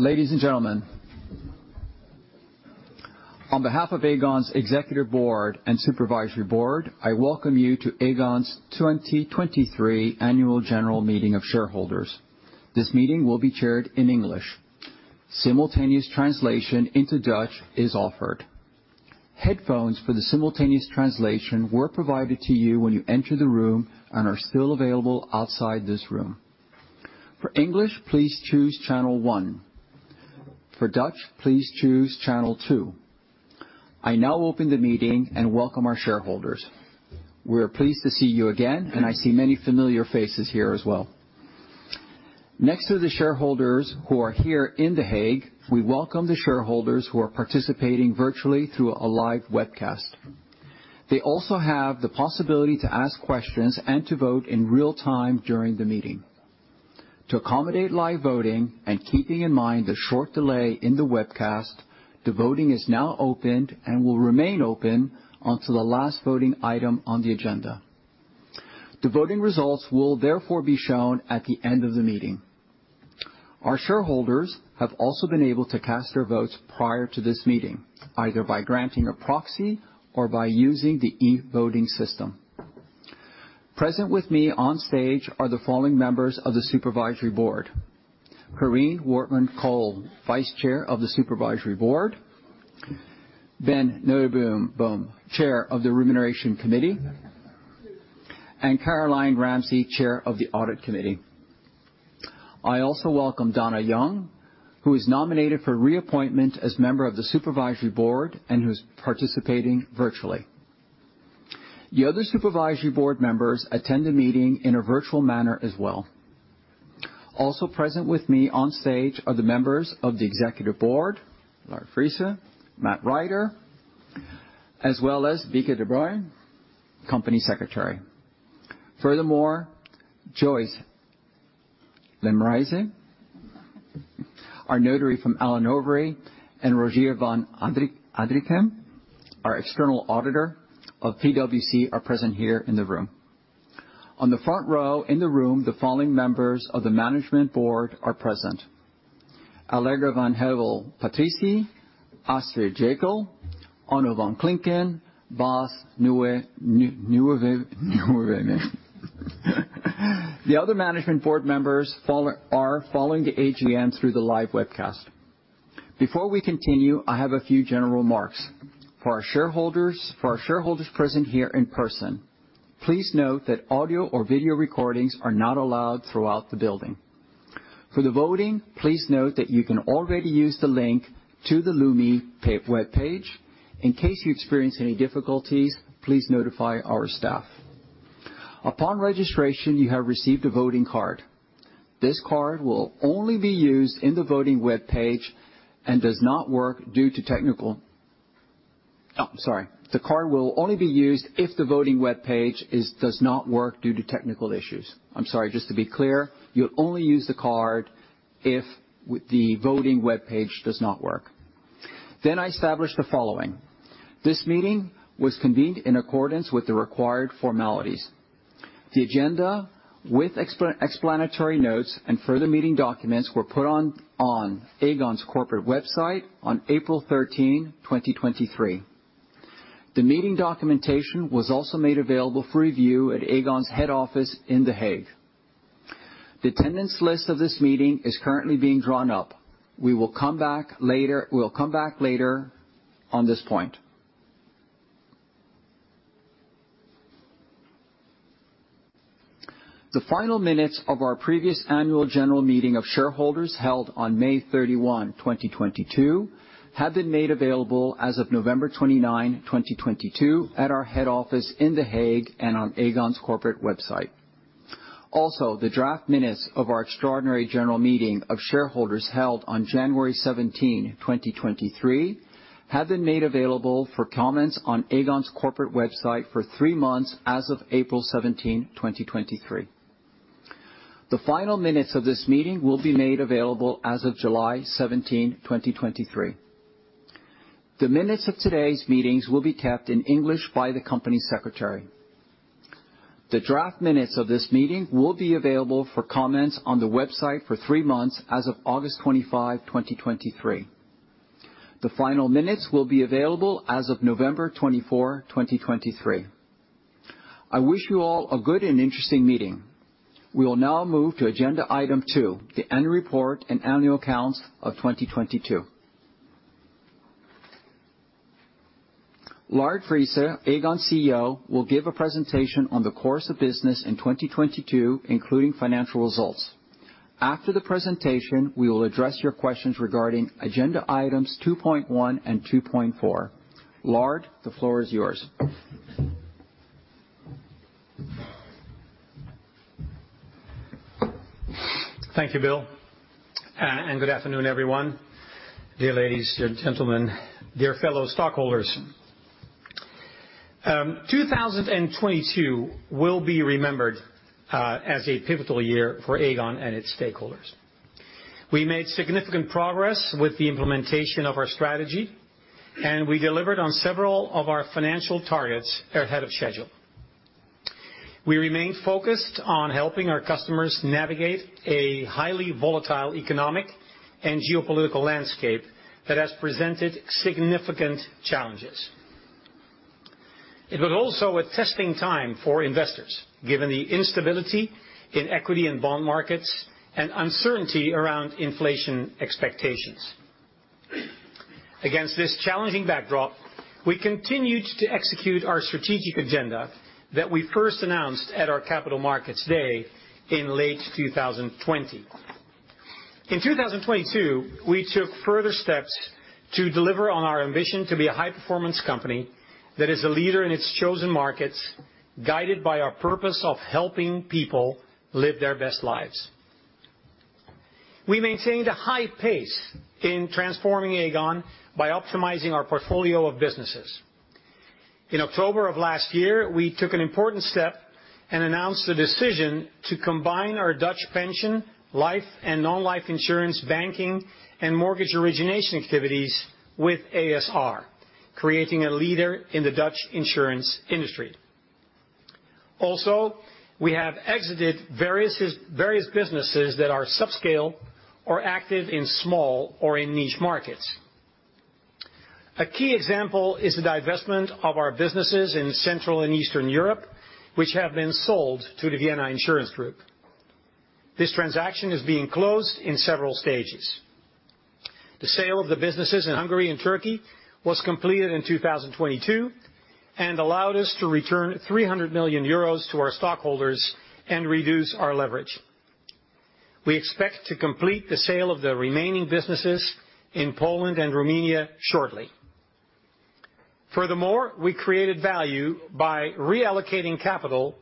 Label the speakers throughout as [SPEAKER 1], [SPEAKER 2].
[SPEAKER 1] Ladies and gentlemen, on behalf of Aegon's Executive Board and Supervisory Board, I welcome you to Aegon's 2023 Annual General Meeting of Shareholders. This meeting will be chaired in English. Simultaneous translation into Dutch is offered. Headphones for the simultaneous translation were provided to you when you entered the room and are still available outside this room. For English, please choose channel one. For Dutch, please choose channel two. I now open the meeting and welcome our shareholders. We're pleased to see you again, and I see many familiar faces here as well. Next to the shareholders who are here in The Hague, we welcome the shareholders who are participating virtually through a live webcast. They also have the possibility to ask questions and to vote in real time during the meeting. To accommodate live voting and keeping in mind the short delay in the webcast, the voting is now opened and will remain open until the last voting item on the agenda. The voting results will therefore be shown at the end of the meeting. Our shareholders have also been able to cast their votes prior to this meeting, either by granting a proxy or by using the e-voting system. Present with me on stage are the following members of the Supervisory Board: Corien Wortmann-Kool, Vice Chair of the Supervisory Board, Ben Noteboom, Chair of the Remuneration Committee, and Caroline Ramsay, Chair of the Audit Committee. I also welcome Dona Young, who is nominated for reappointment as member of the Supervisory Board and who's participating virtually. The other Supervisory Board members attend the meeting in a virtual manner as well. Also present with me on stage are the members of the Executive Board, Lard Friese, Matt Rider, as well as Bieke Debruyne, Company Secretary. Joyce Leemrijse, our notary from Allen & Overy, and Rogier van Adrichem, our external auditor of PwC, are present here in the room. On the front row in the room, the following members of the Management Board are present: Allegra van Hövell-Patrizi, Astrid Jäkel, Onno van Klinken, Bas NieuweWeme. The other Management Board members are following the AGM through the live webcast. Before we continue, I have a few general remarks. For our shareholders present here in person, please note that audio or video recordings are not allowed throughout the building. For the voting, please note that you can already use the link to the Lumi page, webpage. In case you experience any difficulties, please notify our staff. Upon registration, you have received a voting card. Oh, I'm sorry. The card will only be used if the voting webpage does not work due to technical issues. I'm sorry. Just to be clear, you'll only use the card if the voting webpage does not work. I establish the following: This meeting was convened in accordance with the required formalities. The agenda, with explanatory notes and further meeting documents, were put on Aegon's corporate website on April 13, 2023. The meeting documentation was also made available for review at Aegon's head office in The Hague. The attendance list of this meeting is currently being drawn up. We will come back later, we'll come back later on this point. The final minutes of our previous annual general meeting of shareholders, held on May 31, 2022, have been made available as of November 29, 2022, at our head office in The Hague and on Aegon's corporate website. Also, the draft minutes of our extraordinary general meeting of shareholders, held on January 17, 2023, have been made available for comments on Aegon's corporate website for three months as of April 17, 2023. The final minutes of this meeting will be made available as of July 17, 2023. The minutes of today's meetings will be kept in English by the company secretary. The draft minutes of this meeting will be available for comments on the website for three months as of August 25, 2023. The final minutes will be available as of November 24, 2023. I wish you all a good and interesting meeting. We will now move to agenda item 2, the annual report and annual accounts of 2022. Lard Friese, Aegon CEO, will give a presentation on the course of business in 2022, including financial results. After the presentation, we will address your questions regarding agenda items 2.1 and 2.4. Lard, the floor is yours.
[SPEAKER 2] Thank you, Bill, good afternoon, everyone. Dear ladies and gentlemen, dear fellow stockholders, 2022 will be remembered as a pivotal year for Aegon and its stakeholders. We made significant progress with the implementation of our strategy, we delivered on several of our financial targets ahead of schedule. We remain focused on helping our customers navigate a highly volatile economic and geopolitical landscape that has presented significant challenges. It was also a testing time for investors, given the instability in equity and bond markets and uncertainty around inflation expectations. Against this challenging backdrop, we continued to execute our strategic agenda that we first announced at our Capital Markets Day in late 2020. In 2022, we took further steps to deliver on our ambition to be a high-performance company that is a leader in its chosen markets, guided by our purpose of helping people live their best lives. We maintained a high pace in transforming Aegon by optimizing our portfolio of businesses. In October of last year, we took an important step and announced the decision to combine our Dutch pension, life, and non-life insurance, banking, and mortgage origination activities with a.s.r., creating a leader in the Dutch insurance industry. We have exited various businesses that are subscale or active in small or in niche markets. A key example is the divestment of our businesses in Central and Eastern Europe, which have been sold to the Vienna Insurance Group. This transaction is being closed in several stages. The sale of the businesses in Hungary and Turkey was completed in 2022, allowed us to return 300 million euros to our stockholders and reduce our leverage. We expect to complete the sale of the remaining businesses in Poland and Romania shortly. We created value by reallocating capital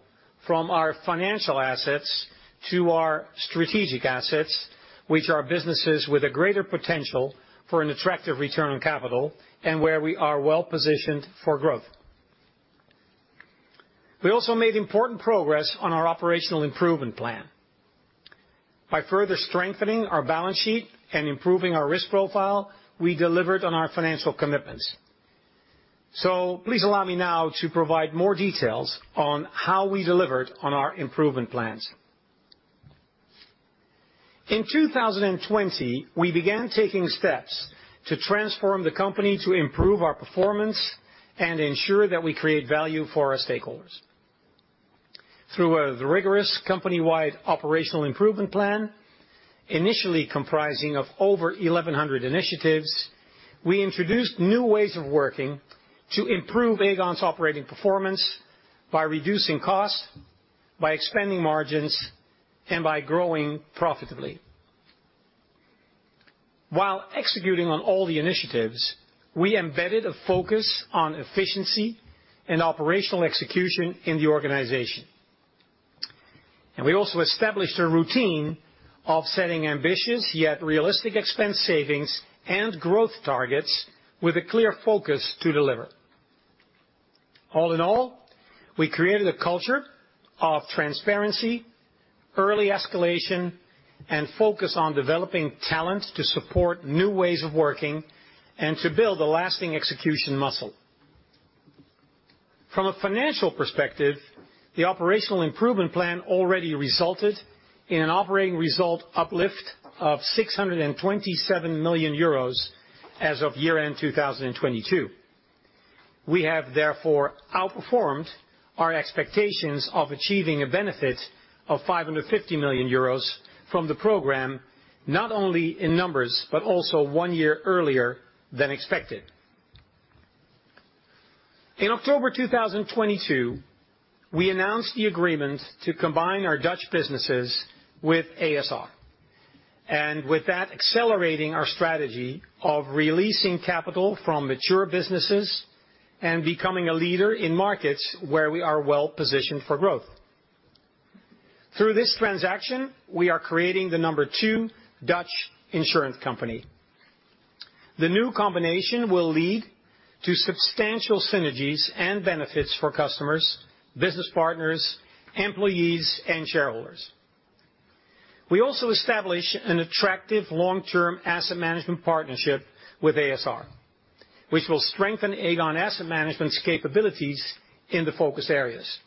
[SPEAKER 2] from our financial assets to our strategic assets, which are businesses with a greater potential for an attractive return on capital, and where we are well positioned for growth. We also made important progress on our operational improvement plan. By further strengthening our balance sheet and improving our risk profile, we delivered on our financial commitments. Please allow me now to provide more details on how we delivered on our improvement plans. In 2020, we began taking steps to transform the company to improve our performance and ensure that we create value for our stakeholders. Through a rigorous company-wide operational improvement plan, initially comprising of over 1,100 initiatives, we introduced new ways of working to improve Aegon's operating performance by reducing costs, by expanding margins, and by growing profitably. While executing on all the initiatives, we embedded a focus on efficiency and operational execution in the organization. We also established a routine of setting ambitious, yet realistic, expense savings and growth targets with a clear focus to deliver. All in all, we created a culture of transparency, early escalation, and focus on developing talent to support new ways of working, and to build a lasting execution muscle. From a financial perspective, the operational improvement plan already resulted in an operating result uplift of 627 million euros as of year-end 2022. We have therefore outperformed our expectations of achieving a benefit of 550 million euros from the program, not only in numbers, but also one year earlier than expected. In October 2022, we announced the agreement to combine our Dutch businesses with a.s.r., with that, accelerating our strategy of releasing capital from mature businesses and becoming a leader in markets where we are well-positioned for growth. Through this transaction, we are creating the number two Dutch insurance company. The new combination will lead to substantial synergies and benefits for customers, business partners, employees, and shareholders. We also establish an attractive long-term asset management partnership with ASR, which will strengthen Aegon Asset Management's capabilities in the focus areas.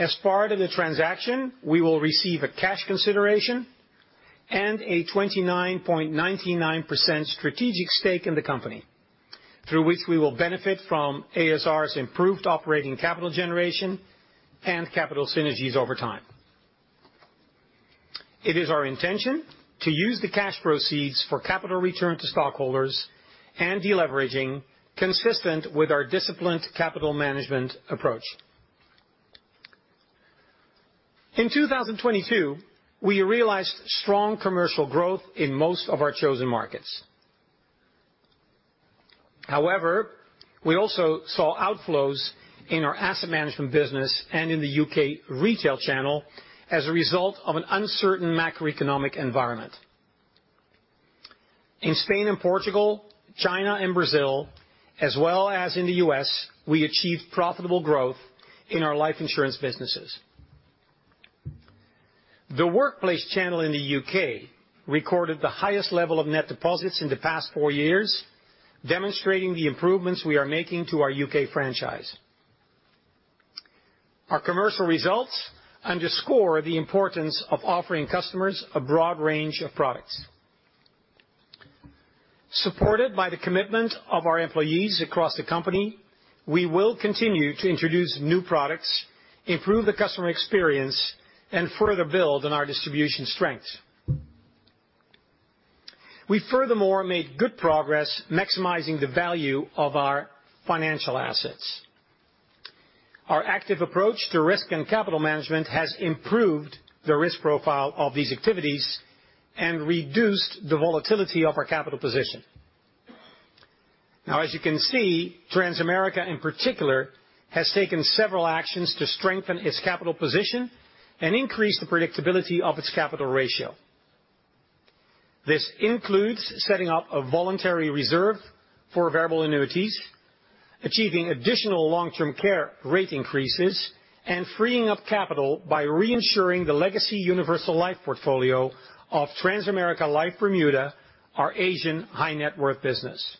[SPEAKER 2] As part of the transaction, we will receive a cash consideration and a 29.99% strategic stake in the company, through which we will benefit from ASR's improved operating capital generation and capital synergies over time. It is our intention to use the cash proceeds for capital return to stockholders and deleveraging, consistent with our disciplined capital management approach. In 2022, we realized strong commercial growth in most of our chosen markets. We also saw outflows in our asset management business and in the U.K. retail channel as a result of an uncertain macroeconomic environment. In Spain and Portugal, China and Brazil, as well as in the U.S., we achieved profitable growth in our life insurance businesses. The workplace channel in the UK recorded the highest level of net deposits in the past four years, demonstrating the improvements we are making to our UK franchise. Our commercial results underscore the importance of offering customers a broad range of products. Supported by the commitment of our employees across the company, we will continue to introduce new products, improve the customer experience, and further build on our distribution strength. We furthermore made good progress maximizing the value of our financial assets. Our active approach to risk and capital management has improved the risk profile of these activities and reduced the volatility of our capital position. Now, as you can see, Transamerica, in particular, has taken several actions to strengthen its capital position and increase the predictability of its capital ratio. This includes setting up a voluntary reserve for variable annuities, achieving additional long-term care rate increases, and freeing up capital by reinsuring the legacy universal life portfolio of Transamerica Life (Bermuda) Ltd., our Asian high-net-worth business.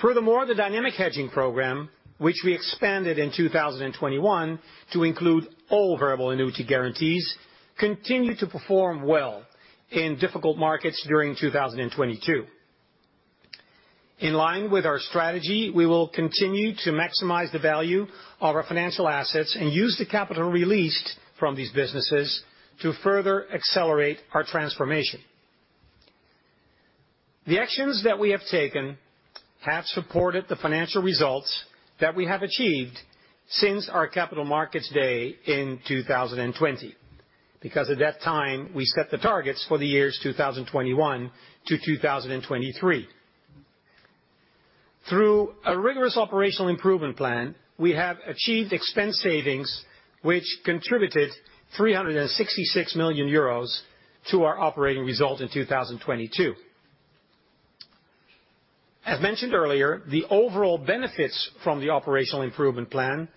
[SPEAKER 2] Furthermore, the dynamic hedging program, which we expanded in 2021 to include all variable annuity guarantees, continued to perform well in difficult markets during 2022. In line with our strategy, we will continue to maximize the value of our financial assets and use the capital released from these businesses to further accelerate our transformation. Because at that time, we set the targets for the years 2021-2023. The actions that we have taken have supported the financial results that we have achieved since our Capital Markets Day in 2020. Through a rigorous operational improvement plan, we have achieved expense savings, which contributed 366 million euros to our operating result in 2022. As mentioned earlier, the overall benefits from the operational improvement plan,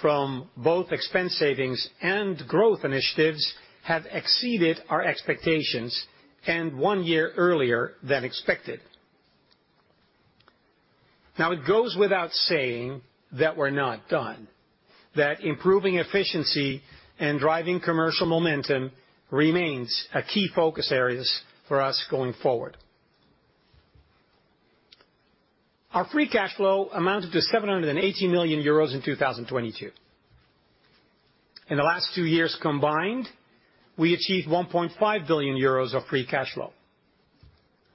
[SPEAKER 2] from both expense savings and growth initiatives, have exceeded our expectations, and 1 year earlier than expected. Now, it goes without saying that we're not done, that improving efficiency and driving commercial momentum remains a key focus areas for us going forward. Our free cash flow amounted to 780 million euros in 2022. In the last 2 years combined, we achieved 1.5 billion euros of free cash flow.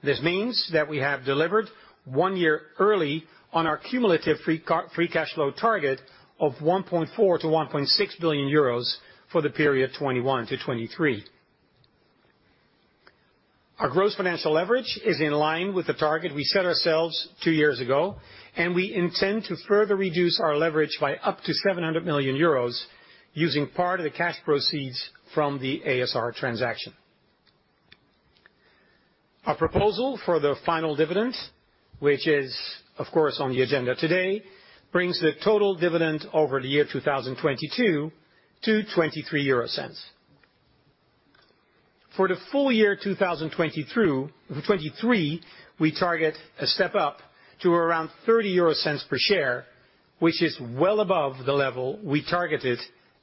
[SPEAKER 2] This means that we have delivered 1 year early on our cumulative free cash flow target of 1.4 billion-1.6 billion euros for the period 2021-2023. Our gross financial leverage is in line with the target we set ourselves two years ago, we intend to further reduce our leverage by up to 700 million euros, using part of the cash proceeds from the a.s.r. transaction. Our proposal for the final dividend, which is, of course, on the agenda today, brings the total dividend over the year 2022 to 0.23. For the full year 2020 through 2023, we target a step up to around 0.30 per share, which is well above the level we targeted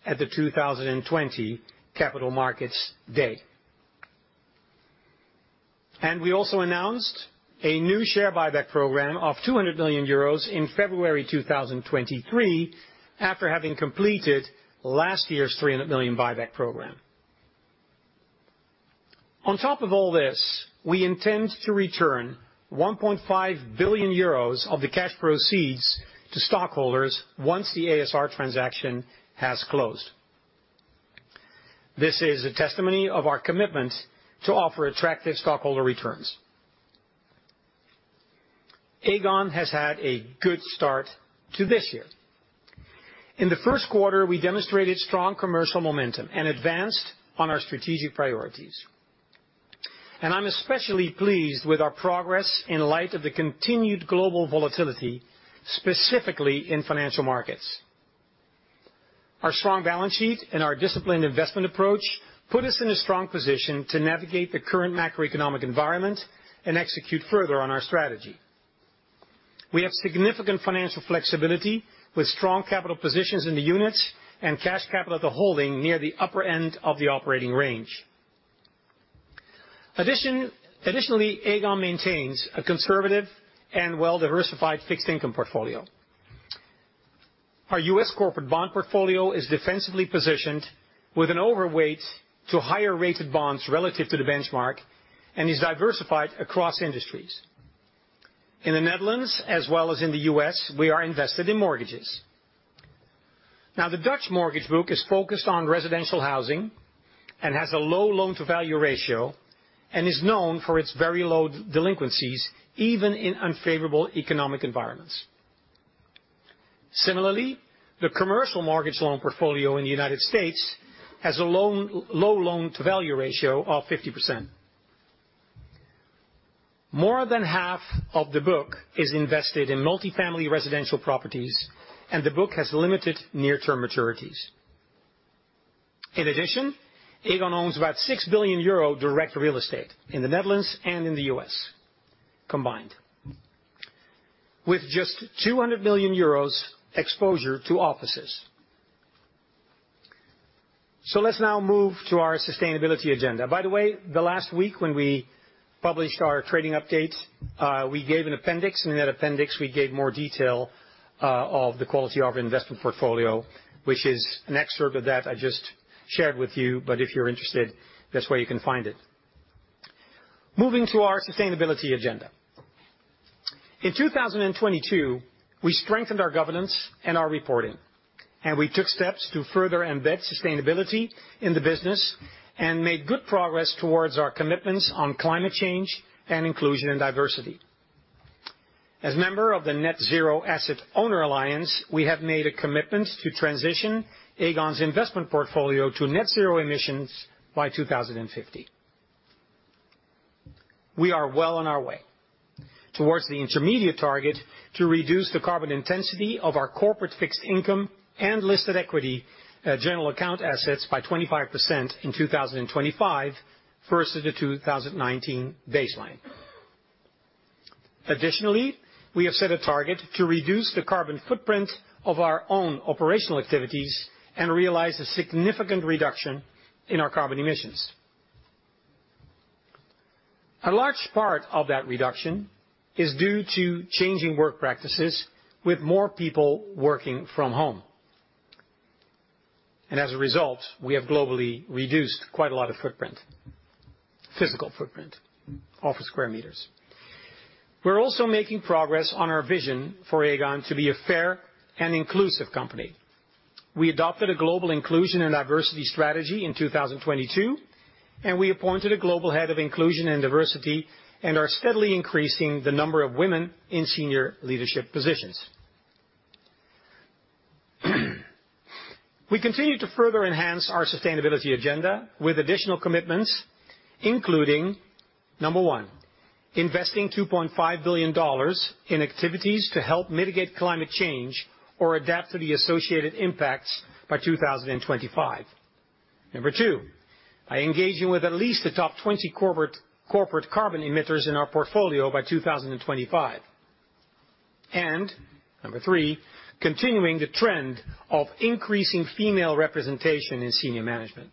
[SPEAKER 2] at the 2020 Capital Markets Day. We also announced a new share buyback program of 200 million euros in February 2023, after having completed last year's 300 million buyback program. On top of all this, we intend to return 1.5 billion euros of the cash proceeds to stockholders once the ASR transaction has closed. This is a testimony of our commitment to offer attractive stockholder returns. Aegon has had a good start to this year. In the first quarter, we demonstrated strong commercial momentum and advanced on our strategic priorities. I'm especially pleased with our progress in light of the continued global volatility, specifically in financial markets. Our strong balance sheet and our disciplined investment approach put us in a strong position to navigate the current macroeconomic environment and execute further on our strategy. We have significant financial flexibility, with strong capital positions in the units and cash capital at the holding near the upper end of the operating range. Additionally, Aegon maintains a conservative and well-diversified fixed income portfolio. Our US corporate bond portfolio is defensively positioned with an overweight to higher-rated bonds relative to the benchmark and is diversified across industries. In the Netherlands, as well as in the US, we are invested in mortgages. The Dutch mortgage book is focused on residential housing and has a low loan-to-value ratio, and is known for its very low delinquencies, even in unfavorable economic environments. Similarly, the commercial mortgage loan portfolio in the United States has a low loan-to-value ratio of 50%. More than half of the book is invested in multifamily residential properties, and the book has limited near-term maturities. In addition, Aegon owns about 6 billion euro direct real estate in the Netherlands and in the US combined, with just 200 million euros exposure to offices. Let's now move to our sustainability agenda. By the way, the last week when we published our trading update, we gave an appendix, and in that appendix, we gave more detail, of the quality of our investment portfolio, which is an excerpt of that I just shared with you. If you're interested, that's where you can find it. Moving to our sustainability agenda. In 2022, we strengthened our governance and our reporting, and we took steps to further embed sustainability in the business and made good progress towards our commitments on climate change and inclusion, and diversity. As a member of the Net Zero Asset Owner Alliance, we have made a commitment to transition Aegon's investment portfolio to net zero emissions by 2050. We are well on our way towards the intermediate target to reduce the carbon intensity of our corporate fixed income and listed equity, general account assets by 25% in 2025 versus the 2019 baseline. We have set a target to reduce the carbon footprint of our own operational activities and realize a significant reduction in our carbon emissions. A large part of that reduction is due to changing work practices with more people working from home. As a result, we have globally reduced quite a lot of footprint, physical footprint, office square meters. We're also making progress on our vision for Aegon to be a fair and inclusive company. We adopted a global inclusion and diversity strategy in 2022, and we appointed a global head of inclusion and diversity and are steadily increasing the number of women in senior leadership positions. We continue to further enhance our sustainability agenda with additional commitments, including, 1, investing $2.5 billion in activities to help mitigate climate change or adapt to the associated impacts by 2025. 2, by engaging with at least the top 20 corporate carbon emitters in our portfolio by 2025. 3, continuing the trend of increasing female representation in senior management.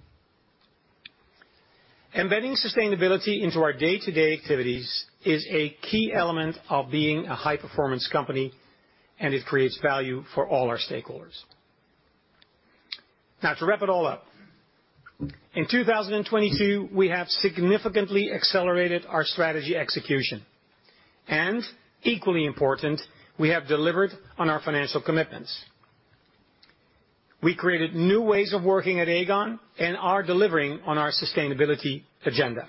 [SPEAKER 2] Embedding sustainability into our day-to-day activities is a key element of being a high-performance company, and it creates value for all our stakeholders. To wrap it all up, in 2022, we have significantly accelerated our strategy execution, and equally important, we have delivered on our financial commitments. We created new ways of working at Aegon and are delivering on our sustainability agenda.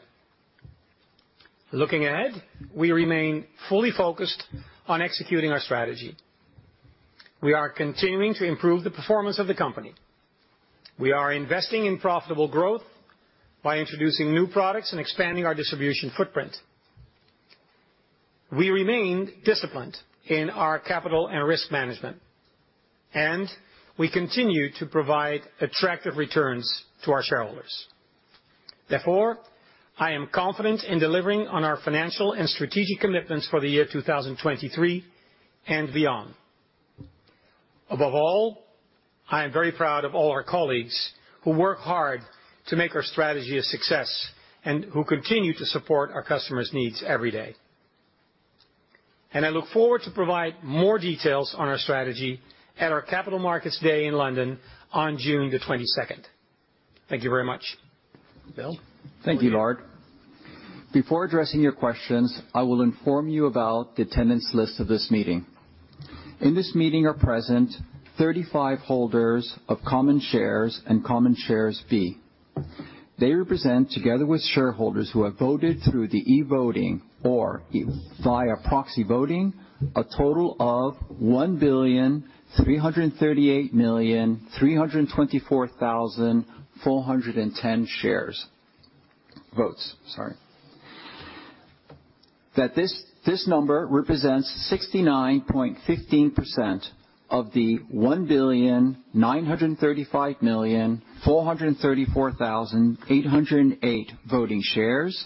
[SPEAKER 2] Looking ahead, we remain fully focused on executing our strategy. We are continuing to improve the performance of the company. We are investing in profitable growth by introducing new products and expanding our distribution footprint. We remain disciplined in our capital and risk management, and we continue to provide attractive returns to our shareholders. I am confident in delivering on our financial and strategic commitments for the year 2023 and beyond. Above all, I am very proud of all our colleagues who work hard to make our strategy a success and who continue to support our customers' needs every day. I look forward to provide more details on our strategy at our Capital Markets Day in London on June the 22nd. Thank you very much. Bill?
[SPEAKER 1] Thank you, Lard. Before addressing your questions, I will inform you about the attendance list of this meeting. In this meeting are present 35 holders of Common Shares and Common Shares B. They represent, together with shareholders who have voted through the e-voting or via proxy voting, a total of 1,338,324,410 shares. Votes, sorry. That this number represents 69.15% of the 1,935,434,808 voting shares,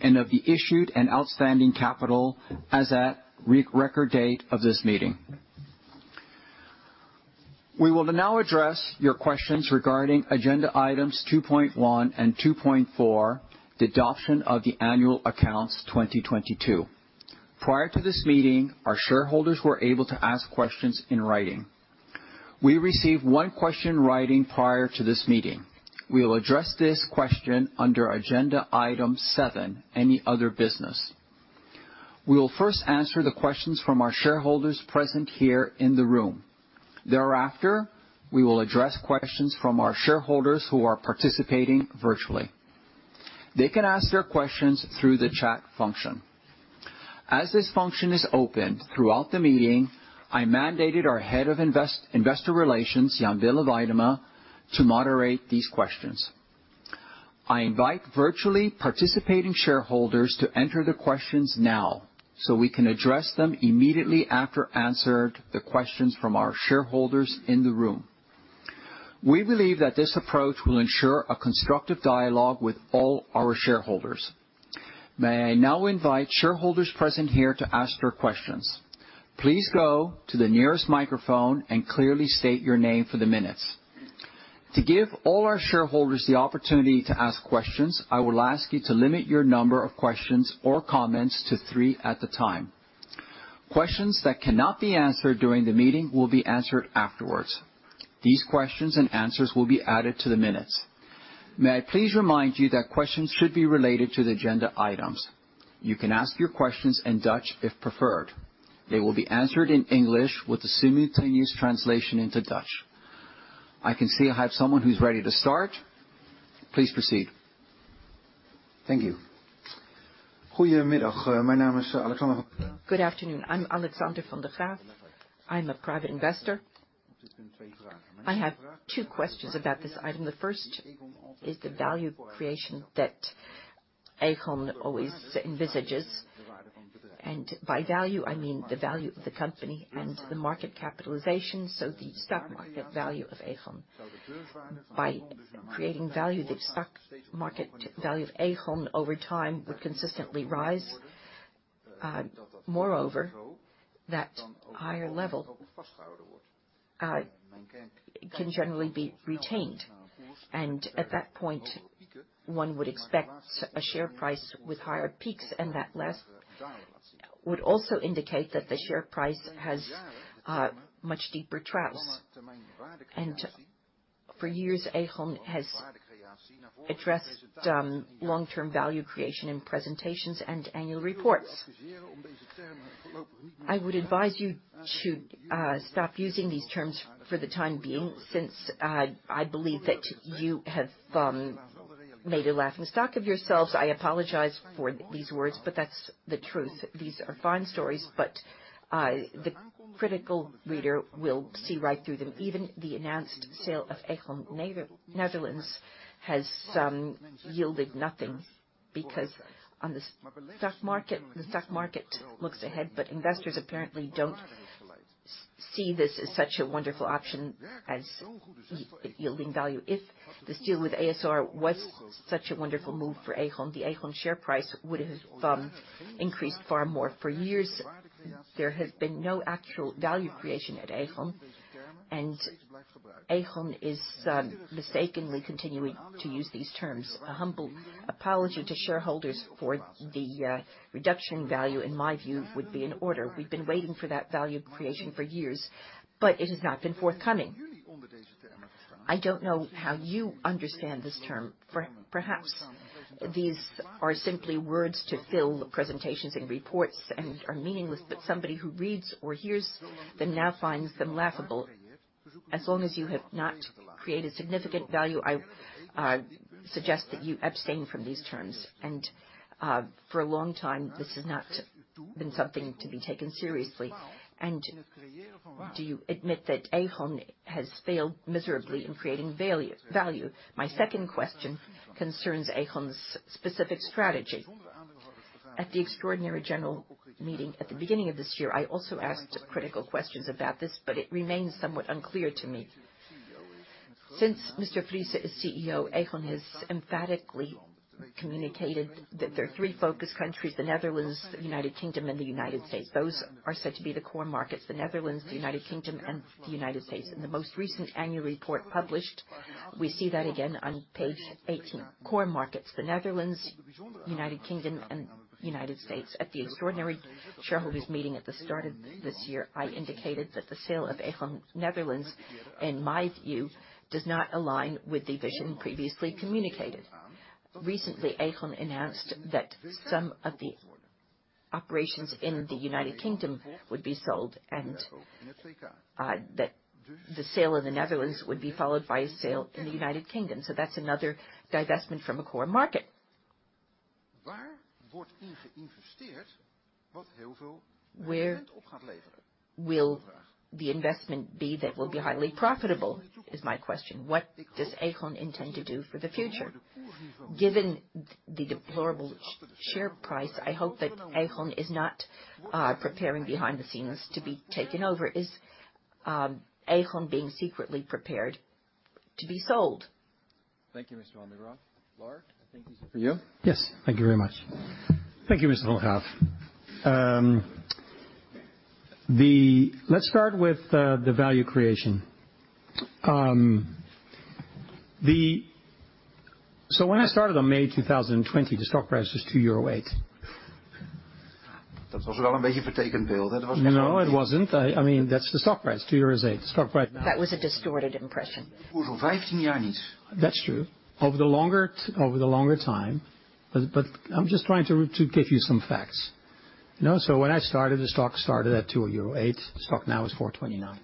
[SPEAKER 1] and of the issued and outstanding capital as at record date of this meeting. We will now address your questions regarding agenda items 2.1 and 2.4, the adoption of the annual accounts 2022. Prior to this meeting, our shareholders were able to ask questions in writing. We received one question in writing prior to this meeting. We will address this question under agenda item seven, any other business. We will first answer the questions from our shareholders present here in the room. Thereafter, we will address questions from our shareholders who are participating virtually. They can ask their questions through the chat function. As this function is open throughout the meeting, I mandated our Head of Investor Relations, Jan-Willem Weidema, to moderate these questions. I invite virtually participating shareholders to enter the questions now, so we can address them immediately after answered the questions from our shareholders in the room. We believe that this approach will ensure a constructive dialogue with all our shareholders. May I now invite shareholders present here to ask their questions. Please go to the nearest microphone and clearly state your name for the minutes. To give all our shareholders the opportunity to ask questions, I will ask you to limit your number of questions or comments to 3 at the time. Questions that cannot be answered during the meeting will be answered afterwards. These questions and answers will be added to the minutes. May I please remind you that questions should be related to the agenda items. You can ask your questions in Dutch, if preferred. They will be answered in English with a simultaneous translation into Dutch. I can see I have someone who's ready to start. Please proceed. Thank you.
[SPEAKER 3] Good afternoon, I'm Alexander van der Graaf. I'm a private investor. I have two questions about this item. The first is the value creation that Aegon always envisages, and by value, I mean the value of the company and the market capitalization, so the stock market value of Aegon. By creating value, the stock market value of Aegon over time would consistently rise. Moreover, that higher level can generally be retained, and at that point, one would expect a share price with higher peaks, and that last would also indicate that the share price has much deeper troughs. For years, Aegon has addressed long-term value creation in presentations and annual reports. I would advise you to stop using these terms for the time being, since I believe that you have made a laughing stock of yourselves. I apologize for these words, but that's the truth. These are fine stories, the critical reader will see right through them. Even the announced sale of Aegon Nederland, has yielded nothing, because on the stock market, the stock market looks ahead, but investors apparently don't see this as such a wonderful option as yielding value. If this deal with a.s.r. was such a wonderful move for Aegon, the Aegon share price would have increased far more. For years, there has been no actual value creation at Aegon, and Aegon is mistakenly continuing to use these terms. A humble apology to shareholders for the reduction value, in my view, would be in order. We've been waiting for that value creation for years, but it has not been forthcoming. I don't know how you understand this term. Perhaps, these are simply words to fill presentations and reports and are meaningless, but somebody who reads or hears them now finds them laughable. As long as you have not created significant value, I suggest that you abstain from these terms. For a long time, this has not been something to be taken seriously. Do you admit that Aegon has failed miserably in creating value? My second question concerns Aegon's specific strategy. At the extraordinary general meeting at the beginning of this year, I also asked critical questions about this, but it remains somewhat unclear to me. Since Mr. Fries is CEO, Aegon has emphatically communicated that there are three focus countries, the Netherlands, the United Kingdom, and the United States. Those are said to be the core markets, the Netherlands, the United Kingdom, and the United States. In the most recent annual report published, we see that again on page 18. Core markets: the Netherlands, United Kingdom, and United States. At the extraordinary shareholders meeting at the start of this year, I indicated that the sale of Aegon Nederland, in my view, does not align with the vision previously communicated. Recently, Aegon announced that some of the operations in the United Kingdom would be sold, and that the sale in the Netherlands would be followed by a sale in the United Kingdom. That's another divestment from a core market. Where will the investment be that will be highly profitable, is my question. What does Aegon intend to do for the future? Given the deplorable share price, I hope that Aegon is not preparing behind the scenes to be taken over. Is Aegon being secretly prepared to be sold?
[SPEAKER 1] Thank you, Mr. van der Graaf. Lars, I think this is for you.
[SPEAKER 2] Yes, thank you very much. Thank you, Mr. van der Graaf. Let's start with the value creation. When I started on May 2020, the stock price was 2.08 euro. No, it wasn't. I mean, that's the stock price, 2.08 euro. The stock price now.
[SPEAKER 1] That was a distorted impression.
[SPEAKER 2] That's true. Over the longer time, but I'm just trying to give you some facts. You know, when I started, the stock started at 2.08 euro, the stock now is 4.29.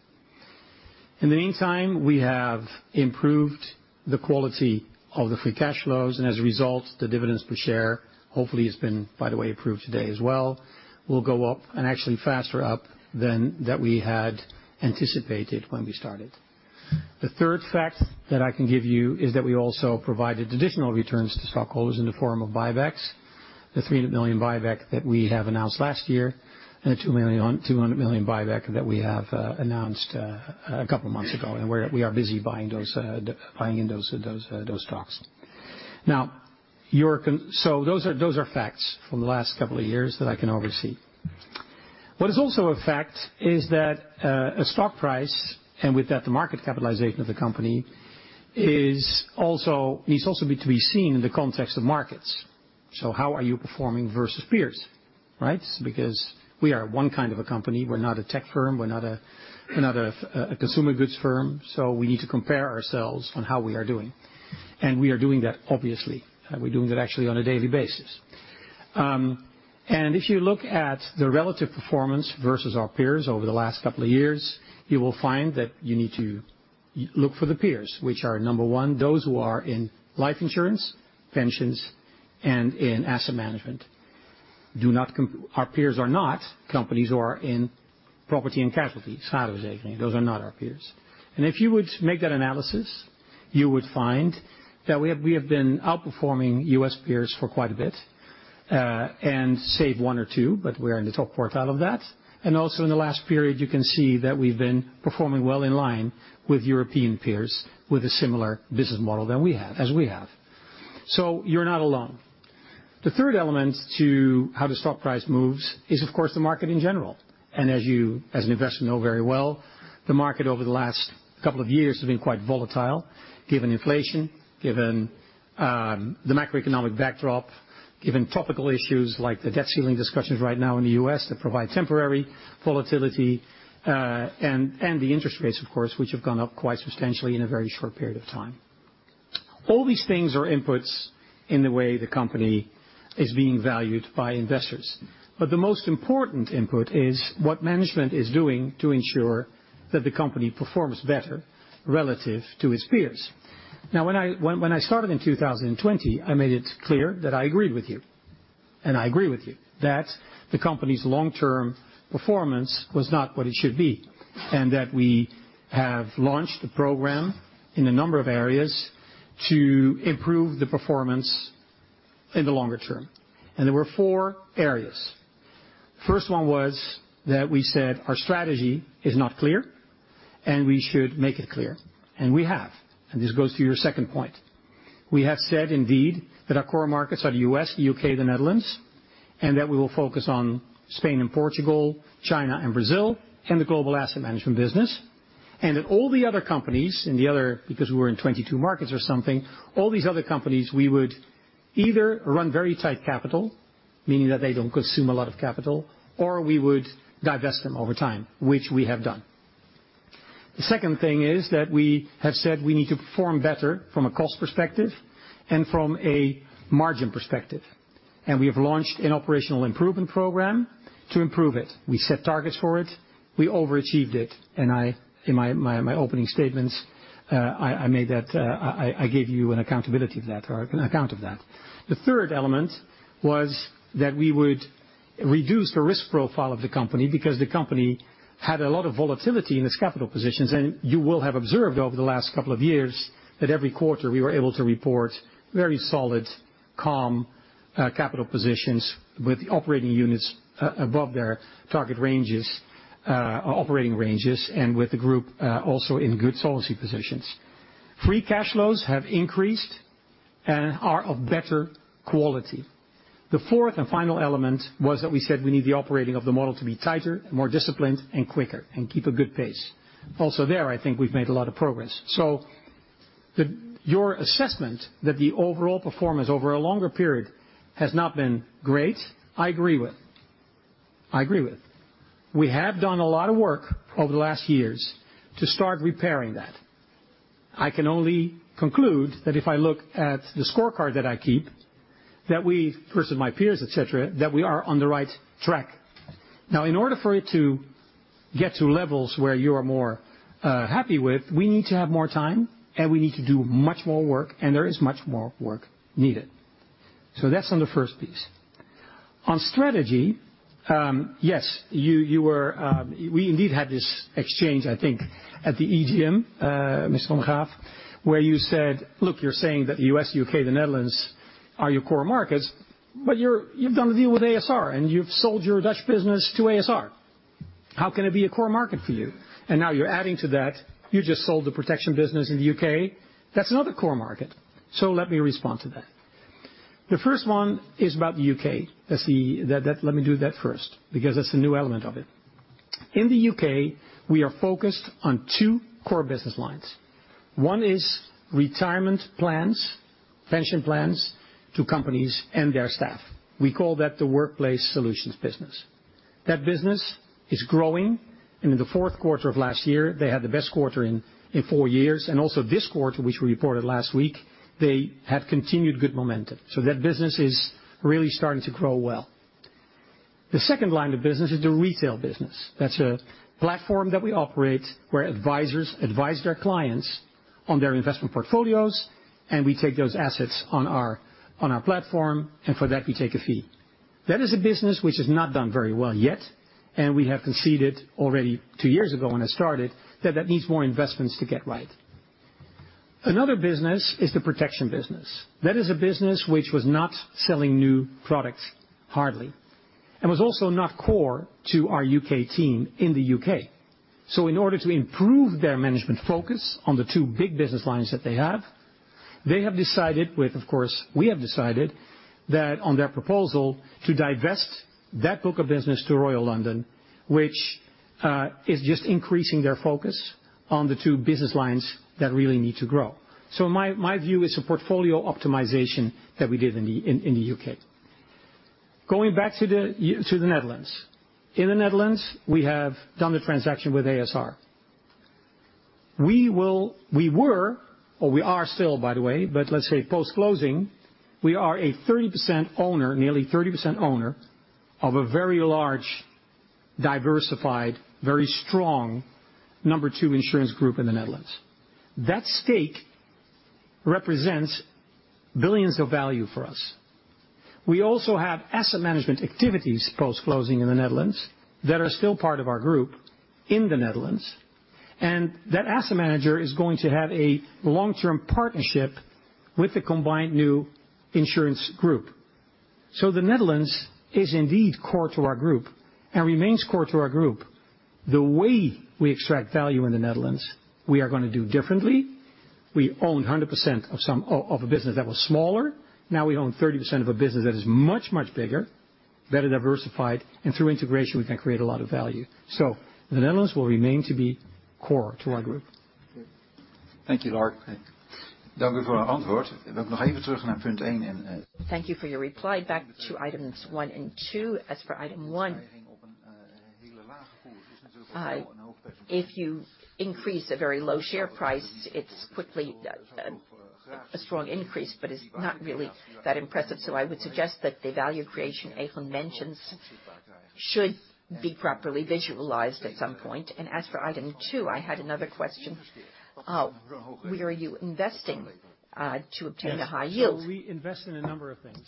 [SPEAKER 2] In the meantime, we have improved the quality of the free cash flows, and as a result, the dividends per share, hopefully has been, by the way, approved today as well, will go up and actually faster up than that we had anticipated when we started. The third fact that I can give you is that we also provided additional returns to stockholders in the form of buybacks. the 300 million buyback that we have announced last year, and the 200 million buyback that we have announced a couple of months ago, and we are busy buying in those stocks. Those are facts from the last couple of years that I can oversee. What is also a fact is that a stock price, and with that, the market capitalization of the company, needs also to be seen in the context of markets. How are you performing versus peers, right? Because we are one kind of a company. We're not a tech firm, we're not a, we're not a consumer goods firm, so we need to compare ourselves on how we are doing. We are doing that, obviously, and we're doing that actually on a daily basis. If you look at the relative performance versus our peers over the last 2 years, you will find that you need to look for the peers, which are, 1, those who are in life insurance, pensions, and in asset management. Do not our peers are not companies who are in property and casualty. Those are not our peers. If you would make that analysis, you would find that we have been outperforming U.S. peers for quite a bit, and save 1 or 2, but we're in the top quartile of that. Also in the last period, you can see that we've been performing well in line with European peers, with a similar business model than we have, as we have. You're not alone. The third element to how the stock price moves is, of course, the market in general. As you, as an investor, know very well, the market over the last couple of years has been quite volatile, given inflation, given the macroeconomic backdrop, given topical issues like the debt ceiling discussions right now in the U.S., that provide temporary volatility, and the interest rates, of course, which have gone up quite substantially in a very short period of time. All these things are inputs in the way the company is being valued by investors. The most important input is what management is doing to ensure that the company performs better relative to its peers. When I started in 2020, I made it clear that I agreed with you. I agree with you, that the company's long-term performance was not what it should be, and that we have launched a program in a number of areas to improve the performance in the longer term. There were four areas. First one was that we said our strategy is not clear, and we should make it clear. We have, and this goes to your second point. We have said, indeed, that our core markets are the U.S., the U.K., the Netherlands, and that we will focus on Spain and Portugal, China and Brazil, and the global asset management business. That all the other companies in the other... Because we were in 22 markets or something, all these other companies, we would either run very tight capital, meaning that they don't consume a lot of capital, or we would divest them over time, which we have done. The second thing is that we have said we need to perform better from a cost perspective and from a margin perspective. We have launched an operational improvement program to improve it. We set targets for it. We overachieved it, and I, in my opening statements, I made that, I gave you an accountability of that or an account of that. The third element was that we would reduce the risk profile of the company, because the company had a lot of volatility in its capital positions, and you will have observed over the last couple of years that every quarter we were able to report very solid, calm, capital positions with the operating units above their target ranges, operating ranges, and with the group also in good solvency positions. Free cash flows have increased and are of better quality. The fourth and final element was that we said we need the operating of the model to be tighter, more disciplined, and quicker, and keep a good pace. Also there, I think we've made a lot of progress. The your assessment that the overall performance over a longer period has not been great, I agree with. I agree with. We have done a lot of work over the last years to start repairing that. I can only conclude that if I look at the scorecard that I keep, that we, versus my peers, et cetera, that we are on the right track. Now, in order for it to get to levels where you are more happy with, we need to have more time, and we need to do much more work, and there is much more work needed. That's on the first piece. On strategy, yes, We indeed had this exchange, I think, at the EGM, Mr. van der Graaf, where you said: Look, you're saying that the U.S., U.K., the Netherlands, are your core markets, but you've done a deal with a.s.r., and you've sold your Dutch business to a.s.r. How can it be a core market for you? Now you're adding to that, you just sold the protection business in the U.K. That's another core market. Let me respond to that. The first one is about the U.K. That's the Let me do that first, because that's a new element of it. In the U.K., we are focused on two core business lines. One is retirement plans, pension plans, to companies and their staff. We call that the workplace solutions business. That business is growing. In the fourth quarter of last year, they had the best quarter in four years. Also this quarter, which we reported last week, they have continued good momentum. That business is really starting to grow well. The second line of business is the retail business. That's a platform that we operate where advisors advise their clients on their investment portfolios, and we take those assets on our platform, and for that, we take a fee. That is a business which has not done very well yet, and we have conceded already two years ago when I started, that that needs more investments to get right. Another business is the protection business. That is a business which was not selling new products, hardly, and was also not core to our UK team in the UK. In order to improve their management focus on the 2 big business lines that they have, they have decided with, of course, we have decided that on their proposal, to divest that book of business to Royal London, which is just increasing their focus on the 2 business lines that really need to grow. My view is a portfolio optimization that we did in the UK. Going back to the Netherlands. In the Netherlands, we have done the transaction with a.s.r. We were, or we are still, by the way, but let's say post-closing, we are a 30% owner, nearly 30% owner of a very large, diversified, very strong number 2 insurance group in the Netherlands. That stake represents billions of value for us. We also have asset management activities post-closing in the Netherlands that are still part of our group in the Netherlands, and that asset manager is going to have a long-term partnership with the combined new insurance group. The Netherlands is indeed core to our group and remains core to our group. The way we extract value in the Netherlands, we are going to do differently. We own 100% of a business that was smaller. Now we own 30% of a business that is much, much bigger, better diversified, and through integration, we can create a lot of value. The Netherlands will remain to be core to our group.
[SPEAKER 1] Thank you, Lard.
[SPEAKER 3] Thank you for your reply. Back to items 1 and 2. As for item 1, if you increase a very low share price, it's quickly a strong increase, but it's not really that impressive. I would suggest that the value creation Aegon mentions should be properly visualized at some point. As for item 2, I had another question: Where are you investing to obtain a high yield?
[SPEAKER 2] We invest in a number of things.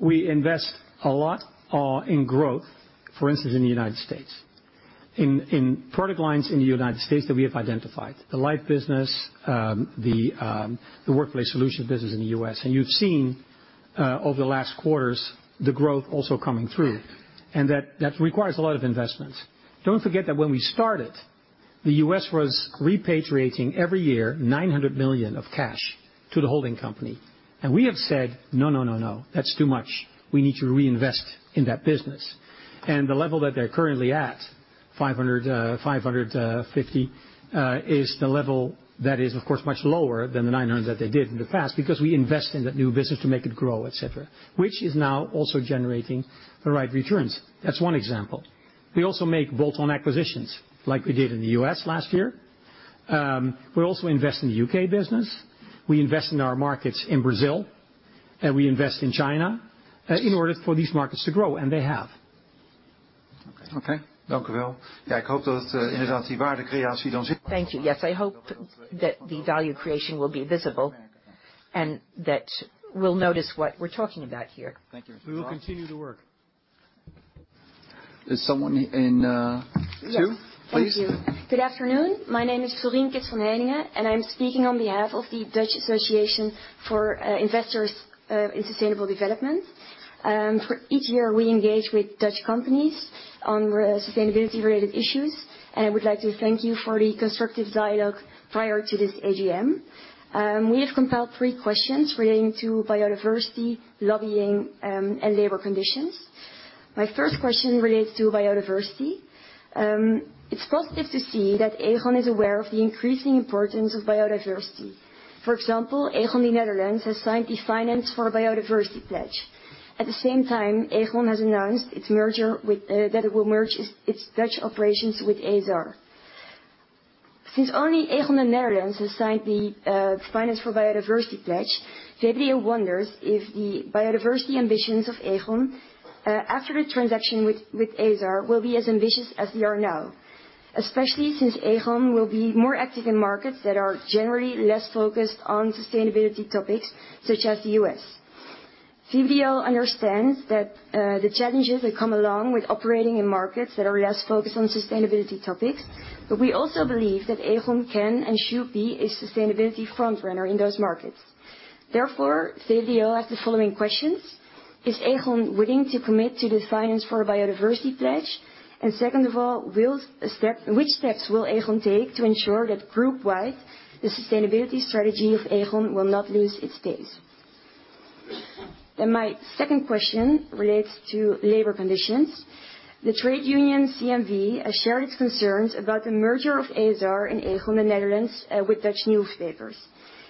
[SPEAKER 2] We invest a lot, in growth, for instance, in the United States. In, in product lines in the United States that we have identified, the life business, the workplace solution business in the US. You've seen, over the last quarters, the growth also coming through, and that requires a lot of investments. Don't forget that when we started, the US was repatriating every year, $900 million of cash to the holding company. We have said, "No, no, no, that's too much. We need to reinvest in that business." The level that they're currently at, 550, is the level that is, of course, much lower than the 900 that they did in the past, because we invest in that new business to make it grow, et cetera, which is now also generating the right returns. That's one example. We also make bolt-on acquisitions like we did in the U.S. last year. We also invest in the U.K. business, we invest in our markets in Brazil, and we invest in China in order for these markets to grow, and they have.
[SPEAKER 3] Okay. Thank you. Yes, I hope that the value creation will be visible, and that we'll notice what we're talking about here.
[SPEAKER 2] Thank you. We will continue to work.
[SPEAKER 1] There's someone in, two, please.
[SPEAKER 4] Thank you. Good afternoon. My name is Fleurine Kitz-van Heiningen, and I'm speaking on behalf of the Dutch Association of Investors in Sustainable Development. For each year, we engage with Dutch companies on sustainability-related issues, and I would like to thank you for the constructive dialogue prior to this AGM. We have compiled three questions relating to biodiversity, lobbying, and labor conditions. My first question relates to biodiversity. It's positive to see that Aegon is aware of the increasing importance of biodiversity. For example, Aegon, the Netherlands, has signed the Finance for Biodiversity Pledge. At the same time, Aegon has announced its merger with that it will merge its Dutch operations with a.s.r. Since only Aegon, the Netherlands, has signed the Finance for Biodiversity Pledge, VBDO wonders if the biodiversity ambitions of Aegon after the transaction with a.s.r. will be as ambitious as they are now, especially since Aegon will be more active in markets that are generally less focused on sustainability topics such as the U.S. VBDO understands that the challenges that come along with operating in markets that are less focused on sustainability topics, but we also believe that Aegon can and should be a sustainability front-runner in those markets. Therefore, VBDO has the following questions: Is Aegon willing to commit to the Finance for Biodiversity Pledge? Second of all, which steps will Aegon take to ensure that group-wide, the sustainability strategy of Aegon will not lose its pace? My second question relates to labor conditions. The trade union, CNV, has shared its concerns about the merger of a.s.r. and Aegon in the Netherlands with Dutch newspapers.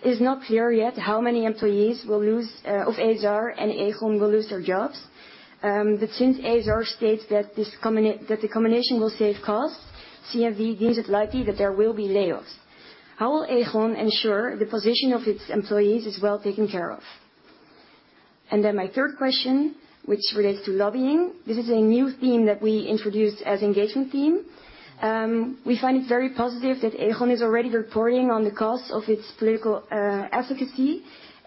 [SPEAKER 4] It is not clear yet how many employees will lose of a.s.r. and Aegon will lose their jobs. Since a.s.r. states that the combination will save costs, CNV deems it likely that there will be layoffs. How will Aegon ensure the position of its employees is well taken care of? My third question, which relates to lobbying. This is a new theme that we introduced as engagement theme. We find it very positive that Aegon is already reporting on the cost of its political advocacy.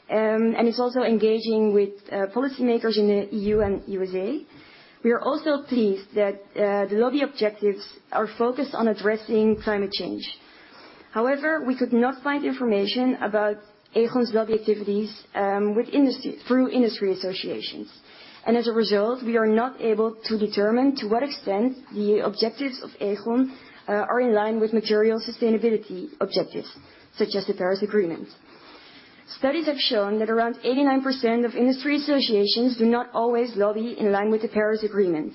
[SPEAKER 4] It's also engaging with policymakers in the EU and USA. We are also pleased that the lobby objectives are focused on addressing climate change. We could not find information about Aegon's lobby activities with industry, through industry associations. As a result, we are not able to determine to what extent the objectives of Aegon are in line with material sustainability objectives, such as the Paris Agreement. Studies have shown that around 89% of industry associations do not always lobby in line with the Paris Agreement.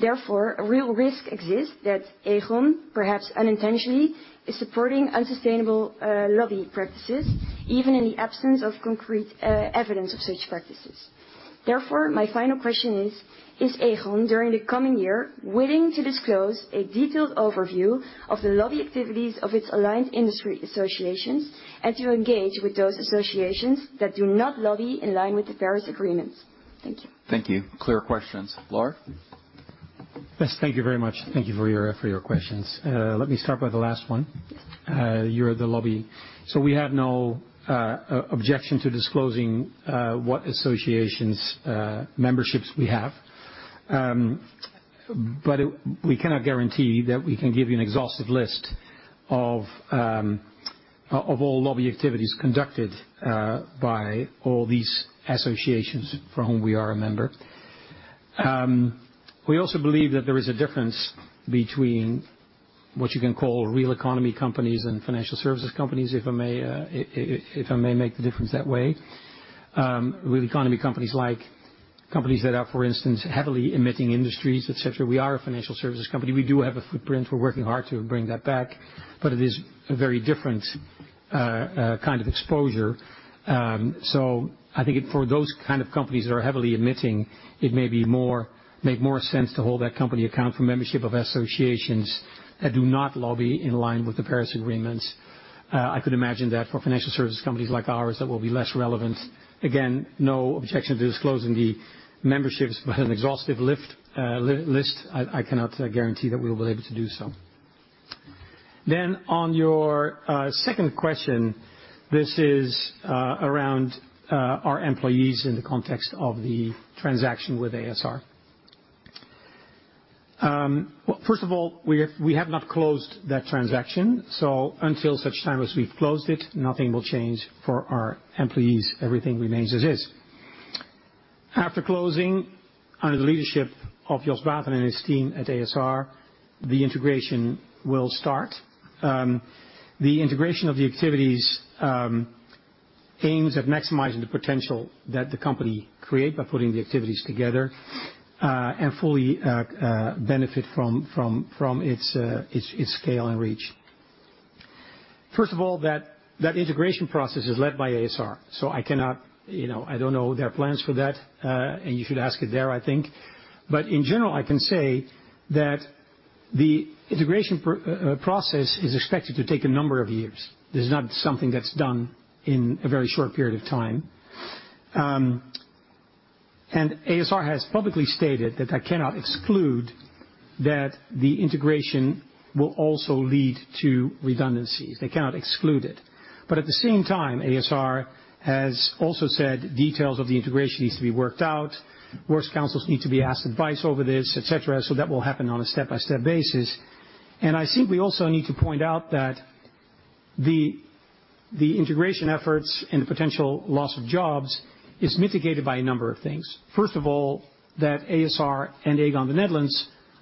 [SPEAKER 4] A real risk exists that Aegon, perhaps unintentionally, is supporting unsustainable lobby practices, even in the absence of concrete evidence of such practices. My final question is: Is Aegon, during the coming year, willing to disclose a detailed overview of the lobby activities of its aligned industry associations, and to engage with those associations that do not lobby in line with the Paris Agreement? Thank you.
[SPEAKER 1] Thank you. Clear questions. Laura?
[SPEAKER 2] Yes, thank you very much. Thank you for your for your questions. Let me start with the last one.
[SPEAKER 4] Yes.
[SPEAKER 2] You're the lobby. We have no objection to disclosing what associations memberships we have. We cannot guarantee that we can give you an exhaustive list of all lobby activities conducted by all these associations for whom we are a member. We also believe that there is a difference between what you can call real economy companies and financial services companies, if I may make the difference that way. Real economy companies like companies that are, for instance, heavily emitting industries, et cetera. We are a financial services company. We do have a footprint. We're working hard to bring that back, but it is a very different kind of exposure. I think for those kind of companies that are heavily emitting, it may make more sense to hold that company account for membership of associations that do not lobby in line with the Paris Agreement. I could imagine that for financial service companies like ours, that will be less relevant. Again, no objection to disclosing the memberships, but an exhaustive list, I cannot guarantee that we will be able to do so. On your second question, this is around our employees in the context of the transaction with a.s.r. Well, first of all, we have not closed that transaction, so until such time as we've closed it, nothing will change for our employees. Everything remains as is. After closing, under the leadership of Jos Baeten and his team at a.s.r., the integration will start. The integration of the activities aims at maximizing the potential that the company create by putting the activities together and fully benefit from its scale and reach. First of all, that integration process is led by ASR, I cannot, you know... I don't know their plans for that, and you should ask it there, I think. In general, I can say that the integration process is expected to take a number of years. This is not something that's done in a very short period of time. ASR has publicly stated that they cannot exclude that the integration will also lead to redundancies. They cannot exclude it. At the same time, a.s.r. has also said details of the integration needs to be worked out, works councils need to be asked advice over this, et cetera, so that will happen on a step-by-step basis. I think we also need to point out that the integration efforts and the potential loss of jobs is mitigated by a number of things. First of all, that a.s.r. and Aegon Nederland N.V.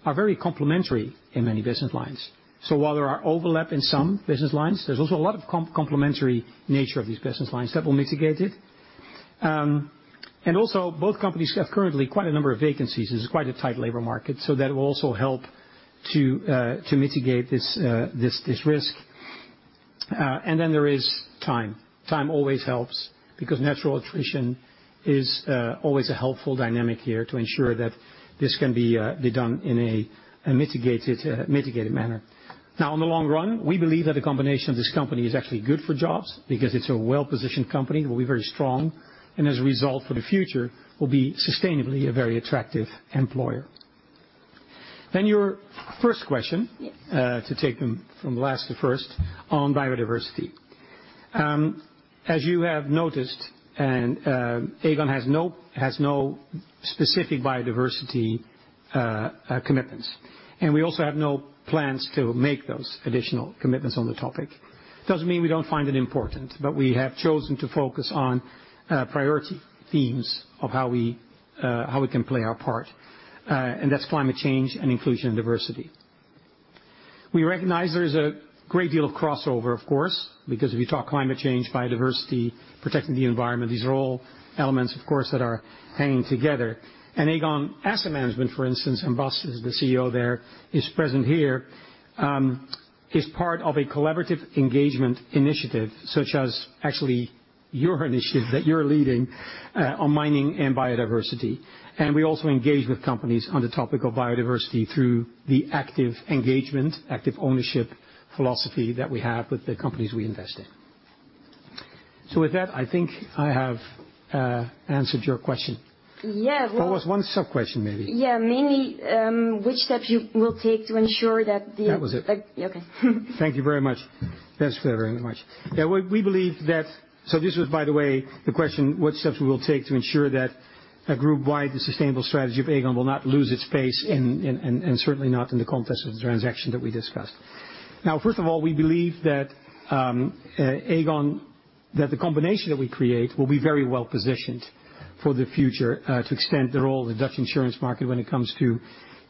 [SPEAKER 2] are very complementary in many business lines. While there are overlap in some business lines, there's also a lot of complementary nature of these business lines that will mitigate it. Also, both companies have currently quite a number of vacancies. This is quite a tight labor market, so that will also help to mitigate this risk. Then there is time. Time always helps, because natural attrition is always a helpful dynamic here to ensure that this can be done in a mitigated manner. In the long run, we believe that the combination of this company is actually good for jobs, because it's a well-positioned company, it will be very strong, and as a result, for the future, will be sustainably a very attractive employer. Your first question-
[SPEAKER 4] Yes.
[SPEAKER 2] to take them from last to first, on biodiversity. As you have noticed, Aegon has no specific biodiversity commitments, and we also have no plans to make those additional commitments on the topic. Doesn't mean we don't find it important, but we have chosen to focus on priority themes of how we can play our part, and that's climate change and inclusion and diversity. We recognize there is a great deal of crossover, of course, because if you talk climate change, biodiversity, protecting the environment, these are all elements, of course, that are hanging together. Aegon Asset Management, for instance, and Bas, as the CEO there, is present here, is part of a collaborative engagement initiative, such as actually your initiative that you're leading on mining and biodiversity. We also engage with companies on the topic of biodiversity through the active engagement, active ownership philosophy that we have with the companies we invest in. With that, I think I have answered your question?
[SPEAKER 4] Yeah.
[SPEAKER 2] There was one sub-question, maybe.
[SPEAKER 4] Yeah, mainly, which steps you will take to ensure that.
[SPEAKER 2] That was it.
[SPEAKER 4] Okay.
[SPEAKER 2] Thank you very much. Thanks for that, very much. Well, we believe that... This was, by the way, the question, what steps we will take to ensure that a group-wide, the sustainable strategy of Aegon will not lose its pace and certainly not in the context of the transaction that we discussed. First of all, we believe that Aegon, that the combination that we create will be very well-positioned for the future, to extend the role of the Dutch insurance market when it comes to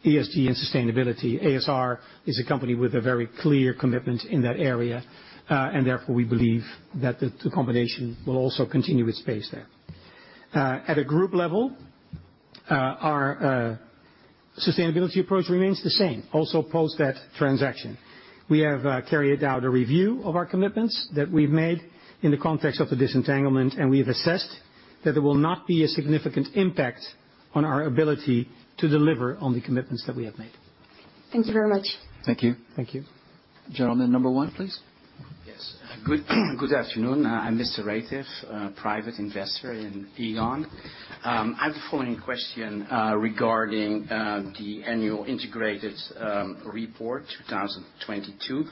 [SPEAKER 2] ESG and sustainability. ASR is a company with a very clear commitment in that area. Therefore, we believe that the combination will also continue its pace there. At a group level, our sustainability approach remains the same, also post that transaction. We have carried out a review of our commitments that we've made in the context of the disentanglement, and we've assessed that there will not be a significant impact on our ability to deliver on the commitments that we have made.
[SPEAKER 4] Thank you very much.
[SPEAKER 2] Thank you. Thank you. Gentleman number one, please.
[SPEAKER 5] Yes. Good afternoon. I'm Mr. Retif, private investor in Aegon. I have the following question regarding the Annual Integrated Report 2022,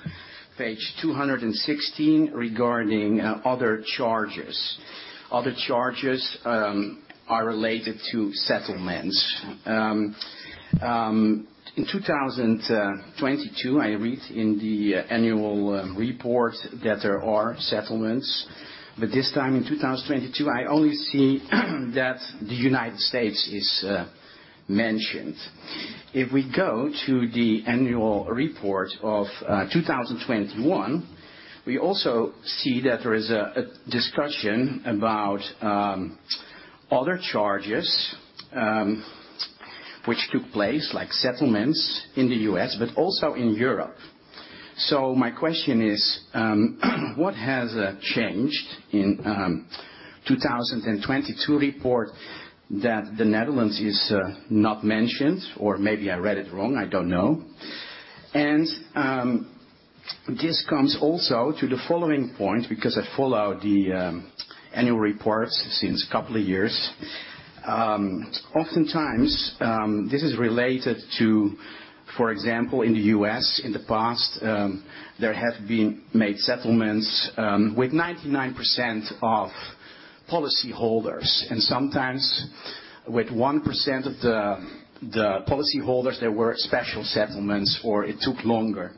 [SPEAKER 5] page 216, regarding other charges. Other charges are related to settlements. In 2022, I read in the annual report that there are settlements, this time in 2022, I only see that the United States is mentioned. If we go to the annual report of 2021, we also see that there is a discussion about other charges, which took place like settlements in the U.S., also in Europe. My question is, what has changed in 2022 report that the Netherlands is not mentioned? Or maybe I read it wrong, I don't know. This comes also to the following point, because I follow the annual reports since a couple of years. Oftentimes, this is related to, for example, in the U.S., in the past, there have been made settlements with 99% of policyholders, and sometimes with 1% of the policyholders, there were special settlements or it took longer.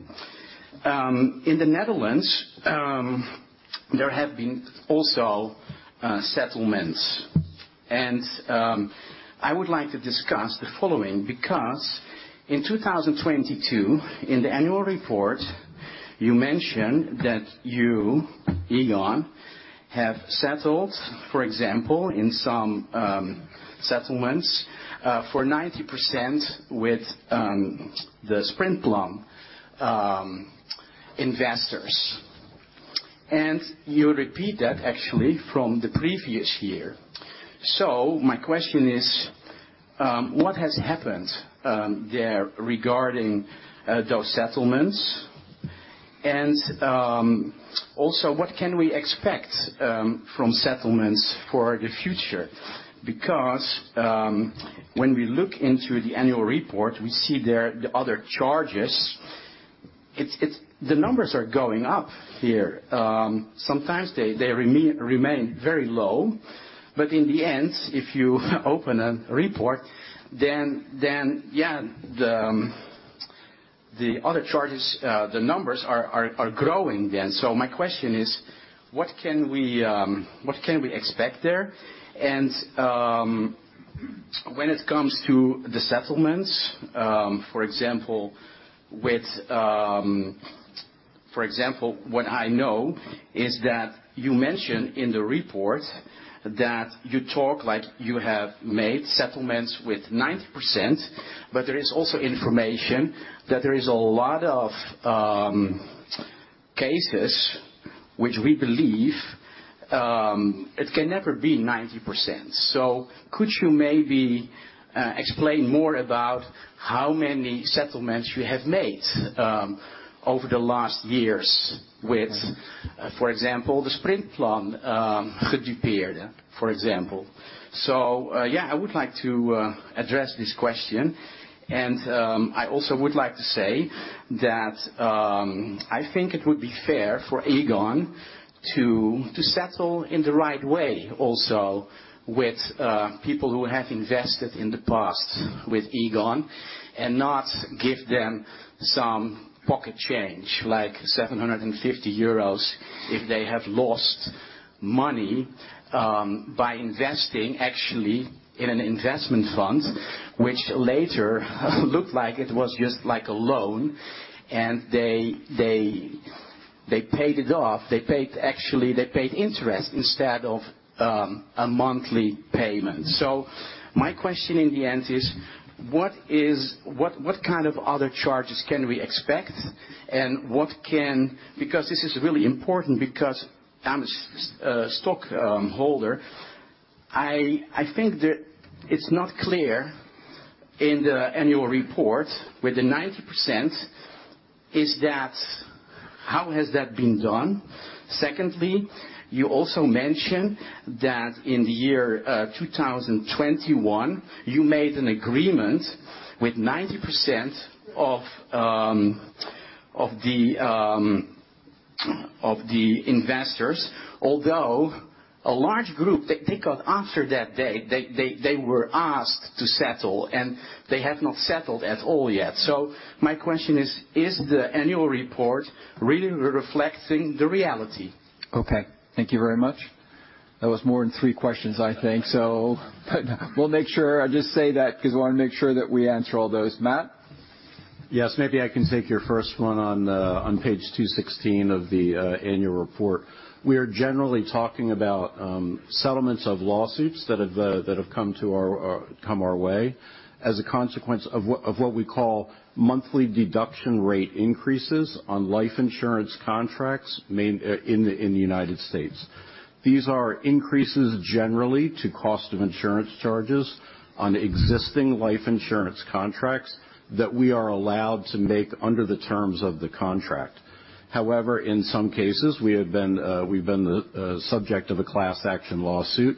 [SPEAKER 5] In the Netherlands, there have been also settlements. I would like to discuss the following, because in 2022, in the annual report, you mentioned that you, Aegon, have settled, for example, in some settlements for 90% with the Sprintplan investors. You repeat that actually from the previous year. My question is, what has happened there regarding those settlements? Also, what can we expect from settlements for the future? When we look into the annual report, we see there the other charges. The numbers are going up here. Sometimes they remain very low, but in the end, if you open a report, then the other charges, the numbers are growing then. My question is: what can we expect there? When it comes to the settlements, for example, with... What I know is that you mention in the report that you talk like you have made settlements with 90%, but there is also information that there is a lot of cases which we believe it can never be 90%. Could you maybe explain more about how many settlements you have made over the last years with, for example, the Sprintplan, for example? Yeah, I would like to address this question. I also would like to say that I think it would be fair for Aegon to settle in the right way, also with people who have invested in the past with Aegon and not give them some pocket change, like 750 euros, if they have lost money by investing actually in an investment fund, which later looked like it was just like a loan, and they paid it off. They paid, actually, they paid interest instead of a monthly payment. My question in the end is: what kind of other charges can we expect, and what can... This is really important, because I'm a stockholder. I think that it's not clear... In the annual report with the 90%, how has that been done? You also mentioned that in the year 2021, you made an agreement with 90% of the investors. A large group, they got after that day, they were asked to settle, and they have not settled at all yet. My question is: Is the annual report really reflecting the reality?
[SPEAKER 1] Okay, thank you very much. That was more than three questions, I think. We'll make sure... I just say that because I want to make sure that we answer all those. Matt?
[SPEAKER 6] Maybe I can take your first one on page 216 of the annual report. We are generally talking about settlements of lawsuits that have come our way as a consequence of what we call monthly deduction rate increases on life insurance contracts made in the United States. These are increases generally to cost of insurance charges on existing life insurance contracts that we are allowed to make under the terms of the contract. In some cases, we have been the subject of a class action lawsuit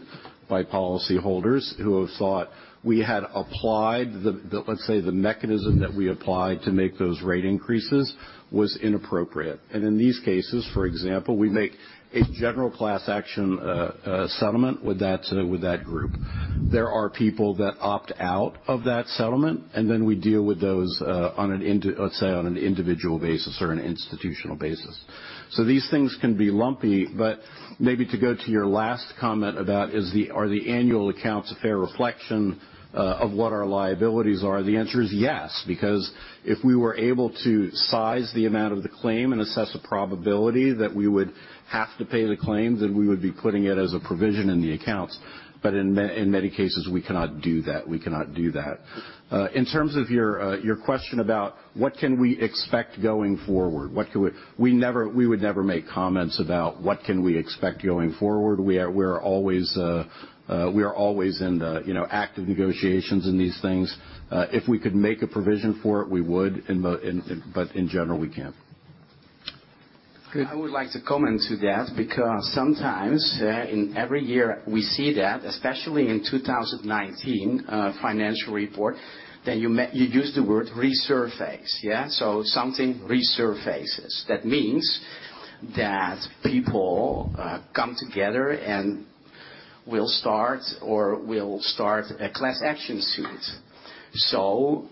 [SPEAKER 6] by policyholders who have thought we had applied the mechanism that we applied to make those rate increases was inappropriate. In these cases, for example, we make a general class action settlement with that group. There are people that opt out of that settlement, and then we deal with those, Let's say, on an individual basis or an institutional basis. These things can be lumpy. Maybe to go to your last comment about are the annual accounts a fair reflection of what our liabilities are? The answer is yes, because if we were able to size the amount of the claim and assess a probability that we would have to pay the claims, then we would be putting it as a provision in the accounts. In many cases, we cannot do that. In terms of your question about what can we expect going forward? What can we. We never, we would never make comments about what can we expect going forward. We're always, we are always in the, you know, active negotiations in these things. If we could make a provision for it, we would, in general, we can't.
[SPEAKER 1] Good.
[SPEAKER 2] I would like to comment to that, because sometimes, in every year, we see that, especially in 2019 financial report, that you use the word resurface. Yeah, something resurfaces. That means that people come together and will start a class action suit.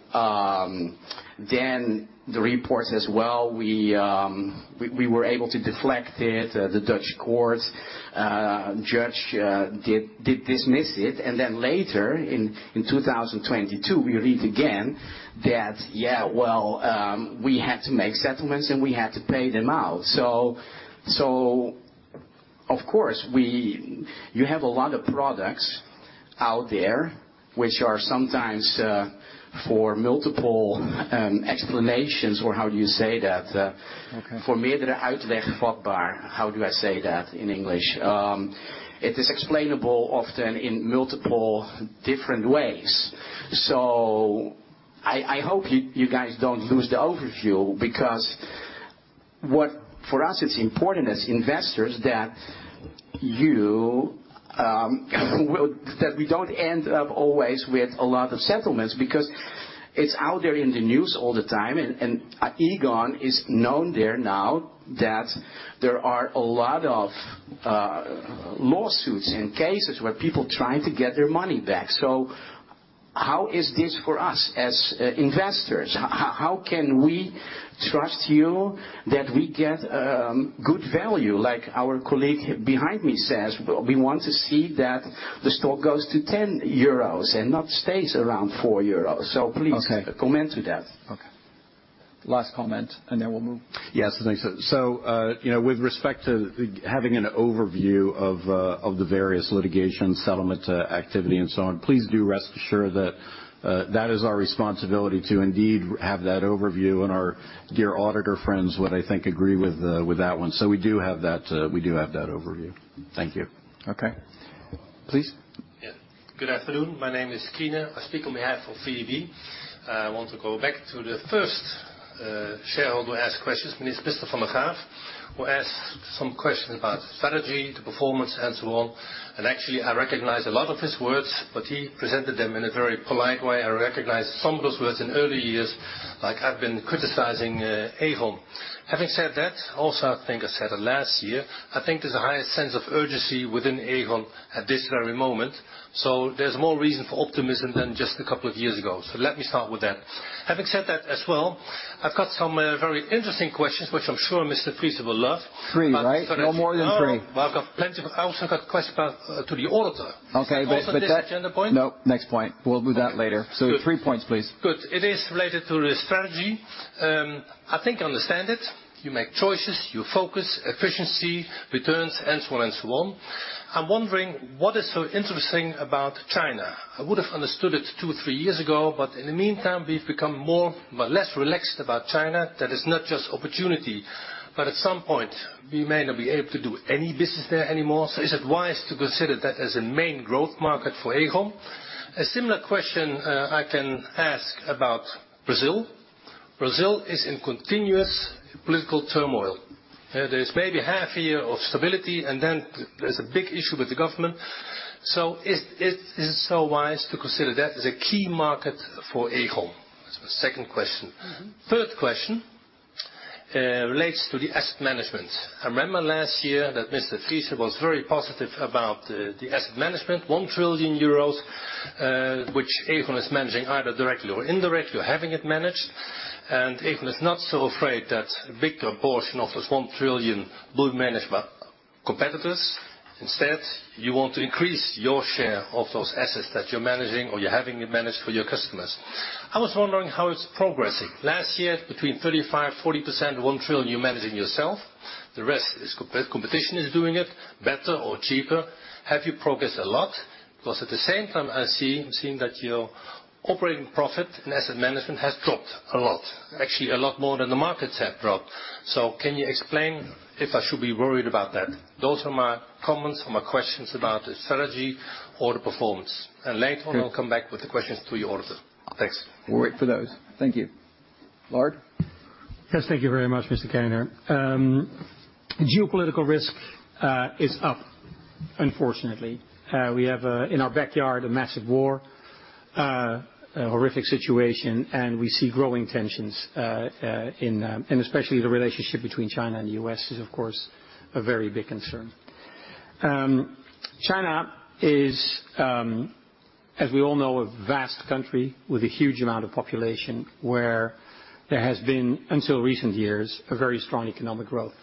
[SPEAKER 2] Then the report says, well, we were able to deflect it. The Dutch court judge did dismiss it, and then later in 2022, we read again that, yeah, well, we had to make settlements, and we had to pay them out. Of course, we... You have a lot of products out there, which are sometimes for multiple explanations or how you say that-
[SPEAKER 1] Okay.
[SPEAKER 2] For me, the..., how do I say that in English? It is explainable often in multiple different ways. I hope you guys don't lose the overview, because what for us, it's important as investors that you That we don't end up always with a lot of settlements because it's out there in the news all the time, Aegon is known there now that there are a lot of lawsuits and cases where people try to get their money back. How is this for us as investors? How, how can we trust you that we get good value? Like our colleague behind me says, we want to see that the stock goes to 10 euros and not stays around 4 euros.
[SPEAKER 1] Okay.
[SPEAKER 2] Please comment to that.
[SPEAKER 1] Okay. Last comment, then we'll move.
[SPEAKER 6] Yes, thanks. You know, with respect to the having an overview of the various litigation, settlement, activity, and so on, please do rest assured that that is our responsibility to indeed have that overview and our dear auditor friends would, I think, agree with that one. We do have that, we do have that overview. Thank you.
[SPEAKER 1] Okay. Please.
[SPEAKER 7] Good afternoon. My name is Kina. I speak on behalf of VEB. I want to go back to the first shareholder who asked questions, Mr. van der Graaf, who asked some questions about strategy, the performance, and so on. Actually, I recognize a lot of his words, but he presented them in a very polite way. I recognize some of those words in earlier years, like, I've been criticizing Aegon. Having said that, also, I think I said it last year, I think there's a higher sense of urgency within Aegon at this very moment, so there's more reason for optimism than just a couple of years ago. Let me start with that. Having said that, as well, I've got some very interesting questions, which I'm sure Mr. Fries will love.
[SPEAKER 1] 3, right? No more than 3.
[SPEAKER 7] Oh, well, I've got plenty, but I also got a question back to the auditor.
[SPEAKER 1] Okay.
[SPEAKER 7] Also, this agenda point.
[SPEAKER 1] No, next point. We'll do that later.
[SPEAKER 7] Good.
[SPEAKER 1] Three points, please.
[SPEAKER 7] Good. It is related to the strategy. I think I understand it. You make choices, you focus, efficiency, returns, and so on and so on. I'm wondering, what is so interesting about China? I would have understood it 2, 3 years ago. In the meantime, we've become more, but less relaxed about China. That is not just opportunity. At some point, we may not be able to do any business there anymore. Is it wise to consider that as a main growth market for Aegon? A similar question, I can ask about Brazil. Brazil is in continuous political turmoil. There's maybe half year of stability. Then there's a big issue with the government. Is it so wise to consider that as a key market for Aegon? That's the second question.
[SPEAKER 1] Mm-hmm.
[SPEAKER 7] Third question relates to the asset management. I remember last year that Mr. Fries was very positive about the asset management, 1 trillion euros, which Aegon is managing either directly or indirectly or having it managed. Aegon is not so afraid that a big portion of this 1 trillion will be managed by competitors. Instead, you want to increase your share of those assets that you're managing or you're having it managed for your customers. I was wondering how it's progressing. Last year, between 35%-40%, 1 trillion you're managing yourself, the rest is competition is doing it better or cheaper. Have you progressed a lot? At the same time, I'm seeing that your operating profit in asset management has dropped a lot, actually a lot more than the markets have dropped. Can you explain if I should be worried about that? Those are my comments or my questions about the strategy or the performance. Later on, I'll come back with the questions to your auditor. Thanks.
[SPEAKER 8] We'll wait for those. Thank you. Lard?
[SPEAKER 2] Yes, thank you very much, Mr. Keiner. Geopolitical risk is up, unfortunately. We have in our backyard, a massive war, a horrific situation, and we see growing tensions in... Especially the relationship between China and the U.S. is, of course, a very big concern. China is, as we all know, a vast country with a huge amount of population, where there has been, until recent years, a very strong economic growth,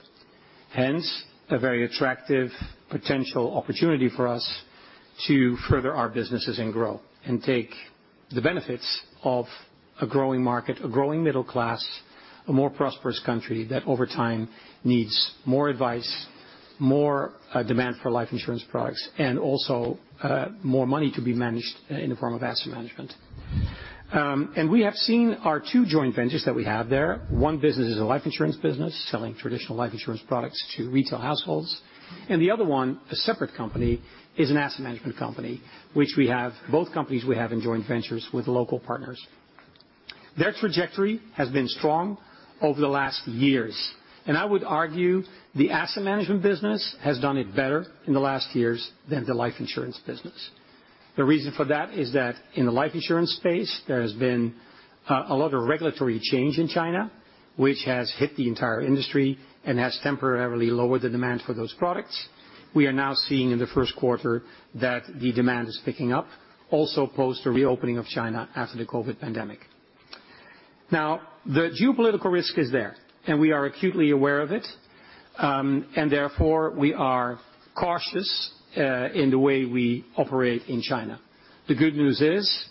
[SPEAKER 2] hence, a very attractive potential opportunity for us to further our businesses and grow, and take the benefits of a growing market, a growing middle class, a more prosperous country that, over time, needs more advice, more demand for life insurance products, and also more money to be managed in the form of asset management. We have seen our two joint ventures that we have there. One business is a life insurance business, selling traditional life insurance products to retail households, and the other one, a separate company, is an asset management company, which we have both companies in joint ventures with local partners. Their trajectory has been strong over the last years, and I would argue, the asset management business has done it better in the last years than the life insurance business. The reason for that is that in the life insurance space, there has been a lot of regulatory change in China, which has hit the entire industry and has temporarily lowered the demand for those products. We are now seeing in the first quarter that the demand is picking up, also post the reopening of China after the COVID pandemic. The geopolitical risk is there, we are acutely aware of it, therefore, we are cautious in the way we operate in China. The good news is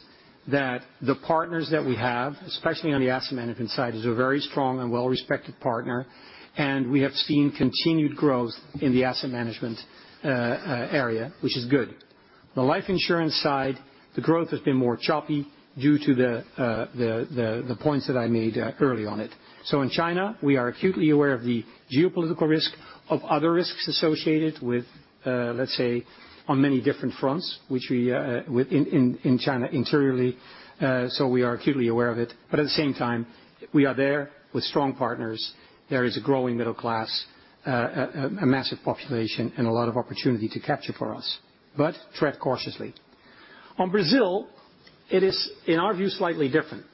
[SPEAKER 2] that the partners that we have, especially on the Asset Management side, is a very strong and well-respected partner, and we have seen continued growth in the Asset Management area, which is good. The life insurance side, the growth has been more choppy due to the points that I made early on it. In China, we are acutely aware of the geopolitical risk, of other risks associated with, let's say, on many different fronts, which we with in China, internally. We are acutely aware of it, at the same time, we are there with strong partners. There is a growing middle class, a massive population, a lot of opportunity to capture for us. Tread cautiously. On Brazil, it is, in our view, slightly different.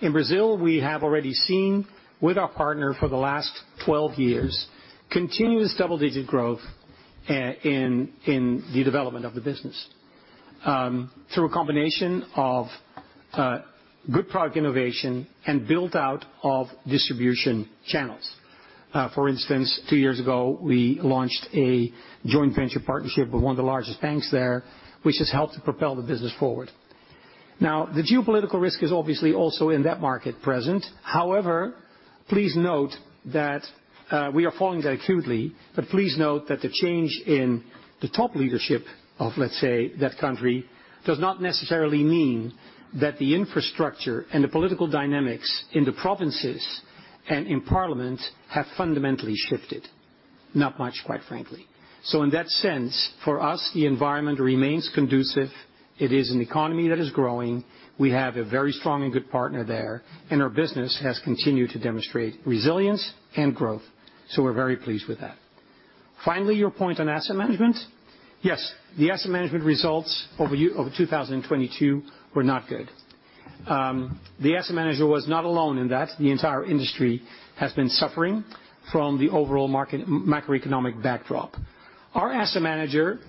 [SPEAKER 2] In Brazil, we have already seen with our partner for the last 12 years, continuous double-digit growth in the development of the business through a combination of good product innovation and build-out of distribution channels. For instance, 2 years ago, we launched a joint venture partnership with one of the largest banks there, which has helped to propel the business forward. The geopolitical risk is obviously also in that market present. Please note that, we are following that acutely, but please note that the change in the top leadership of, let's say, that country, does not necessarily mean that the infrastructure and the political dynamics in the provinces and in parliament have fundamentally shifted. Not much, quite frankly. In that sense, for us, the environment remains conducive. It is an economy that is growing. We have a very strong and good partner there, and our business has continued to demonstrate resilience and growth, so we're very pleased with that. Finally, your point on asset management. Yes, the asset management results over 2022 were not good. The asset manager was not alone in that. The entire industry has been suffering from the overall market macroeconomic backdrop. Our asset manager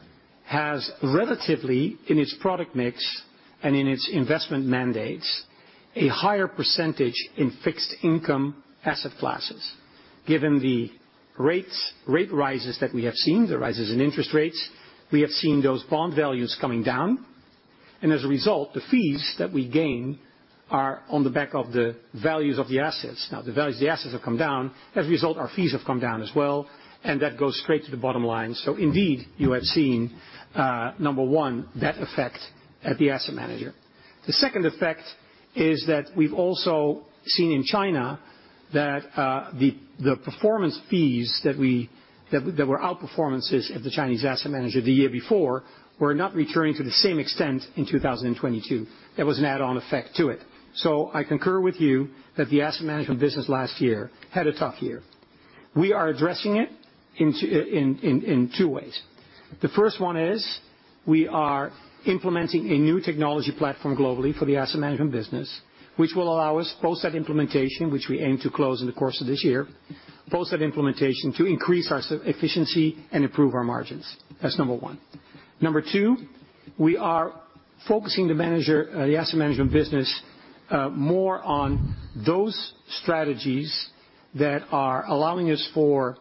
[SPEAKER 2] has relatively, in its product mix and in its investment mandates, a higher percentage in fixed income asset classes. Given the rates, rate rises that we have seen, the rises in interest rates, we have seen those bond values coming down. As a result, the fees that we gain are on the back of the values of the assets. The values of the assets have come down. As a result, our fees have come down as well, and that goes straight to the bottom line. Indeed, you have seen, number one, that effect at the asset manager. The second effect is that we've also seen in China that the performance fees that we that were out performances of the Chinese asset manager the year before, were not returning to the same extent in 2022. There was an add-on effect to it. I concur with you that the asset management business last year had a tough year. We are addressing it in 2 ways. The first one is, we are implementing a new technology platform globally for the asset management business, which will allow us, post that implementation, which we aim to close in the course of this year. Post that implementation, to increase our efficiency and improve our margins. That's number 1. Number 2, we are focusing the manager, the asset management business, more on those strategies that are allowing us for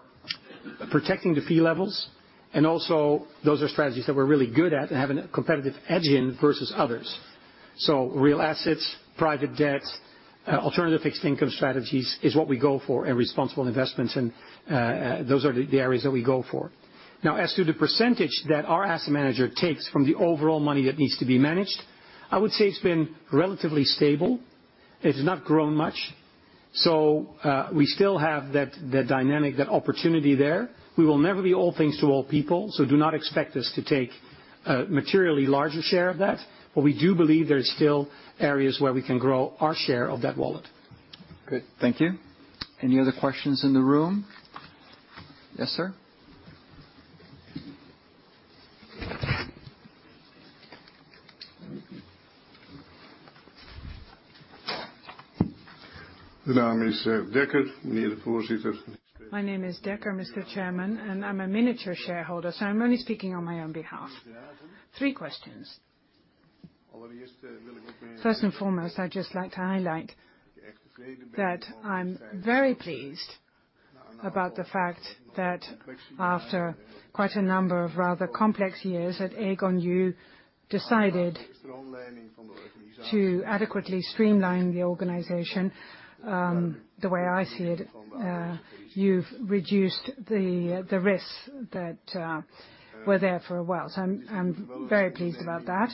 [SPEAKER 2] protecting the fee levels, and also those are strategies that we're really good at, and have a competitive edge in versus others. Real assets, private debt, alternative fixed income strategies, is what we go for, and responsible investments, and those are the areas that we go for. Now, as to the percentage that our asset manager takes from the overall money that needs to be managed, I would say it's been relatively stable. It's not grown much, so we still have that dynamic, that opportunity there. We will never be all things to all people, so do not expect us to take a materially larger share of that. We do believe there are still areas where we can grow our share of that wallet.
[SPEAKER 1] Good. Thank you. Any other questions in the room? Yes, sir.
[SPEAKER 9] My name is Decker, Mr. Chairman, and I'm a miniature shareholder, so I'm only speaking on my own behalf. Three questions. First and foremost, I'd just like to highlight that I'm very pleased about the fact that after quite a number of rather complex years at Aegon, you decided to adequately streamline the organization. The way I see it, you've reduced the risks that were there for a while, so I'm very pleased about that.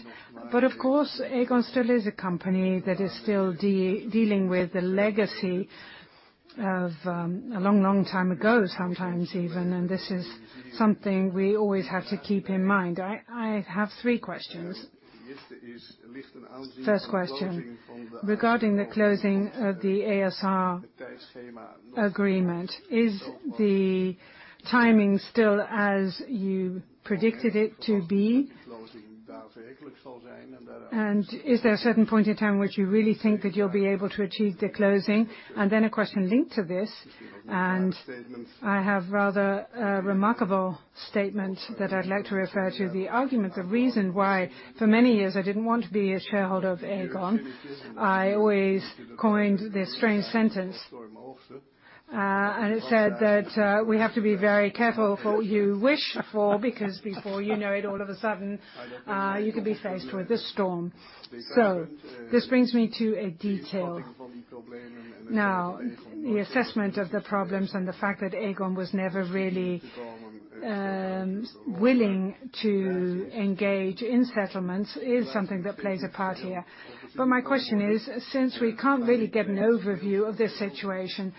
[SPEAKER 9] Of course, Aegon still is a company that is still dealing with the legacy of a long, long time ago, sometimes even. This is something we always have to keep in mind. I have three questions. First question, regarding the closing of the a.s.r. agreement, is the timing still as you predicted it to be? Is there a certain point in time in which you really think that you'll be able to achieve the closing? Then a question linked to this, I have rather a remarkable statement that I'd like to refer to. The argument, the reason why for many years I didn't want to be a shareholder of Aegon, I always coined this strange sentence. And it said that we have to be very careful what you wish for, because before you know it, all of a sudden, you could be faced with a storm. This brings me to a detail. Now, the assessment of the problems and the fact that Aegon was never really willing to engage in settlements is something that plays a part here. My question is, since we can't really get an overview of this situation,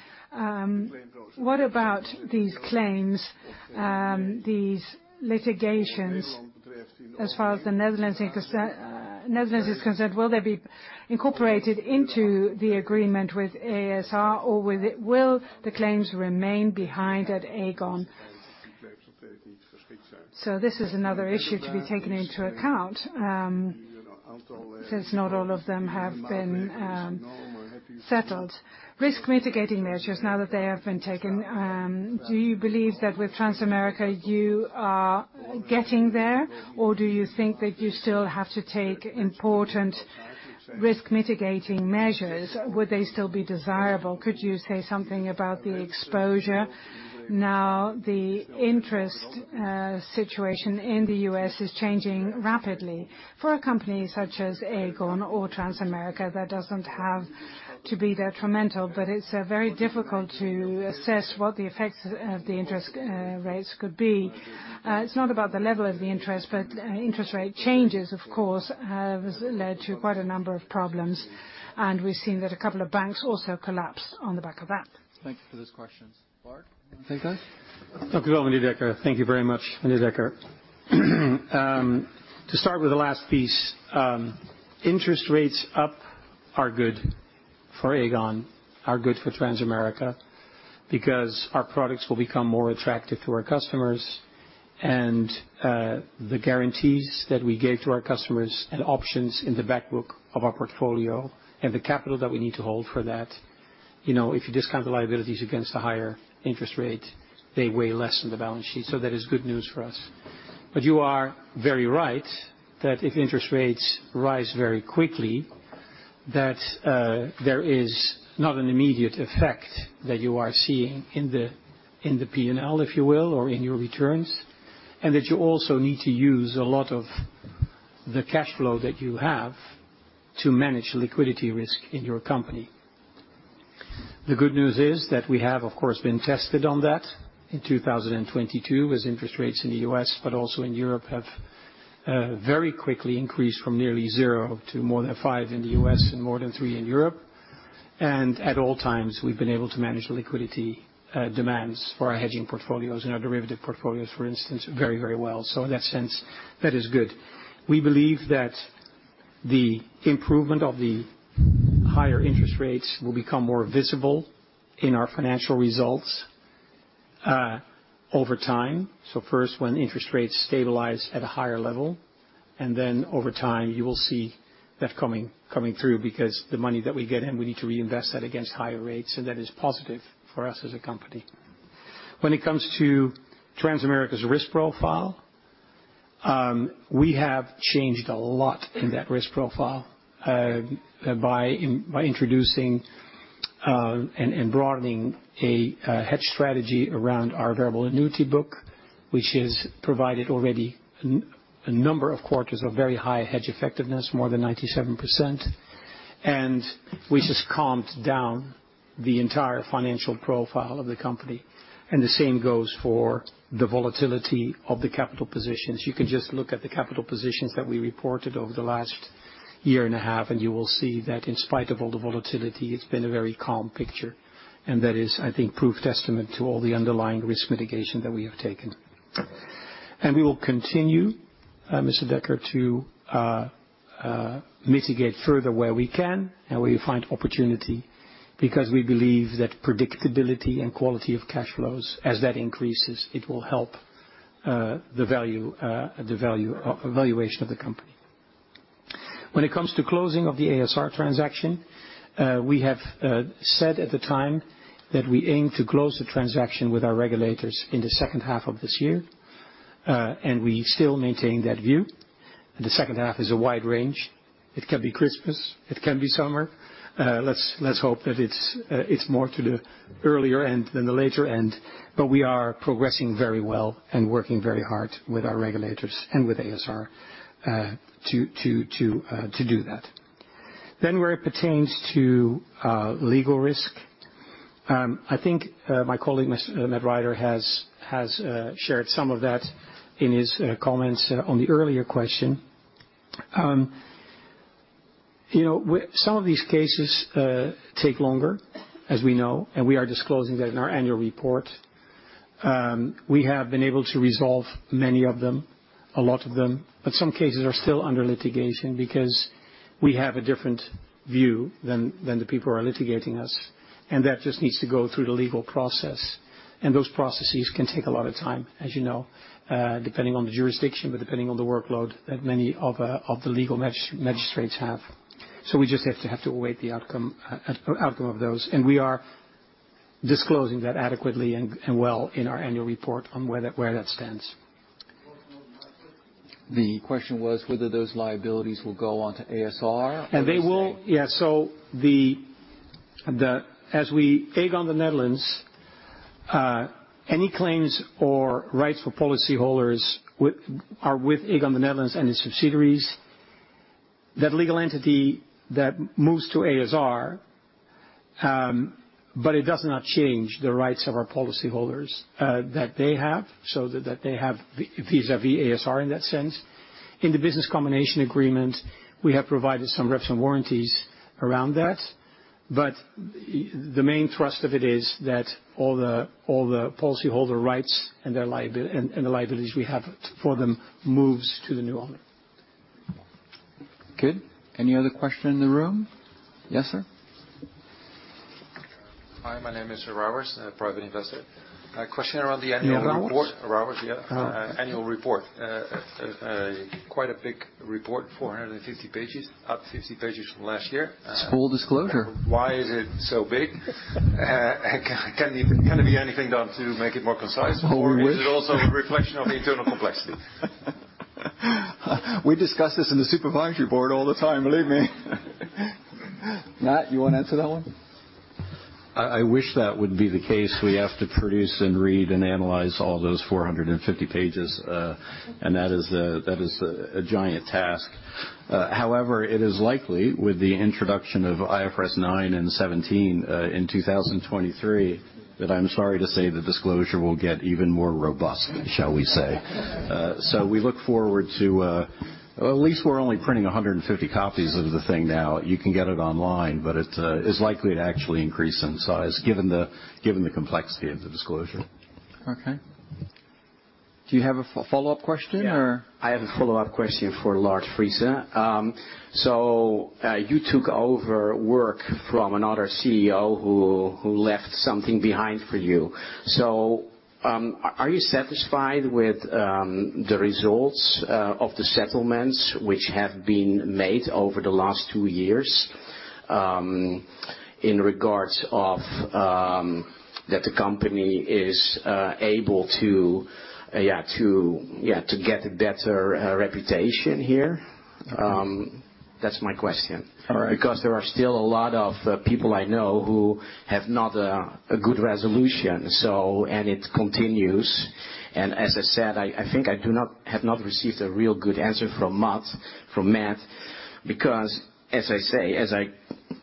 [SPEAKER 9] what about these claims, these litigations, as far as the Netherlands is concerned, will they be incorporated into the agreement with ASR, or will the claims remain behind at Aegon? This is another issue to be taken into account, since not all of them have been settled. Risk mitigating measures now that they have been taken, do you believe that with Transamerica, you are getting there, or do you think that you still have to take important risk mitigating measures? Would they still be desirable? Could you say something about the exposure? The interest situation in the U.S. is changing rapidly. For a company such as Aegon or Transamerica, that doesn't have to be detrimental, but it's very difficult to assess what the effects of the interest rates could be. It's not about the level of the interest, but interest rate changes, of course, have led to quite a number of problems, and we've seen that a couple of banks also collapsed on the back of that.
[SPEAKER 1] Thank you for those questions. Mark, anything?
[SPEAKER 6] Thank you very much, Decker. To start with the last piece, interest rates up are good for Aegon, are good for Transamerica, because our products will become more attractive to our customers. The guarantees that we gave to our customers and options in the back book of our portfolio and the capital that we need to hold for that, you know, if you discount the liabilities against a higher interest rate, they weigh less on the balance sheet. That is good news for us. You are very right that if interest rates rise very quickly, that there is not an immediate effect that you are seeing in the, in the P&L, if you will, or in your returns, and that you also need to use a lot of the cash flow that you have to manage liquidity risk in your company. The good news is that we have, of course, been tested on that in 2022, as interest rates in the US, but also in Europe, have very quickly increased from nearly 0% to more than 5% in the US and more than 3% in Europe. At all times, we've been able to manage the liquidity demands for our hedging portfolios and our derivative portfolios, for instance, very well. In that sense, that is good. We believe that the improvement of the higher interest rates will become more visible in our financial results over time. First, when interest rates stabilize at a higher level, and then over time, you will see that coming through. The money that we get in, we need to reinvest that against higher rates, so that is positive for us as a company. When it comes to Transamerica's risk profile, we have changed a lot in that risk profile by introducing and broadening a hedge strategy around our variable annuity book, which has provided already a number of quarters of very high hedge effectiveness, more than 97%. Which has calmed down the entire financial profile of the company, and the same goes for the volatility of the capital positions. You can just look at the capital positions that we reported over the last year and a half, and you will see that in spite of all the volatility, it's been a very calm picture, and that is, I think, proof testament to all the underlying risk mitigation that we have taken. We will continue, Mr. Decker, to mitigate further where we can and where we find opportunity, because we believe that predictability and quality of cash flows, as that increases, it will help the value, the valuation of the company. When it comes to closing of the a.s.r. transaction, we have said at the time that we aim to close the transaction with our regulators in the second half of this year, and we still maintain that view. The second half is a wide range. It can be Christmas, it can be summer. Let's hope that it's more to the earlier end than the later end, but we are progressing very well and working very hard with our regulators and with a.s.r., to do that. Where it pertains to legal risk, I think my colleague, Mr. Matt Rider, has shared some of that in his comments on the earlier question. You know, some of these cases take longer, as we know, and we are disclosing that in our annual report. We have been able to resolve many of them, a lot of them, but some cases are still under litigation because we have a different view than the people who are litigating us, and that just needs to go through the legal process. Those processes can take a lot of time, as you know, depending on the jurisdiction, but depending on the workload that many of the legal magistrates have. We just have to await the outcome of those, and we are disclosing that adequately and well in our annual report on where that stands.
[SPEAKER 1] The question was, whether those liabilities will go on to a.s.r.?
[SPEAKER 2] They will, yeah. The Aegon Nederland N.V., any claims or rights for policyholders are with Aegon Nederland N.V. and its subsidiaries. That legal entity that moves to ASR, but it does not change the rights of our policyholders, that they have, so that they have vis-à-vis ASR in that sense. In the business combination agreement, we have provided some reps and warranties around that, but the main thrust of it is that all the policyholder rights and their and the liabilities we have for them, moves to the new owner.
[SPEAKER 1] Good. Any other question in the room? Yes, sir.
[SPEAKER 10] Hi, my name is Robert, private investor. A question around the annual report-.
[SPEAKER 1] Robert?
[SPEAKER 10] Robert, yeah.
[SPEAKER 1] Uh.
[SPEAKER 10] Annual report. Quite a big report, 450 pages, up 50 pages from last year.
[SPEAKER 1] It's full disclosure.
[SPEAKER 10] Why is it so big? Can there be anything done to make it more concise?
[SPEAKER 1] Well, we wish.
[SPEAKER 10] Is it also a reflection of the internal complexity?
[SPEAKER 2] We discuss this in the supervisory board all the time, believe me. Matt, you wanna answer that one?
[SPEAKER 6] I wish that wouldn't be the case. We have to produce and read and analyze all those 450 pages, and that is a giant task. However, it is likely, with the introduction of IFRS 9 and 17, in 2023, that I'm sorry to say, the disclosure will get even more robust, shall we say. We look forward to... At least we're only printing 150 copies of the thing now. You can get it online, but it is likely to actually increase in size, given the complexity of the disclosure.
[SPEAKER 1] Okay. Do you have a follow-up question or?
[SPEAKER 10] I have a follow-up question for Lard Friese. You took over work from another CEO who left something behind for you. Are you satisfied with the results of the settlements which have been made over the last two years, in regards of that the company is able to get a better reputation here? That's my question.
[SPEAKER 2] All right.
[SPEAKER 10] There are still a lot of people I know who have not a good resolution. It continues. As I said, I think I have not received a real good answer from Matt, because, as I say.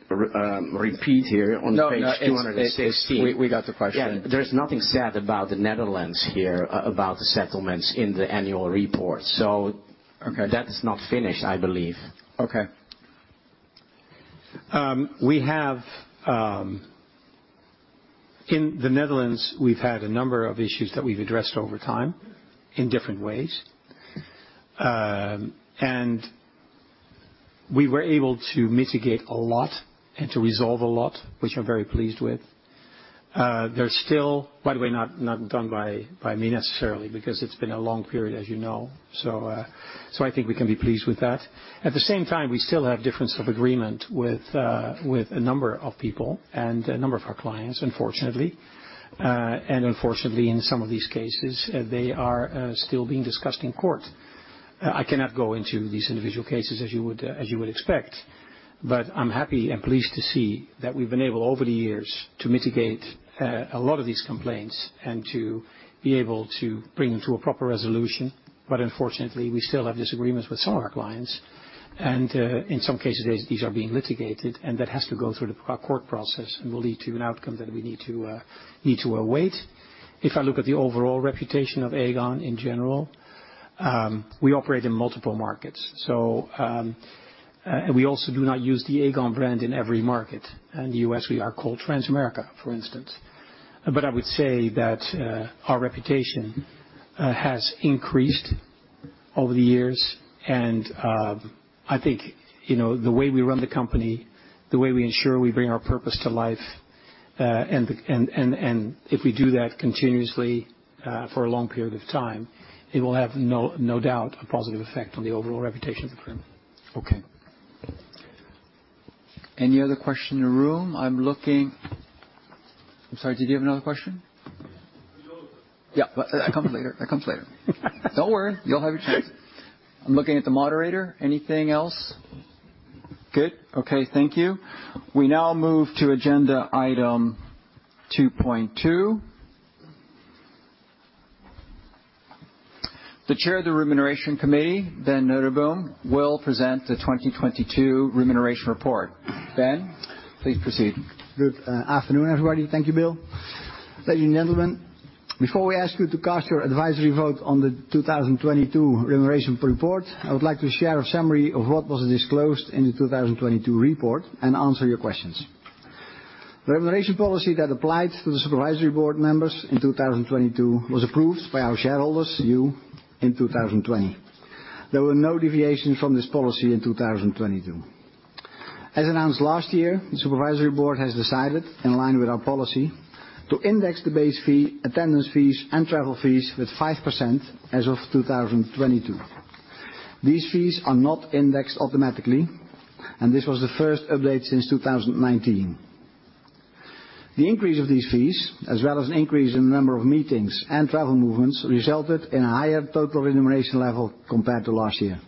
[SPEAKER 10] repeat here on page 216.
[SPEAKER 1] No, no, we got the question.
[SPEAKER 10] Yeah, there's nothing said about the Netherlands here, about the settlements in the annual report.
[SPEAKER 1] Okay.
[SPEAKER 10] That is not finished, I believe.
[SPEAKER 6] Okay. In the Netherlands, we've had a number of issues that we've addressed over time in different ways. We were able to mitigate a lot and to resolve a lot, which I'm very pleased with. There's still, by the way, not done by me necessarily, because it's been a long period, as you know. I think we can be pleased with that. At the same time, we still have difference of agreement with a number of people and a number of our clients, unfortunately. Unfortunately, in some of these cases, they are still being discussed in court. I cannot go into these individual cases, as you would expect, I'm happy and pleased to see that we've been able, over the years, to mitigate a lot of these complaints and to be able to bring them to a proper resolution. Unfortunately, we still have disagreements with some of our clients, and in some cases, these are being litigated, and that has to go through the court process and will lead to an outcome that we need to await. If I look at the overall reputation of Aegon in general, we operate in multiple markets, so, and we also do not use the Aegon brand in every market. In the U.S., we are called Transamerica, for instance.
[SPEAKER 11] I would say that, our reputation, has increased over the years, and, I think, you know, the way we run the company, the way we ensure we bring our purpose to life, and if we do that continuously, for a long period of time, it will have no doubt, a positive effect on the overall reputation of the firm.
[SPEAKER 1] Okay. Any other question in the room? I'm looking... I'm sorry, did you have another question?
[SPEAKER 12] No.
[SPEAKER 1] That comes later. That comes later. Don't worry, you'll have your chance. I'm looking at the moderator. Anything else? Good. Okay, thank you. We now move to agenda item 2.2. The Chair of the Remuneration Committee, Ben Noteboom, will present the 2022 remuneration report. Ben, please proceed.
[SPEAKER 11] Good afternoon, everybody. Thank you, Bill. Ladies and gentlemen, before we ask you to cast your advisory vote on the 2022 Remuneration Report, I would like to share a summary of what was disclosed in the 2022 report and answer your questions. The remuneration policy that applied to the Supervisory Board members in 2022 was approved by our shareholders, you, in 2020. There were no deviations from this policy in 2022. As announced last year, the Supervisory Board has decided, in line with our policy, to index the base fee, attendance fees, and travel fees with 5% as of 2022. These fees are not indexed automatically, and this was the first update since 2019. The increase of these fees, as well as an increase in the number of meetings and travel movements, resulted in a higher total remuneration level compared to last year.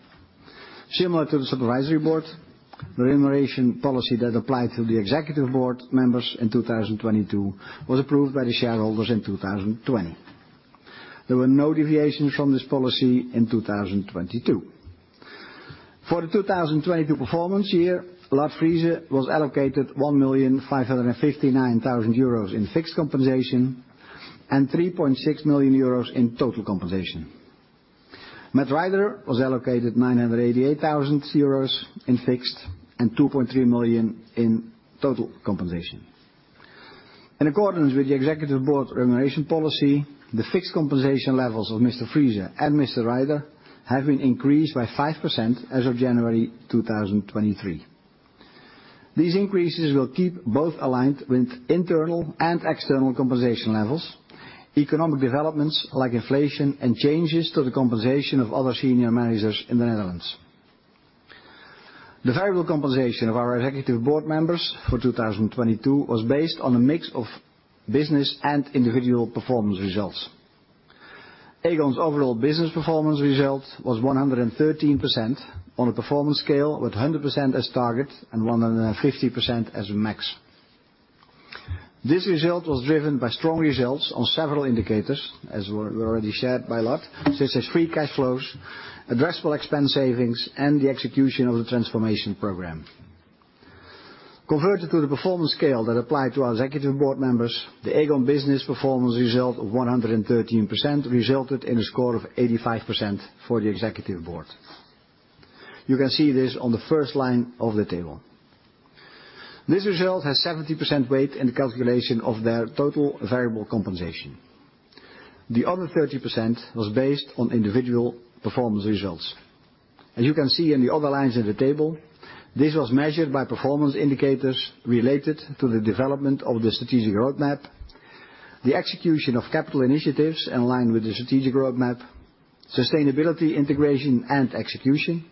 [SPEAKER 11] Similar to the Supervisory Board, the remuneration policy that applied to the Executive Board members in 2022 was approved by the shareholders in 2020. There were no deviations from this policy in 2022. For the 2022 performance year, Lard Friese was allocated 1,559,000 euros in fixed compensation and 3.6 million euros in total compensation. Matt Rider was allocated 988,000 euros in fixed and 2.3 million in total compensation. In accordance with the Executive Board remuneration policy, the fixed compensation levels of Mr. Friese and Mr. Rider have been increased by 5% as of January 2023. These increases will keep both aligned with internal and external compensation levels, economic developments like inflation and changes to the compensation of other senior managers in the Netherlands. The variable compensation of our executive board members for 2022 was based on a mix of business and individual performance results. Aegon's overall business performance result was 113% on a performance scale, with 100% as target and 150% as max. This result was driven by strong results on several indicators, as were already shared by Lard, such as free cash flows, addressable expense savings, and the execution of the transformation program. Converted to the performance scale that applied to our executive board members, the Aegon business performance result of 113% resulted in a score of 85% for the executive board. You can see this on the first line of the table. This result has 70% weight in the calculation of their total variable compensation. The other 30% was based on individual performance results. As you can see in the other lines in the table, this was measured by performance indicators related to the development of the strategic roadmap, the execution of capital initiatives in line with the strategic roadmap, sustainability, integration, and execution,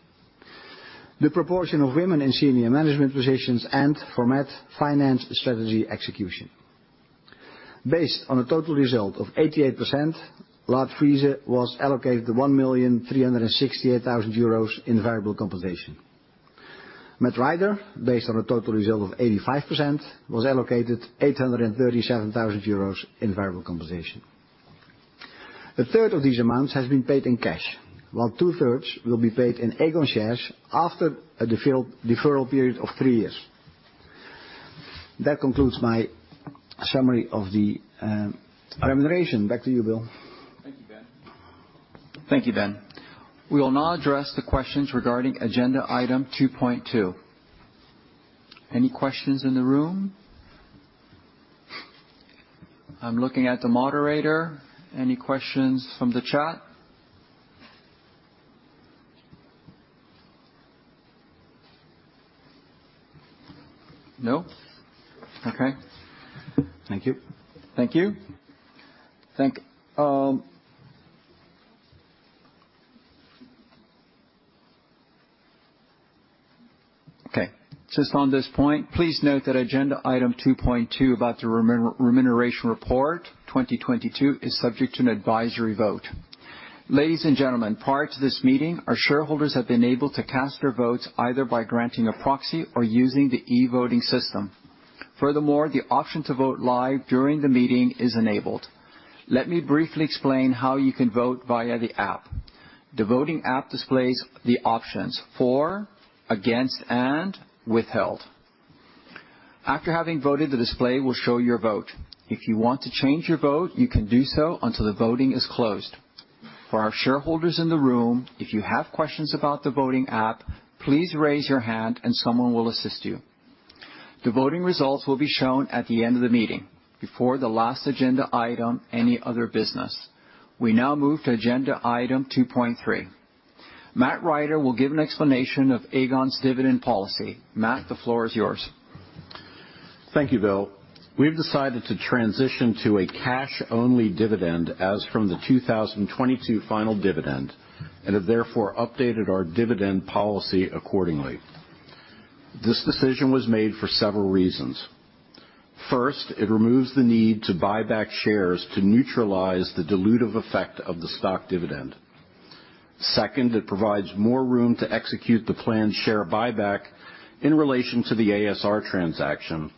[SPEAKER 11] the proportion of women in senior management positions, and for Matt, finance strategy execution. Based on a total result of 88%, Lard Friese was allocated 1,368,000 euros in variable compensation. Matt Rider, based on a total result of 85%, was allocated 837,000 euros in variable compensation. A third of these amounts has been paid in cash, while two-thirds will be paid in Aegon shares after a deferral period of three years. That concludes my summary of the remuneration. Back to you, Bill.
[SPEAKER 1] Thank you, Ben. We will now address the questions regarding agenda item 2.2. Any questions in the room? I'm looking at the moderator. Any questions from the chat? No? Okay.
[SPEAKER 11] Thank you.
[SPEAKER 1] Thank you. Thank, just on this point, please note that agenda item 2.2, about the remuneration report 2022, is subject to an advisory vote. Ladies and gentlemen, prior to this meeting, our shareholders have been able to cast their votes either by granting a proxy or using the e-voting system. The option to vote live during the meeting is enabled. Let me briefly explain how you can vote via the app. The voting app displays the options: for, against, and withheld. After having voted, the display will show your vote. If you want to change your vote, you can do so until the voting is closed. For our shareholders in the room, if you have questions about the voting app, please raise your hand and someone will assist you. The voting results will be shown at the end of the meeting, before the last agenda item, any other business. We now move to agenda item 2.3. Matt Rider will give an explanation of Aegon's dividend policy. Matt, the floor is yours.
[SPEAKER 6] Thank you, Bill. We've decided to transition to a cash-only dividend as from the 2022 final dividend, and have therefore updated our dividend policy accordingly. This decision was made for several reasons. First, it removes the need to buy back shares to neutralize the dilutive effect of the stock dividend. Second, it provides more room to execute the planned share buyback in relation to the ASR transaction,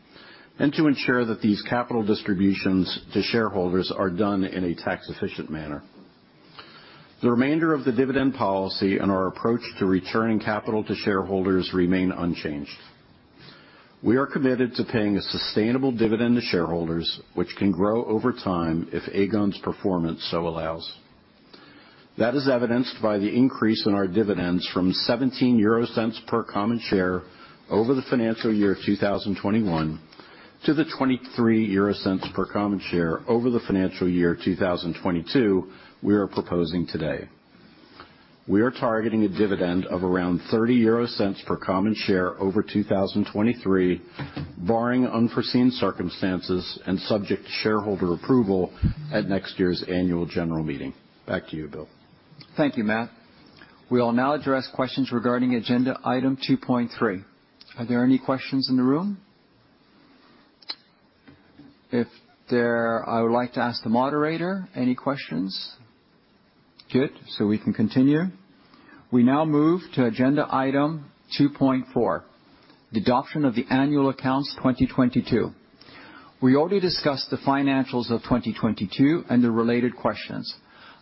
[SPEAKER 6] and to ensure that these capital distributions to shareholders are done in a tax-efficient manner. The remainder of the dividend policy and our approach to returning capital to shareholders remain unchanged. We are committed to paying a sustainable dividend to shareholders, which can grow over time if Aegon's performance so allows. That is evidenced by the increase in our dividends from 0.17 per common share over the financial year of 2021, to the 0.23 per common share over the financial year 2022, we are proposing today. We are targeting a dividend of around 0.30 per common share over 2023, barring unforeseen circumstances and subject to shareholder approval at next year's annual general meeting. Back to you, Bill.
[SPEAKER 1] Thank you, Matt. We will now address questions regarding agenda item 2.3. Are there any questions in the room? I would like to ask the moderator, any questions? Good, we can continue. We now move to agenda item 2.4, the adoption of the annual accounts 2022. We already discussed the financials of 2022 and the related questions.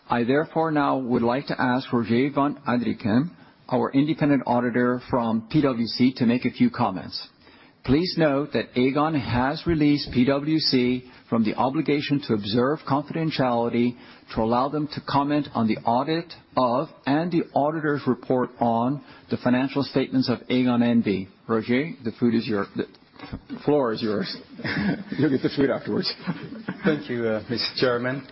[SPEAKER 1] I therefore now would like to ask Rogier van Adrichem, our independent auditor from PwC, to make a few comments. Please note that Aegon has released PwC from the obligation to observe confidentiality, to allow them to comment on the audit of and the auditor's report on the financial statements of Aegon N.V. Roger, the floor is yours. You'll get the food afterwards.
[SPEAKER 13] Thank you, Mr. Chairman.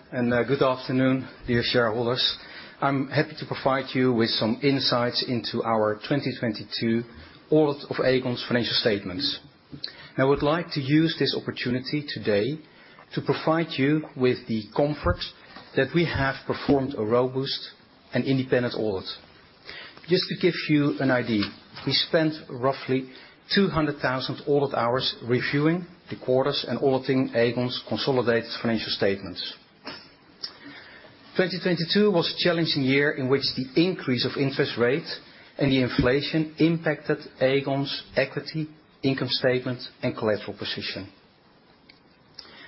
[SPEAKER 13] Good afternoon, dear shareholders. I'm happy to provide you with some insights into our 2022 audit of Aegon's financial statements. I would like to use this opportunity today to provide you with the comfort that we have performed a robust and independent audit. Just to give you an idea, we spent roughly 200,000 audit hours reviewing the quarters and auditing Aegon's consolidated financial statements. 2022 was a challenging year in which the increase of interest rates and the inflation impacted Aegon's equity, income statement, and collateral position.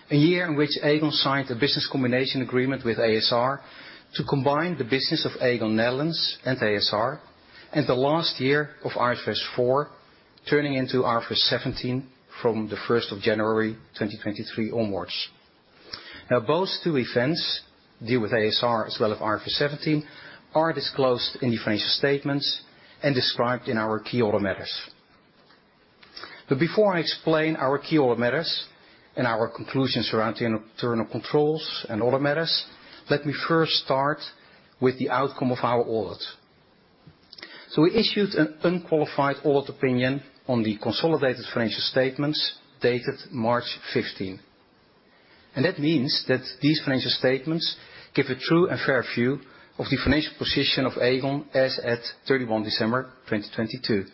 [SPEAKER 13] A year in which Aegon signed a business combination agreement with a.s.r. to combine the business of Aegon Nederland and a.s.r., and the last year of IFRS 4, turning into IFRS 17 from the 1st of January 2023 onwards. Both two events, deal with a.s.r. as well as IFRS 17, are disclosed in the financial statements and described in our key audit matters. Before I explain our key audit matters and our conclusions around the internal controls and audit matters, let me first start with the outcome of our audit. We issued an unqualified audit opinion on the consolidated financial statements dated March 15, and that means that these financial statements give a true and fair view of the financial position of Aegon as at 31 December 2022.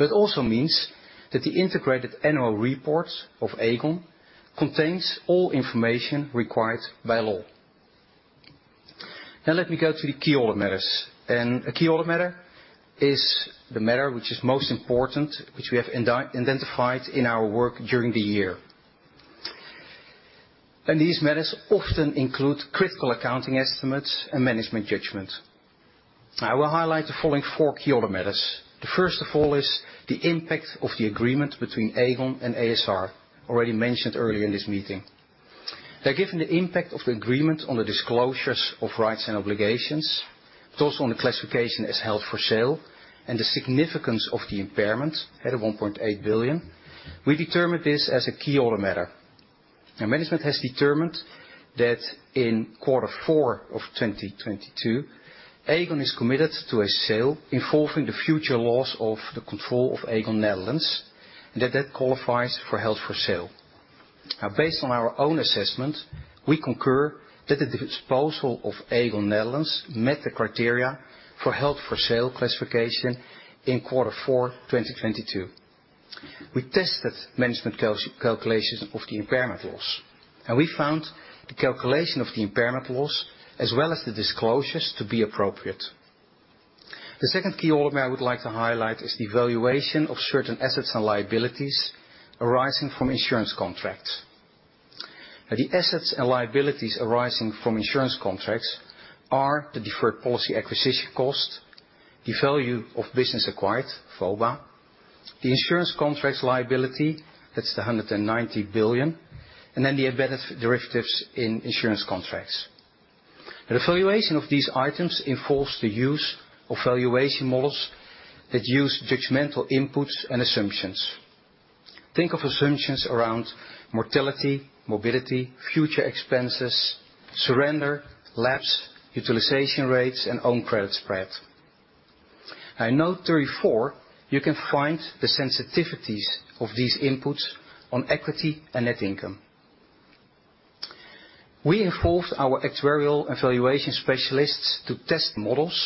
[SPEAKER 13] It also means that the integrated annual report of Aegon contains all information required by law. Let me go to the key audit matters. A key audit matter is the matter which is most important, which we have identified in our work during the year. These matters often include critical accounting estimates and management judgment. I will highlight the following four key audit matters. The first of all is the impact of the agreement between Aegon and a.s.r., already mentioned earlier in this meeting. Given the impact of the agreement on the disclosures of rights and obligations, but also on the classification as held for sale and the significance of the impairment at 1.8 billion, we determined this as a key audit matter. Management has determined that in quarter four 2022, Aegon is committed to a sale involving the future loss of the control of Aegon Netherlands, and that qualifies for held for sale. Based on our own assessment, we concur that the disposal of Aegon Netherlands met the criteria for held for sale classification in quarter four 2022. We tested management calculations of the impairment loss, we found the calculation of the impairment loss, as well as the disclosures, to be appropriate. The second key audit matter I would like to highlight is the valuation of certain assets and liabilities arising from insurance contracts. The assets and liabilities arising from insurance contracts are the deferred policy acquisition cost, the value of business acquired, VOBA, the insurance contracts liability, that's the 190 billion, and then the benefit derivatives in insurance contracts. The valuation of these items involves the use of valuation models that use judgmental inputs and assumptions. Think of assumptions around mortality, mobility, future expenses, surrender, lapse, utilization rates, and own credit spread. In note 34, you can find the sensitivities of these inputs on equity and net income. We involved our actuarial and valuation specialists to test models,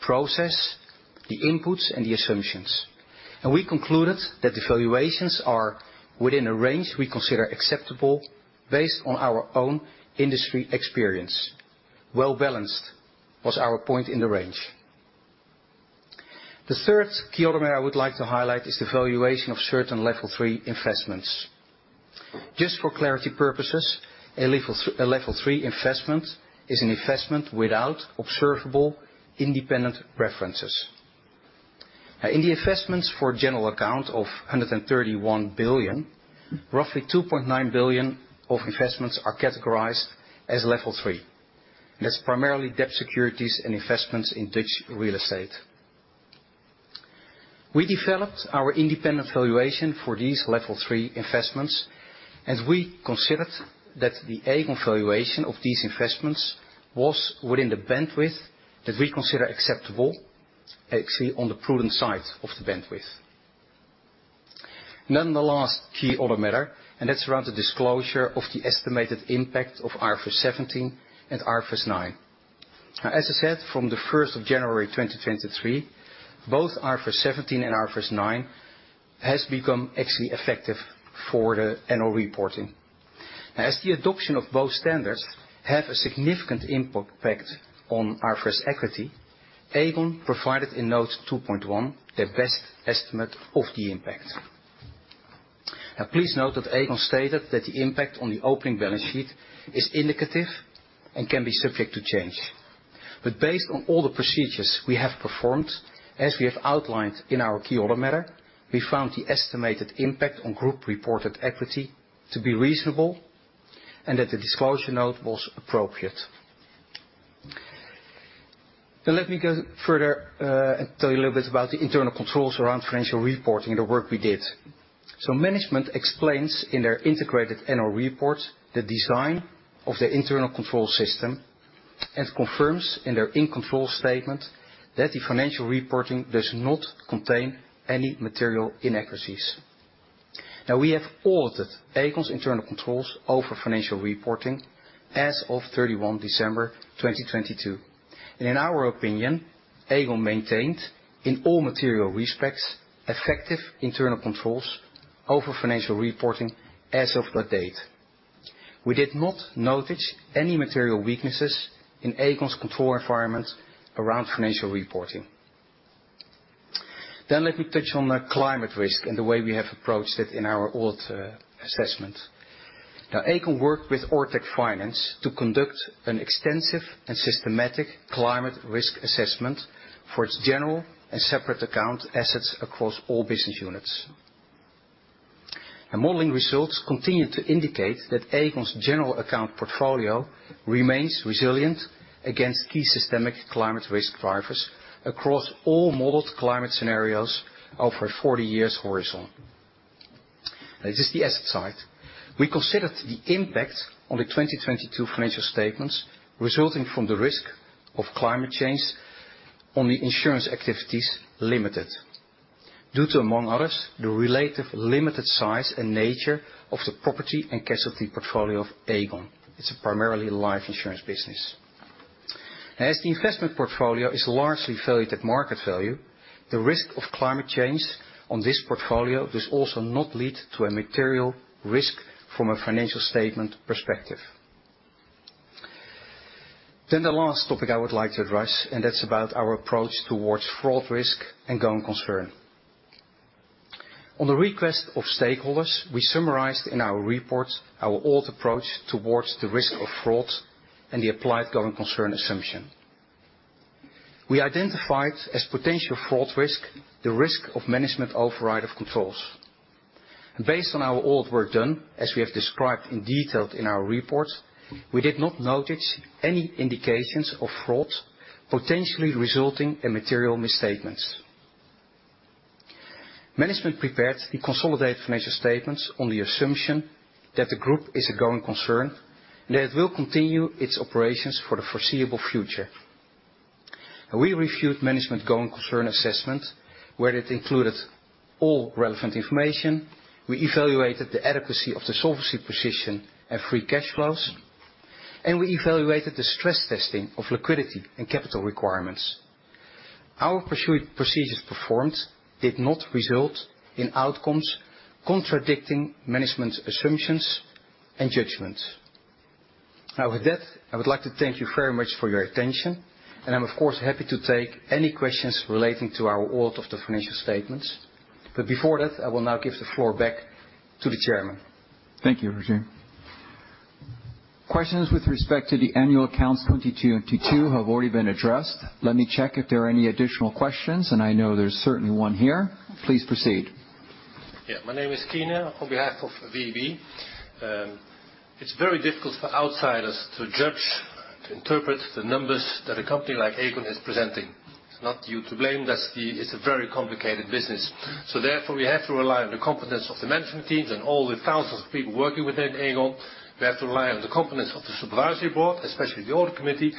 [SPEAKER 13] process, the inputs, and the assumptions. We concluded that the valuations are within a range we consider acceptable based on our own industry experience. Well-balanced was our point in the range. The third key audit matter I would like to highlight is the valuation of certain Level 3 investments. Just for clarity purposes, a Level 3 investment is an investment without observable independent references. In the investments for general account of 131 billion, roughly 2.9 billion of investments are categorized as Level 3. That's primarily debt securities and investments in Dutch real estate. We developed our independent valuation for these Level 3 investments. We considered that the Aegon valuation of these investments was within the bandwidth that we consider acceptable, actually, on the prudent side of the bandwidth. The last key audit matter, and that's around the disclosure of the estimated impact of IFRS 17 and IFRS 9. As I said, from the 1st of January 2023, both IFRS 17 and IFRS 9 has become actually effective for the annual reporting. As the adoption of both standards have a significant impact on IFRS equity, Aegon provided in note 2.1 their best estimate of the impact. Please note that Aegon stated that the impact on the opening balance sheet is indicative and can be subject to change. Based on all the procedures we have performed, as we have outlined in our key audit matter, we found the estimated impact on group reported equity to be reasonable and that the disclosure note was appropriate. Let me go further, and tell you a little bit about the internal controls around financial reporting, the work we did. Management explains in their integrated annual report, the design of their internal control system, and confirms in their in control statement that the financial reporting does not contain any material inaccuracies. We have audited Aegon's internal controls over financial reporting as of 31 December 2022. In our opinion, Aegon maintained, in all material respects, effective internal controls over financial reporting as of that date. We did not notice any material weaknesses in Aegon's control environment around financial reporting. Let me touch on the climate risk and the way we have approached it in our audit assessment. Aegon worked with Ortec Finance to conduct an extensive and systematic climate risk assessment for its general and separate account assets across all business units. The modeling results continued to indicate that Aegon's general account portfolio remains resilient against key systemic climate risk drivers across all modeled climate scenarios over a 40-years horizon. This is the asset side. We considered the impact on the 2022 financial statements resulting from the risk of climate change on the insurance activities limited. Due to, among others, the relative limited size and nature of the property and casualty portfolio of Aegon. It's primarily life insurance business. As the investment portfolio is largely valued at market value, the risk of climate change on this portfolio does also not lead to a material risk from a financial statement perspective.... The last topic I would like to address. That's about our approach towards fraud risk and going concern. On the request of stakeholders, we summarized in our report our old approach towards the risk of fraud and the applied going concern assumption. We identified as potential fraud risk, the risk of management override of controls. Based on our audit work done, as we have described in detail in our report, we did not notice any indications of fraud potentially resulting in material misstatements. Management prepared the consolidated financial statements on the assumption that the group is a going concern. That it will continue its operations for the foreseeable future. We reviewed management going concern assessment, where it included all relevant information. We evaluated the adequacy of the solvency position and free cash flows. We evaluated the stress testing of liquidity and capital requirements. Our pursuit procedures performed did not result in outcomes contradicting management's assumptions and judgments. With that, I would like to thank you very much for your attention, and I'm, of course, happy to take any questions relating to our audit of the financial statements. Before that, I will now give the floor back to the chairman.
[SPEAKER 1] Thank you, Roger. Questions with respect to the annual accounts 2022 and 2022 have already been addressed. Let me check if there are any additional questions. I know there's certainly one here. Please proceed.
[SPEAKER 7] My name is Kina. On behalf of VEB, it's very difficult for outsiders to judge, to interpret the numbers that a company like Aegon is presenting. It's not you to blame. It's a very complicated business. Therefore, we have to rely on the competence of the management teams and all the thousands of people working within Aegon. We have to rely on the competence of the supervisory board, especially the audit committee,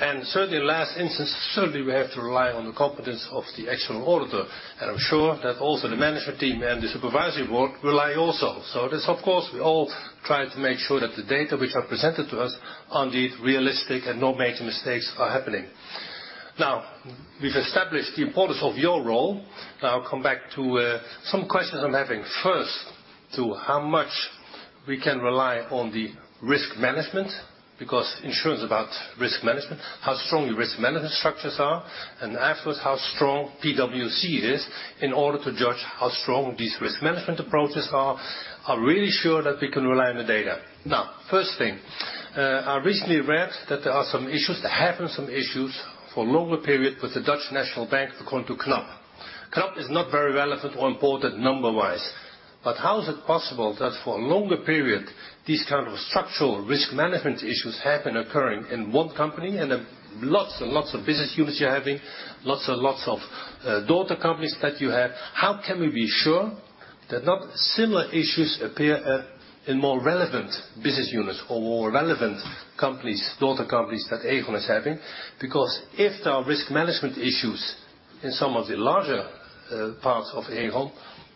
[SPEAKER 7] and certainly in last instance, certainly we have to rely on the competence of the external auditor. I'm sure that also the management team and the supervisory board rely also. This, of course, we all try to make sure that the data which are presented to us are indeed realistic and no major mistakes are happening. Now, we've established the importance of your role. I'll come back to some questions I'm having. First, to how much we can rely on the risk management, because insurance is about risk management, how strong your risk management structures are, and afterwards, how strong PwC is in order to judge how strong these risk management approaches are. Are we really sure that we can rely on the data? First thing, I recently read that there are some issues, that have been some issues for a longer period with De Nederlandsche Bank, according to Knab. Knab is not very relevant or important number-wise, how is it possible that for a longer period, these kind of structural risk management issues have been occurring in one company and lots and lots of business units you're having, lots and lots of daughter companies that you have. How can we be sure that not similar issues appear in more relevant business units or more relevant companies, daughter companies that Aegon is having? If there are risk management issues in some of the larger parts of Aegon,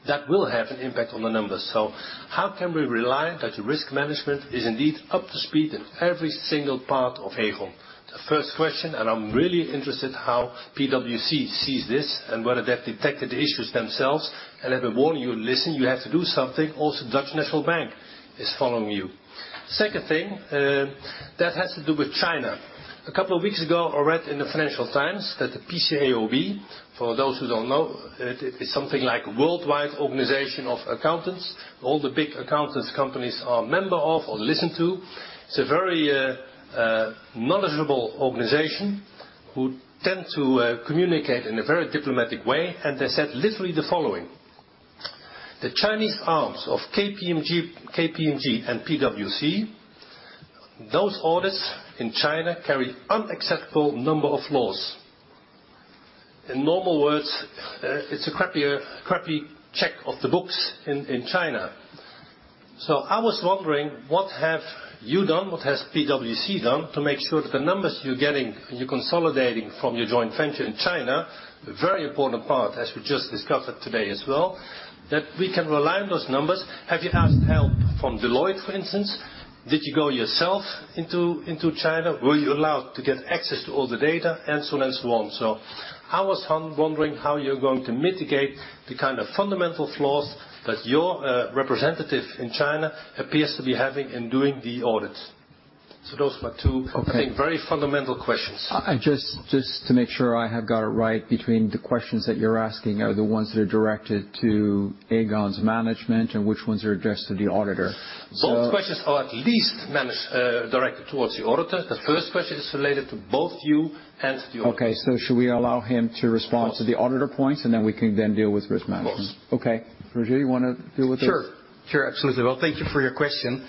[SPEAKER 7] that will have an impact on the numbers. How can we rely that the risk management is indeed up to speed in every single part of Aegon? The first question, and I'm really interested how PwC sees this and whether they've detected the issues themselves and have been warning you, "Listen, you have to do something. Also, De Nederlandsche Bank is following you." Second thing, that has to do with China. A couple of weeks ago, I read in the Financial Times that the PCAOB, for those who don't know, it is something like a worldwide organization of accountants. All the big accountants companies are member of or listen to. It's a very knowledgeable organization who tend to communicate in a very diplomatic way, and they said literally the following: "The Chinese arms of KPMG and PwC, those audits in China carry unacceptable number of flaws." In normal words, it's a crappy check of the books in China. I was wondering, what have you done, what has PwC done, to make sure that the numbers you're getting, you're consolidating from your joint venture in China, a very important part, as we just discussed today as well, that we can rely on those numbers. Have you asked help from Deloitte, for instance? Did you go yourself into China? Were you allowed to get access to all the data? So on and so on. I was wondering how you're going to mitigate the kind of fundamental flaws that your representative in China appears to be having in doing the audits. Those are my two.
[SPEAKER 1] Okay. very fundamental questions. Just to make sure I have got it right, between the questions that you're asking are the ones that are directed to Aegon's management and which ones are addressed to the auditor?
[SPEAKER 7] Both questions are at least manage directed towards the auditor. The first question is related to both you and the auditor.
[SPEAKER 1] Okay, should we allow him to respond to the auditor points, and then we can then deal with risk management?
[SPEAKER 7] Of course.
[SPEAKER 1] Okay. Roger, you want to deal with this?
[SPEAKER 13] Sure, sure. Absolutely. Well, thank you for your question.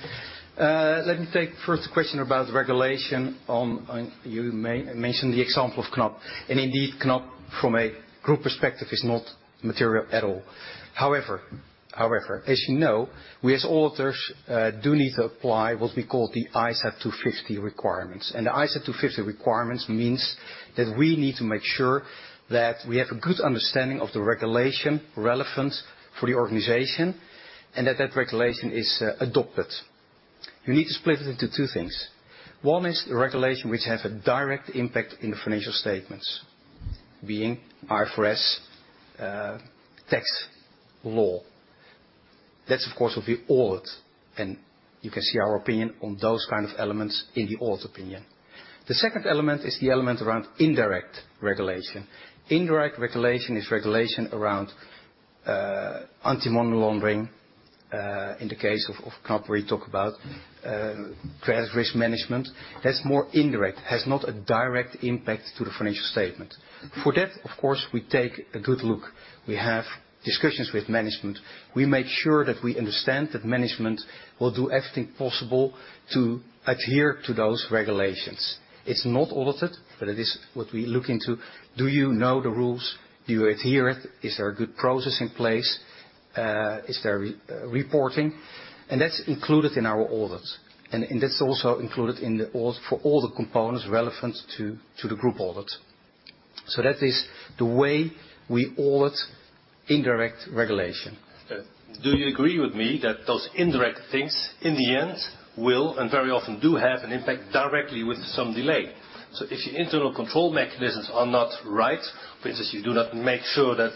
[SPEAKER 13] Let me take first the question about regulation on... You mentioned the example of Knab. Indeed, Knab, from a group perspective, is not material at all. However, as you know, we as auditors do need to apply what we call the ISA 250 requirements. The ISA 250 requirements means that we need to make sure that we have a good understanding of the regulation relevant for the organization and that that regulation is adopted. You need to split it into two things. One is the regulation, which have a direct impact in the financial statements, being IFRS, tax law. That, of course, will be audit, and you can see our opinion on those kind of elements in the audit opinion. The second element is the element around indirect regulation. Indirect regulation is regulation around anti-money laundering, in the case of Knab we talk about credit risk management. That's more indirect, has not a direct impact to the financial statement. For that, of course, we take a good look. We have discussions with management. We make sure that we understand that management will do everything possible to adhere to those regulations. It's not audited, but it is what we look into. Do you know the rules? Do you adhere it? Is there a good process in place? Is there reporting? That's included in our audits, and that's also included in the audit for all the components relevant to the group audit. That is the way we audit indirect regulation.
[SPEAKER 7] Do you agree with me that those indirect things, in the end, will, and very often do, have an impact directly with some delay? If your internal control mechanisms are not right, because you do not make sure that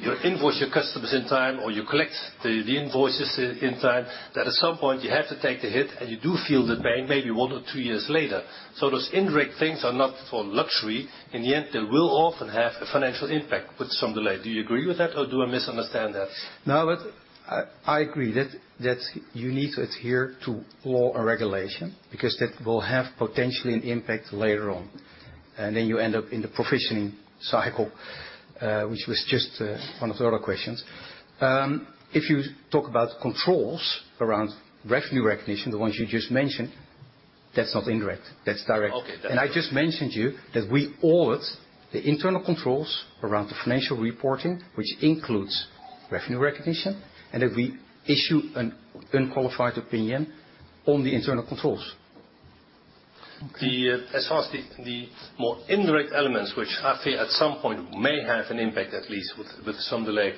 [SPEAKER 7] you invoice your customers in time, or you collect the invoices in time, that at some point you have to take the hit, and you do feel the pain, maybe one or two years later. Those indirect things are not for luxury. In the end, they will often have a financial impact with some delay. Do you agree with that, or do I misunderstand that?
[SPEAKER 13] I agree that you need to adhere to law and regulation because that will have potentially an impact later on, and then you end up in the provisioning cycle, which was just one of the other questions. If you talk about controls around revenue recognition, the ones you just mentioned, that's not indirect, that's direct.
[SPEAKER 7] Okay, direct.
[SPEAKER 13] I just mentioned to you that we audit the internal controls around the financial reporting, which includes revenue recognition, and that we issue an unqualified opinion on the internal controls.
[SPEAKER 7] The as far as the more indirect elements, which I feel at some point may have an impact, at least with some delay.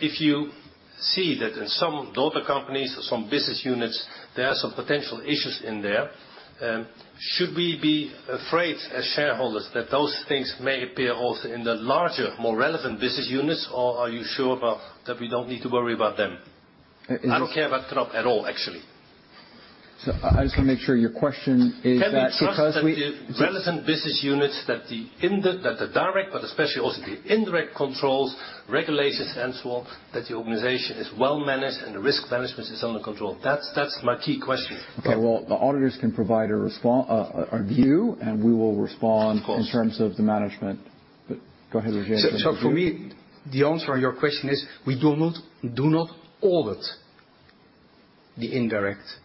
[SPEAKER 7] If you see that in some daughter companies or some business units, there are some potential issues in there, should we be afraid as shareholders that those things may appear also in the larger, more relevant business units? Are you sure about that we don't need to worry about them?
[SPEAKER 13] Is-
[SPEAKER 7] I don't care about Knab at all, actually.
[SPEAKER 1] I just want to make sure your question is that because.
[SPEAKER 7] Can we trust that the relevant business units, that the direct, but especially also the indirect controls, regulations, and so on, that the organization is well-managed, and the risk management is under control? That's my key question.
[SPEAKER 1] Okay. Well, the auditors can provide a view, and we will respond.
[SPEAKER 13] Of course.
[SPEAKER 7] in terms of the management. Go ahead, RJ.
[SPEAKER 13] For me, the answer to your question is: we do not audit the indirect regulations.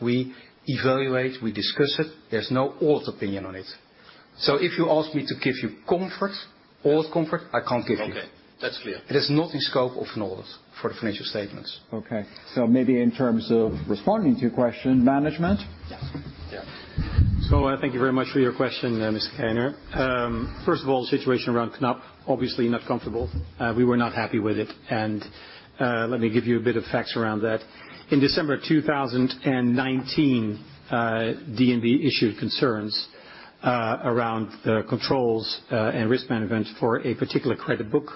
[SPEAKER 13] We evaluate, we discuss it. There's no audit opinion on it. If you ask me to give you comfort, audit comfort, I can't give you.
[SPEAKER 7] Okay. That's clear.
[SPEAKER 13] It is not the scope of an audit for the financial statements.
[SPEAKER 1] Okay. maybe in terms of responding to your question, management?
[SPEAKER 13] Yeah. Yeah.
[SPEAKER 2] Thank you very much for your question, Mr. Keiner. First of all, the situation around Knab, obviously not comfortable. We were not happy with it, let me give you a bit of facts around that. In December of 2019, DNB issued concerns around the controls and risk management for a particular credit book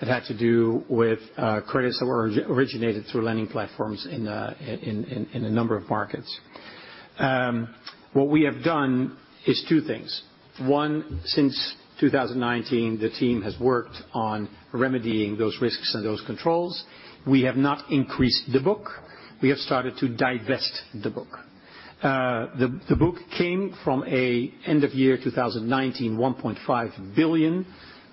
[SPEAKER 2] that had to do with credits that were originated through lending platforms in a number of markets. What we have done is 2 things. One, since 2019, the team has worked on remedying those risks and those controls. We have not increased the book. We have started to divest the book. The book came from a end of year 2019, 1.5 billion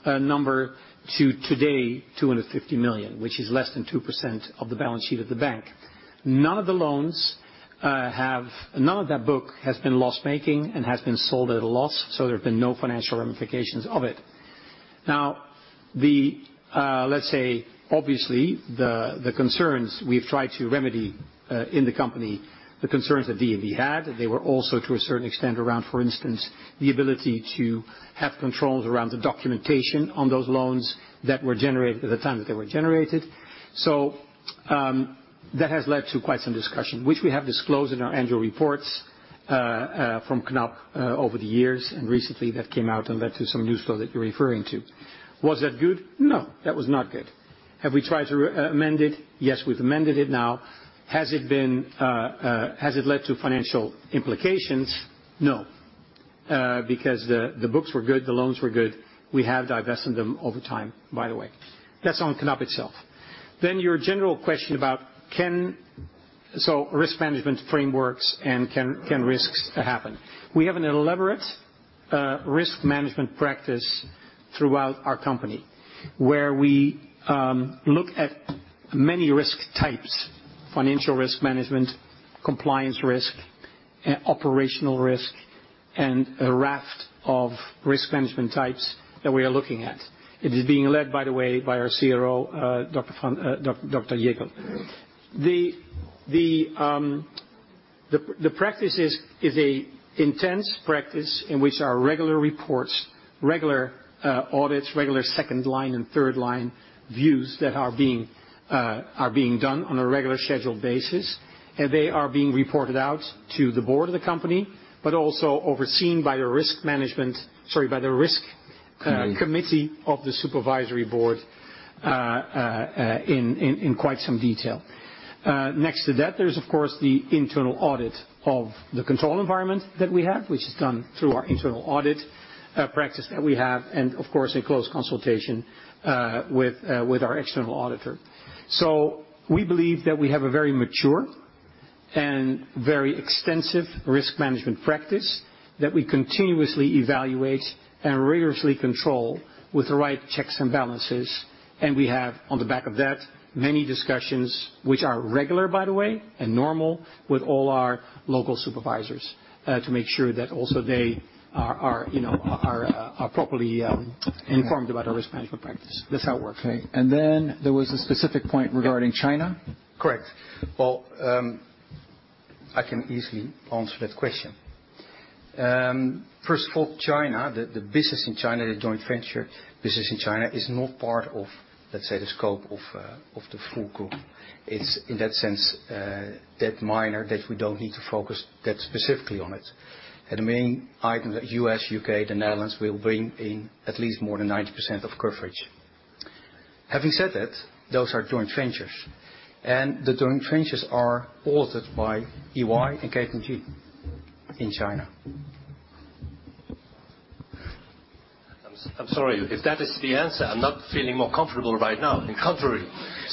[SPEAKER 2] number to today, 250 million, which is less than 2% of the balance sheet of the bank. None of that book has been loss-making and has been sold at a loss, so there have been no financial ramifications of it. Let's say, obviously, the concerns we've tried to remedy in the company, the concerns that DNB had, they were also, to a certain extent, around, for instance, the ability to have controls around the documentation on those loans that were generated at the time that they were generated. That has led to quite some discussion, which we have disclosed in our annual reports from Knab over the years, recently that came out, that is some news flow that you're referring to. Was that good? No, that was not good. Have we tried to amend it? Yes, we've amended it now. Has it led to financial implications? No, because the books were good, the loans were good. We have divested them over time, by the way. That's on Knab itself. Your general question about risk management frameworks and can risks happen? We have an elaborate, risk management practice throughout our company, where we look at many risk types: financial risk management, compliance risk, operational risk, and a raft of risk management types that we are looking at. It is being led, by the way, by our CRO, Dr. Astrid Jäkel. The practice is a intense practice in which our regular reports, regular audits, regular second line and third line views that are being done on a regular scheduled basis, and they are being reported out to the board of the company, but also overseen by the risk management sorry, by the risk committee....
[SPEAKER 13] committee of the Supervisory Board, in quite some detail. Next to that, there's of course, the internal audit of the control environment that we have, which is done through our internal audit practice that we have, and of course, in close consultation with our external auditor. We believe that we have a very mature and very extensive risk management practice that we continuously evaluate and rigorously control with the right checks and balances. We have, on the back of that, many discussions, which are regular, by the way, and normal with all our local supervisors, to make sure that also they are, you know, properly informed about our risk management practice. That's how it works.
[SPEAKER 1] Okay. Then there was a specific point regarding-.
[SPEAKER 13] Yeah.
[SPEAKER 1] -China?
[SPEAKER 13] Correct. Well, I can easily answer that question. First of all, China, the business in China, the joint venture business in China, is not part of, let's say, the scope of the full group. It's in that sense, that minor that we don't need to focus that specifically on it. The main items, U.S., U.K., the Netherlands, will bring in at least more than 90% of coverage. Having said that, those are joint ventures, and the joint ventures are audited by EY and KPMG in China.
[SPEAKER 7] I'm sorry, if that is the answer, I'm not feeling more comfortable right now, on the contrary.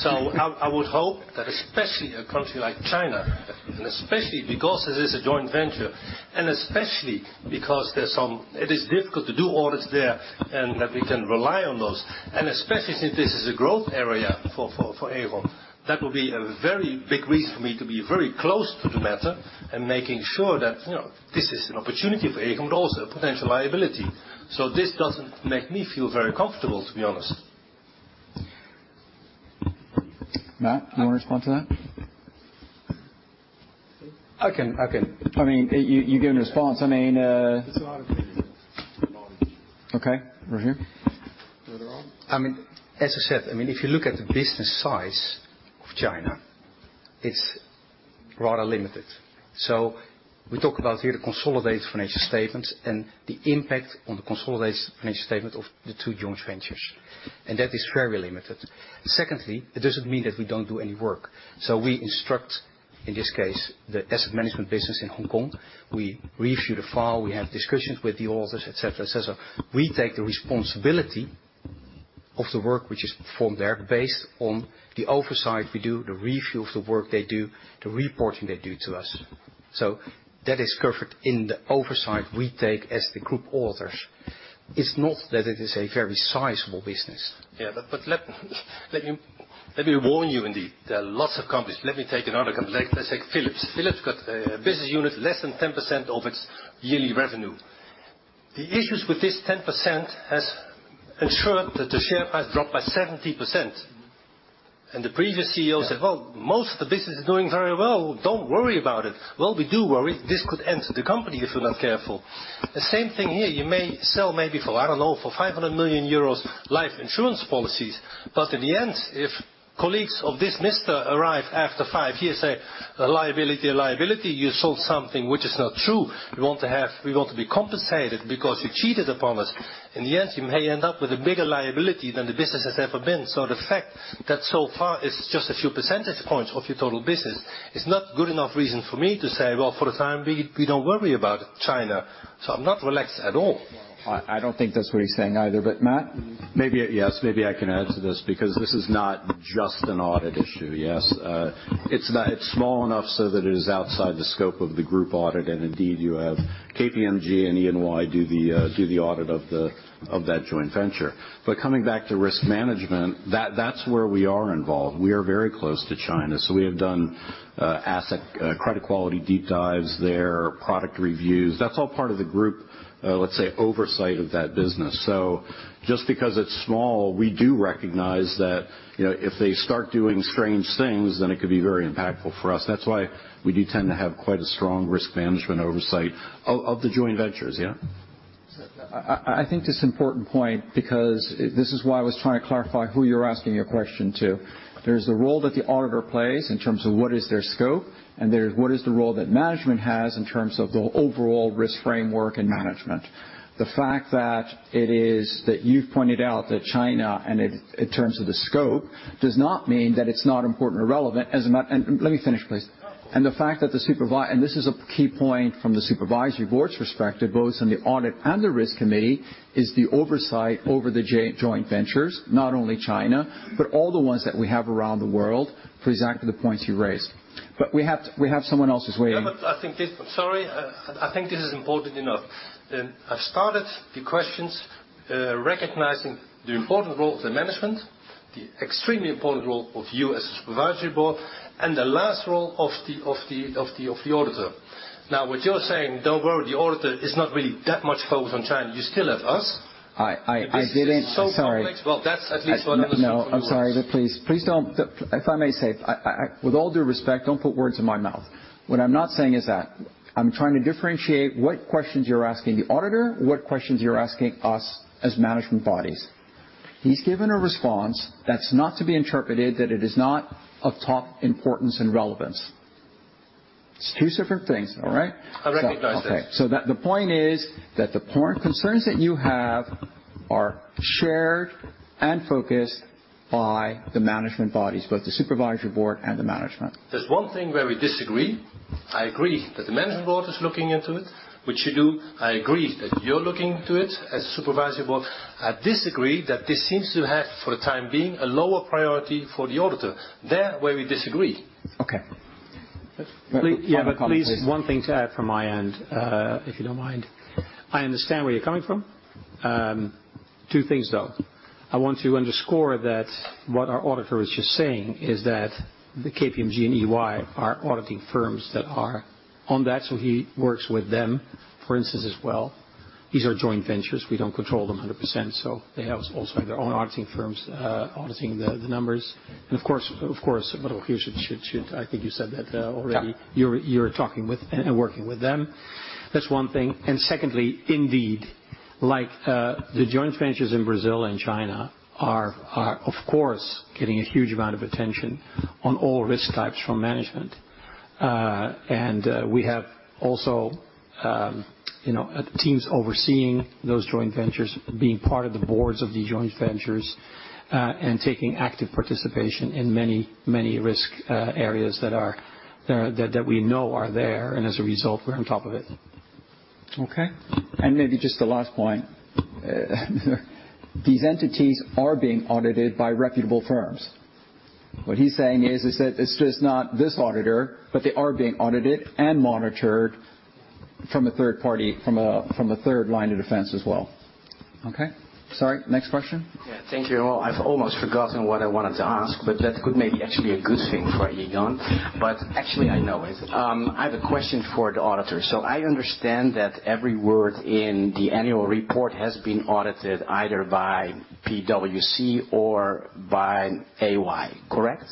[SPEAKER 7] I would hope that especially a country like China, and especially because it is a joint venture, and especially because there's some. It is difficult to do audits there, and that we can rely on those, and especially since this is a growth area for Aegon, that would be a very big reason for me to be very close to the matter and making sure that, you know, this is an opportunity for Aegon, but also a potential liability. This doesn't make me feel very comfortable, to be honest.
[SPEAKER 1] Matt, you want to respond to that?
[SPEAKER 13] I can.
[SPEAKER 1] I mean, you gave a response. I mean.
[SPEAKER 6] It's not a big issue.
[SPEAKER 1] Okay, right here.
[SPEAKER 13] As I said, I mean, if you look at the business size of China, it's rather limited. We talk about here the consolidated financial statements and the impact on the consolidated financial statement of the two joint ventures, and that is very limited. Secondly, it doesn't mean that we don't do any work. We instruct, in this case, the asset management business in Hong Kong. We review the file, we have discussions with the auditors, et cetera, et cetera. We take the responsibility of the work which is performed there, based on the oversight we do, the review of the work they do, the reporting they do to us. That is covered in the oversight we take as the group auditors. It's not that it is a very sizable business.
[SPEAKER 7] Yeah, but let me warn you, indeed, there are lots of companies. Let me take another company. Let's take Philips. Philips got a business unit, less than 10% of its yearly revenue. The issues with this 10% has ensured that the share price dropped by 70%. The previous CEO said, "Well, most of the business is doing very well. Don't worry about it." Well, we do worry. This could answer the company if you're not careful. The same thing here, you may sell maybe for, I don't know, for 500 million euros life insurance policies, but in the end, if colleagues of this mister arrive after five years, say, "A liability. You sold something which is not true. We want to be compensated because you cheated upon us." In the end, you may end up with a bigger liability than the business has ever been. The fact that so far it's just a few percentage points of your total business is not good enough reason for me to say, "Well, for the time being, we don't worry about China." I'm not relaxed at all.
[SPEAKER 1] I don't think that's what he's saying either, but Matt?
[SPEAKER 6] Maybe, yes, maybe I can add to this, because this is not just an audit issue. Yes, it's small enough so that it is outside the scope of the group audit, and indeed, you have KPMG and EY do the audit of that joint venture. Coming back to risk management, that's where we are involved. We are very close to China, so we have done asset credit quality, deep dives there, product reviews. That's all part of the group, let's say, oversight of that business. Just because it's small, we do recognize that, you know, if they start doing strange things, then it could be very impactful for us. That's why we do tend to have quite a strong risk management oversight of the joint ventures. Yeah.
[SPEAKER 1] I think this important point, because this is why I was trying to clarify who you're asking your question to. There's the role that the auditor plays in terms of what is their scope, and there is what is the role that management has in terms of the overall risk framework and management. The fact that it is, that you've pointed out that China, and in terms of the scope, does not mean that it's not important or relevant. Let me finish, please.
[SPEAKER 7] No.
[SPEAKER 1] The fact that the supervisor, and this is a key point from the supervisory board's perspective, both on the audit and the risk committee, is the oversight over the joint ventures, not only China, but all the ones that we have around the world, for exactly the points you raised. We have someone else who's waiting.
[SPEAKER 7] Yeah, I think this is important enough. I've started the questions, recognizing the important role of the management, the extremely important role of you as a Supervisory Board, and the last role of the auditor. Now, what you're saying, "Don't worry, the auditor is not really that much focused on China." You still have us.
[SPEAKER 1] I didn't.
[SPEAKER 7] It's so complex. Well, that's at least.
[SPEAKER 1] No, I'm sorry, but please don't. If I may say, I, with all due respect, don't put words in my mouth. What I'm not saying is that. I'm trying to differentiate what questions you're asking the auditor, what questions you're asking us as management bodies. He's given a response that's not to be interpreted, that it is not of top importance and relevance. It's two separate things, all right?
[SPEAKER 7] I recognize that.
[SPEAKER 1] That the point is, that the concern that you have are shared and focused by the management bodies, both the Supervisory Board and the management.
[SPEAKER 7] There's one thing where we disagree. I agree that the management board is looking into it, which you do. I agree that you're looking into it as supervisory board. I disagree that this seems to have, for the time being, a lower priority for the auditor. There, where we disagree.
[SPEAKER 1] Okay.
[SPEAKER 2] Please, one thing to add from my end, if you don't mind. I understand where you're coming from. Two things, though. I want to underscore that what our auditor is just saying is that the KPMG and EY are auditing firms that are on that, so he works with them, for instance, as well. These are joint ventures. We don't control them 100%, so they have also their own auditing firms auditing the numbers. Of course, of course, you should, I think you said that already.
[SPEAKER 7] Yeah.
[SPEAKER 2] You're talking with and working with them. That's one thing. Secondly, indeed, like, the joint ventures in Brazil and China are of course, getting a huge amount of attention on all risk types from management. We have also, you know, teams overseeing those joint ventures, being part of the boards of the joint ventures, and taking active participation in many, many risk areas that we know are there, and as a result, we're on top of it.
[SPEAKER 1] Okay. Maybe just the last point. These entities are being audited by reputable firms. What he's saying is that it's just not this auditor, but they are being audited and monitored from a third party, from a third line of defense as well. Okay. Sorry, next question.
[SPEAKER 7] Yeah, thank you. I've almost forgotten what I wanted to ask, that could maybe actually a good thing for Aegon. Actually, I know it. I have a question for the auditor. I understand that every word in the annual report has been audited either by PwC or by EY. Correct?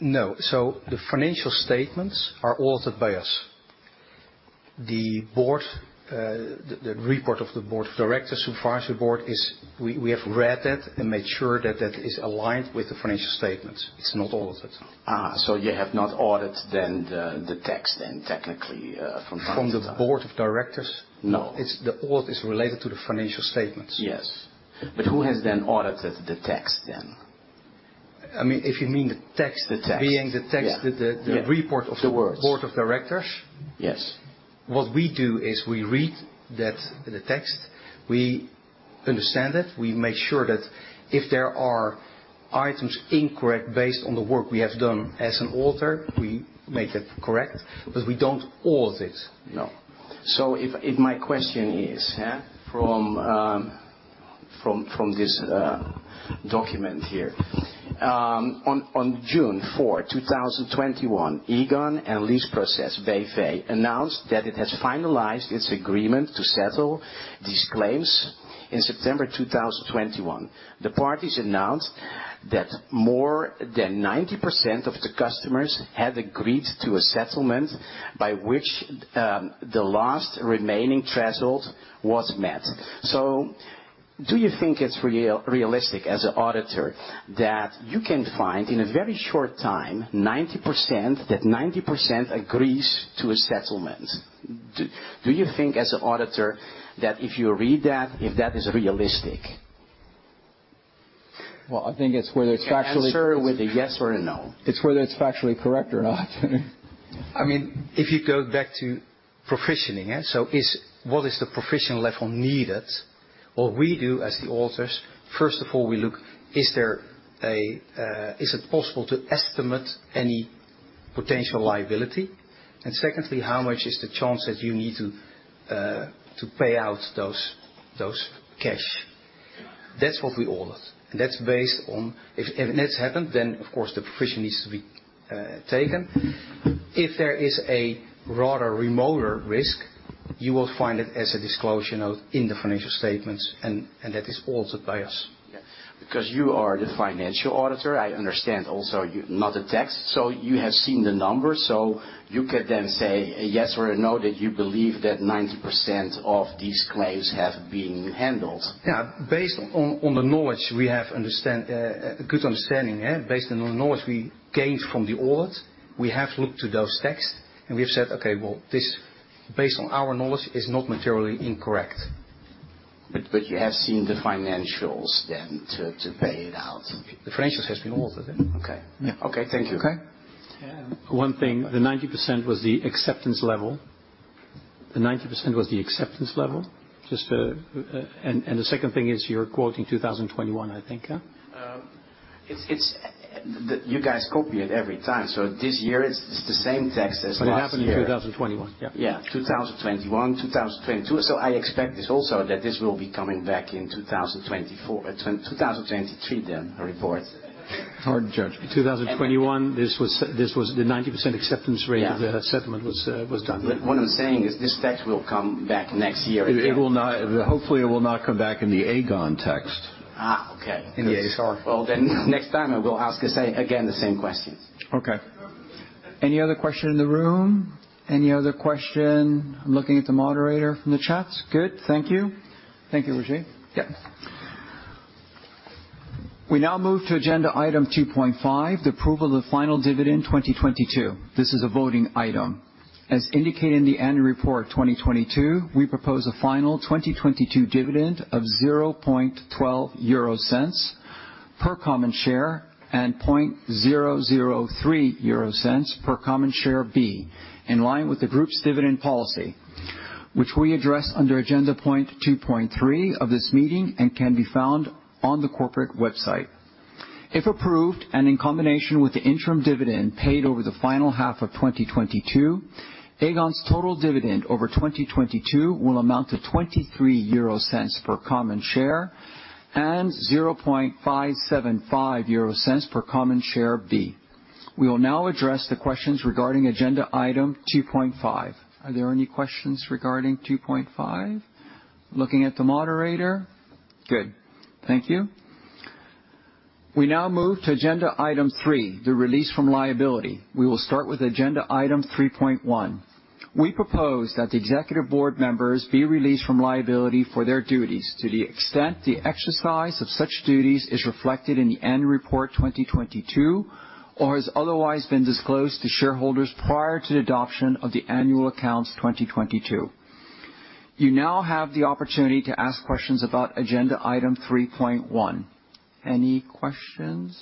[SPEAKER 13] No. The financial statements are audited by us. The report of the Board of Directors, Supervisory Board, is we have read that and made sure that that is aligned with the financial statements. It's not audited.
[SPEAKER 7] you have not audited then the text then, technically?
[SPEAKER 13] From the board of directors?
[SPEAKER 7] No.
[SPEAKER 13] The audit is related to the financial statements.
[SPEAKER 7] Yes, Who has then audited the text then?
[SPEAKER 13] I mean, if you mean the text-
[SPEAKER 7] The text.
[SPEAKER 13] being the text.
[SPEAKER 7] Yeah.
[SPEAKER 13] the report-
[SPEAKER 7] The words.
[SPEAKER 13] of the board of directors?
[SPEAKER 7] Yes.
[SPEAKER 13] What we do is we read that, the text, we understand it, we make sure that if there are items incorrect, based on the work we have done as an author, we make it correct, but we don't audit. No.
[SPEAKER 7] If my question.
[SPEAKER 13] Yeah.
[SPEAKER 7] from this document here. On June 4, 2021, Aegon and Leaseproces B.V. announced that it has finalized its agreement to settle these claims in September 2021. The parties announced that more than 90% of the customers had agreed to a settlement by which the last remaining threshold was met. Do you think it's realistic, as an auditor, that you can find, in a very short time, 90%, that 90% agrees to a settlement? Do you think, as an auditor, that if you read that, if that is realistic?
[SPEAKER 13] Well, I think it's whether it's factually-
[SPEAKER 7] Answer with a yes or a no.
[SPEAKER 13] It's whether it's factually correct or not.
[SPEAKER 7] I mean.
[SPEAKER 13] If you go back to professioning. What is the professional level needed? What we do as the auditors, first of all, we look, is there a, is it possible to estimate any potential liability? Secondly, how much is the chance that you need to pay out those cash? That's what we audit, and that's based on if that's happened, then, of course, the provision needs to be taken. If there is a broader, remoter risk, you will find it as a disclosure note in the financial statements, and that is audited by us.
[SPEAKER 7] You are the financial auditor, I understand also, you not the text, so you have seen the numbers, so you could then say a yes or a no, that you believe that 90% of these claims have been handled.
[SPEAKER 13] Yeah. Based on the knowledge, we have understand, a good understanding, yeah. Based on the knowledge we gained from the audit, we have looked to those texts, and we have said, "Okay, well, this, based on our knowledge, is not materially incorrect.
[SPEAKER 7] You have seen the financials then, to pay it out?
[SPEAKER 13] The financials has been audited.
[SPEAKER 7] Okay.
[SPEAKER 13] Yeah.
[SPEAKER 7] Okay, thank you.
[SPEAKER 1] Okay.
[SPEAKER 2] One thing, the 90% was the acceptance level. Just, the second thing is, you're quoting 2021, I think, yeah?
[SPEAKER 7] It's You guys copy it every time. This year it's the same text as last year.
[SPEAKER 2] It happened in 2021. Yeah.
[SPEAKER 7] Yeah, 2021, 2022. I expect this also, that this will be coming back in 2024, 2023, then, report.
[SPEAKER 1] Hard to judge.
[SPEAKER 2] 2021, this was the 90% acceptance rate.
[SPEAKER 7] Yeah.
[SPEAKER 2] of the settlement was done.
[SPEAKER 7] What I'm saying is, this text will come back next year.
[SPEAKER 1] Hopefully, it will not come back in the Aegon text.
[SPEAKER 7] Okay.
[SPEAKER 2] In the-
[SPEAKER 7] Well, next time I will ask the same, again, the same questions.
[SPEAKER 1] Okay. Any other question in the room? Any other question, looking at the moderator from the chat? Good. Thank you. Thank you, Roger. We now move to agenda item 2.5, the approval of the final dividend 2022. This is a voting item. As indicated in the annual report 2022, we propose a final 2022 dividend of 0.12 euro cents per common share and 0.003 euro cents per Common Share B, in line with the group's dividend policy, which we address under agenda point 2.3 of this meeting and can be found on the corporate website. If approved, in combination with the interim dividend paid over the final half of 2022, Aegon's total dividend over 2022 will amount to 0.23 per common share and 0.00575 per Common Share B. We will now address the questions regarding agenda item 2.5. Are there any questions regarding 2.5? Looking at the moderator. Good. Thank you. We now move to agenda item 3, the release from liability. We will start with agenda item 3.1. We propose that the Executive Board members be released from liability for their duties to the extent the exercise of such duties is reflected in the end report 2022, or has otherwise been disclosed to shareholders prior to the adoption of the annual accounts 2022. You now have the opportunity to ask questions about agenda item 3.1. Any questions?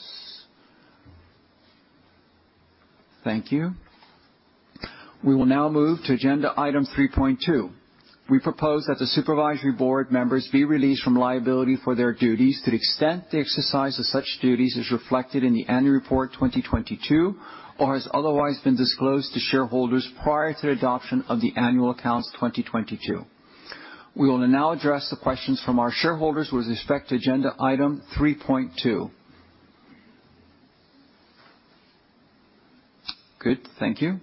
[SPEAKER 1] Thank you. We will now move to agenda item 3.2. We propose that the supervisory board members be released from liability for their duties to the extent the exercise of such duties is reflected in the annual report 2022, or has otherwise been disclosed to shareholders prior to the adoption of the annual accounts 2022. We will now address the questions from our shareholders with respect to agenda item 3.2. Good, thank you.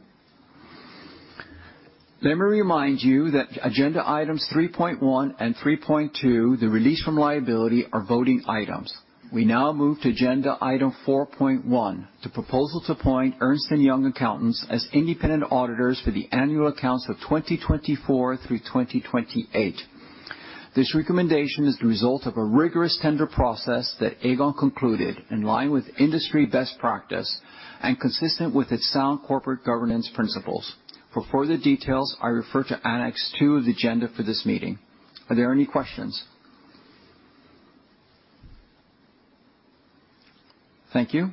[SPEAKER 1] Let me remind you that agenda items 3.1 and 3.2, the release from liability, are voting items. We now move to agenda item 4.1, the proposal to appoint Ernst & Young Accountants as independent auditors for the annual accounts of 2024 through 2028. This recommendation is the result of a rigorous tender process that Aegon concluded in line with industry best practice and consistent with its sound corporate governance principles. For further details, I refer to annex 2 of the agenda for this meeting. Are there any questions? Thank you.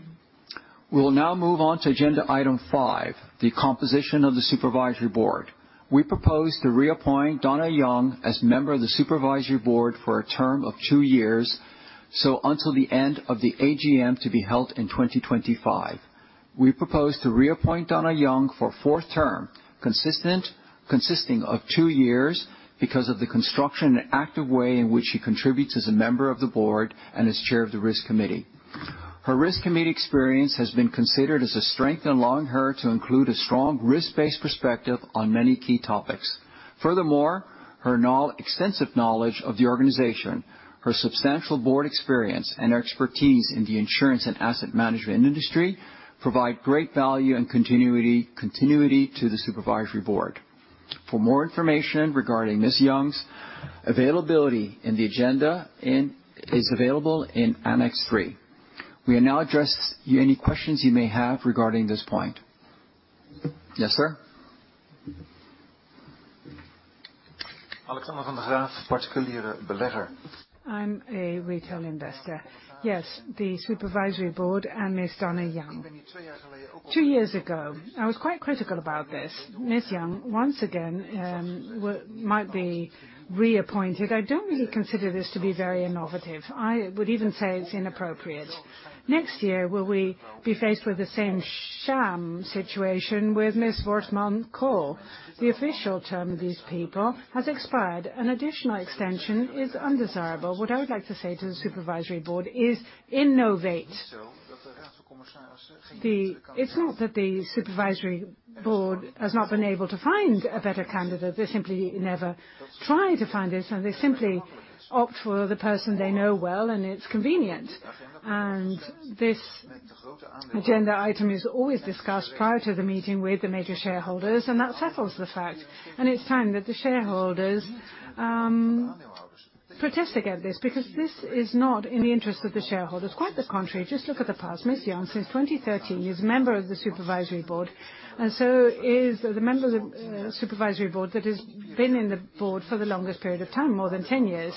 [SPEAKER 1] We will now move on to agenda item 5, the composition of the supervisory board. We propose to reappoint Donna Young as member of the supervisory board for a term of 2 years, so until the end of the AGM to be held in 2025. We propose to reappoint Donna Young for a fourth term, consisting of 2 years because of the construction and active way in which she contributes as a member of the board and as chair of the risk committee. Her risk committee experience has been considered as a strength, allowing her to include a strong risk-based perspective on many key topics. Furthermore, her extensive knowledge of the organization, her substantial board experience and expertise in the insurance and asset management industry provide great value and continuity to the supervisory board. For more information regarding Ms. Young's availability in the agenda, is available in annex 3. We will now address any questions you may have regarding this point. Yes, sir? Alexander van der Graaf, particuliere belegger.
[SPEAKER 3] I'm a retail investor. Yes, the Supervisory Board and Ms. Dona Young. Two years ago, I was quite critical about this. Ms. Young, once again, might be reappointed. I don't really consider this to be very innovative. I would even say it's inappropriate. Next year, will we be faced with the same sham situation with Ms. Wortmann-Kool? The official term of these people has expired. An additional extension is undesirable. What I would like to say to the Supervisory Board is innovate. It's not that the Supervisory Board has not been able to find a better candidate. They simply never try to find this, and they simply opt for the person they know well, and it's convenient. This agenda item is always discussed prior to the meeting with the major shareholders, that settles the fact, it's time that the shareholders protest against this, because this is not in the interest of the shareholders. Quite the contrary, just look at the past. Ms. Young, since 2013, is a member of the Supervisory Board, and so is the member of the Supervisory Board that has been in the board for the longest period of time, more than 10 years.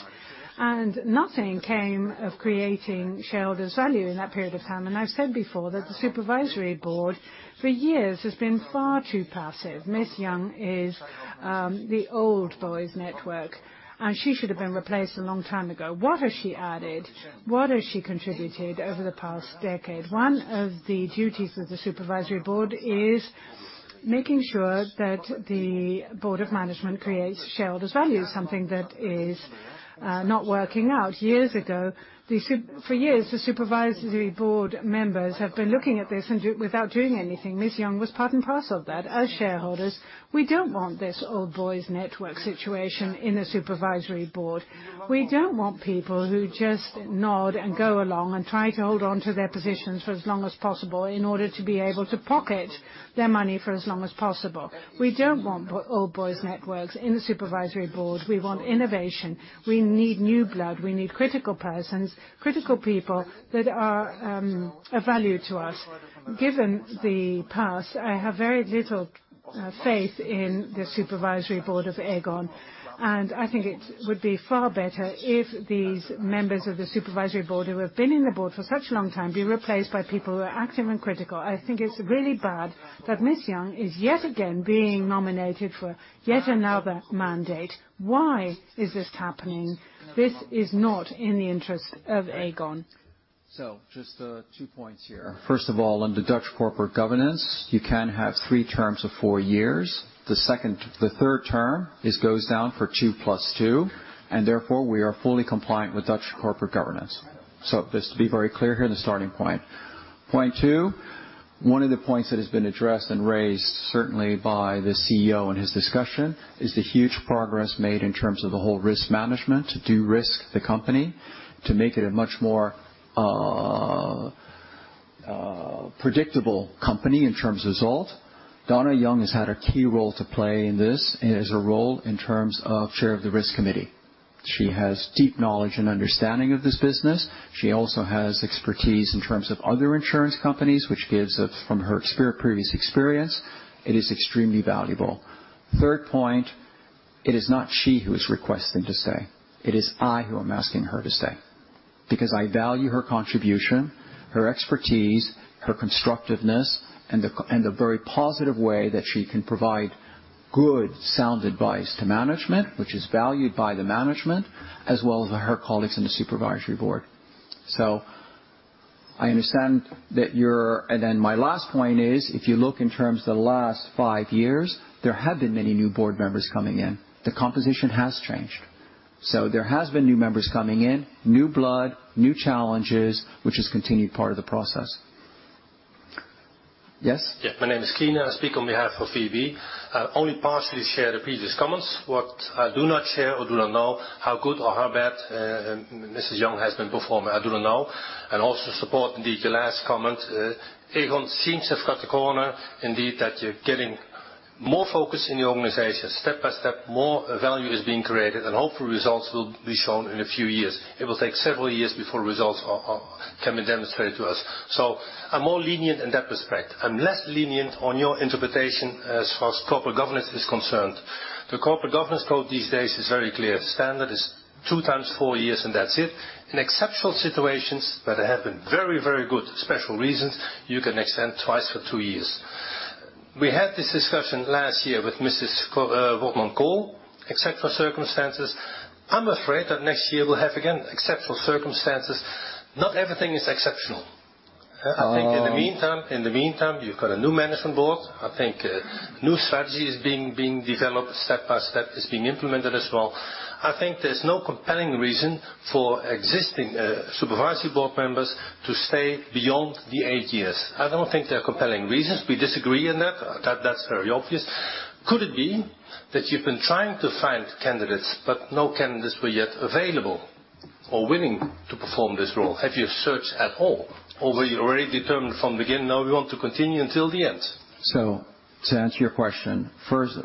[SPEAKER 3] Nothing came of creating shareholder value in that period of time. I've said before that the Supervisory Board, for years, has been far too passive. Ms. Young is the old boys network, and she should have been replaced a long time ago. What has she added? What has she contributed over the past decade? One of the duties of the supervisory board is making sure that the board of management creates shareholders value, something that is not working out. Years ago, for years, the supervisory board members have been looking at this and do, without doing anything. Ms. Young was part and parcel of that. As shareholders, we don't want this old boys network situation in a supervisory board. We don't want people who just nod and go along and try to hold on to their positions for as long as possible in order to be able to pocket their money for as long as possible. We don't want old boys networks in the supervisory board. We want innovation. We need new blood. We need critical persons, critical people that are a value to us. Given the past, I have very little faith in the supervisory board of Aegon. I think it would be far better if these members of the supervisory board, who have been in the board for such a long time, be replaced by people who are active and critical. I think it's really bad that Ms. Young is yet again being nominated for yet another mandate. Why is this happening? This is not in the interest of Aegon.
[SPEAKER 1] Just 2 points here. First of all, under Dutch corporate governance, you can have 3 terms of 4 years. The third term is goes down for 2 plus 2, and therefore, we are fully compliant with Dutch corporate governance. Just to be very clear here, the starting point. Point 2, one of the points that has been addressed and raised, certainly by the CEO in his discussion, is the huge progress made in terms of the whole risk management, to de-risk the company, to make it a much more predictable company in terms of result. Dona Young has had a key role to play in this, and has a role in terms of Chair of the Risk Committee. She has deep knowledge and understanding of this business. She also has expertise in terms of other insurance companies, which gives us from her previous experience, it is extremely valuable. Third point, it is not she who is requesting to stay. It is I who am asking her to stay, because I value her contribution, her expertise, her constructiveness, and the very positive way that she can provide good, sound advice to management, which is valued by the management, as well as her colleagues in the supervisory board. My last point is, if you look in terms of the last five years, there have been many new board members coming in. The composition has changed. There has been new members coming in, new blood, new challenges, which is continued part of the process. Yes?
[SPEAKER 7] My name is Kina. I speak on behalf of VB. I only partially share the previous comments. What I do not share or do not know, how good or how bad, Ms. Young has been performing, I do not know, and also support, indeed, your last comment. Aegon seems to have got the corner, indeed, that you're getting more focus in the organization. Step by step, more value is being created, and hopefully, results will be shown in a few years. It will take several years before results are can be demonstrated to us. I'm more lenient in that respect. I'm less lenient on your interpretation as far as corporate governance is concerned. The corporate governance code these days is very clear. Standard is 2 times 4 years, and that's it. In exceptional situations, where there have been very good special reasons, you can extend twice for two years. We had this discussion last year with Mrs. Vormankool, exceptional circumstances. I'm afraid that next year we'll have again, exceptional circumstances. Not everything is exceptional.
[SPEAKER 1] Uh.
[SPEAKER 7] I think in the meantime, you've got a new management board. I think a new strategy is being developed step by step, is being implemented as well. I think there's no compelling reason for existing supervisory board members to stay beyond the eight years. I don't think there are compelling reasons. We disagree on that. That's very obvious. Could it be that you've been trying to find candidates, but no candidates were yet available or willing to perform this role? Have you searched at all, or were you already determined from the beginning, "No, we want to continue until the end?
[SPEAKER 1] To answer your question, first,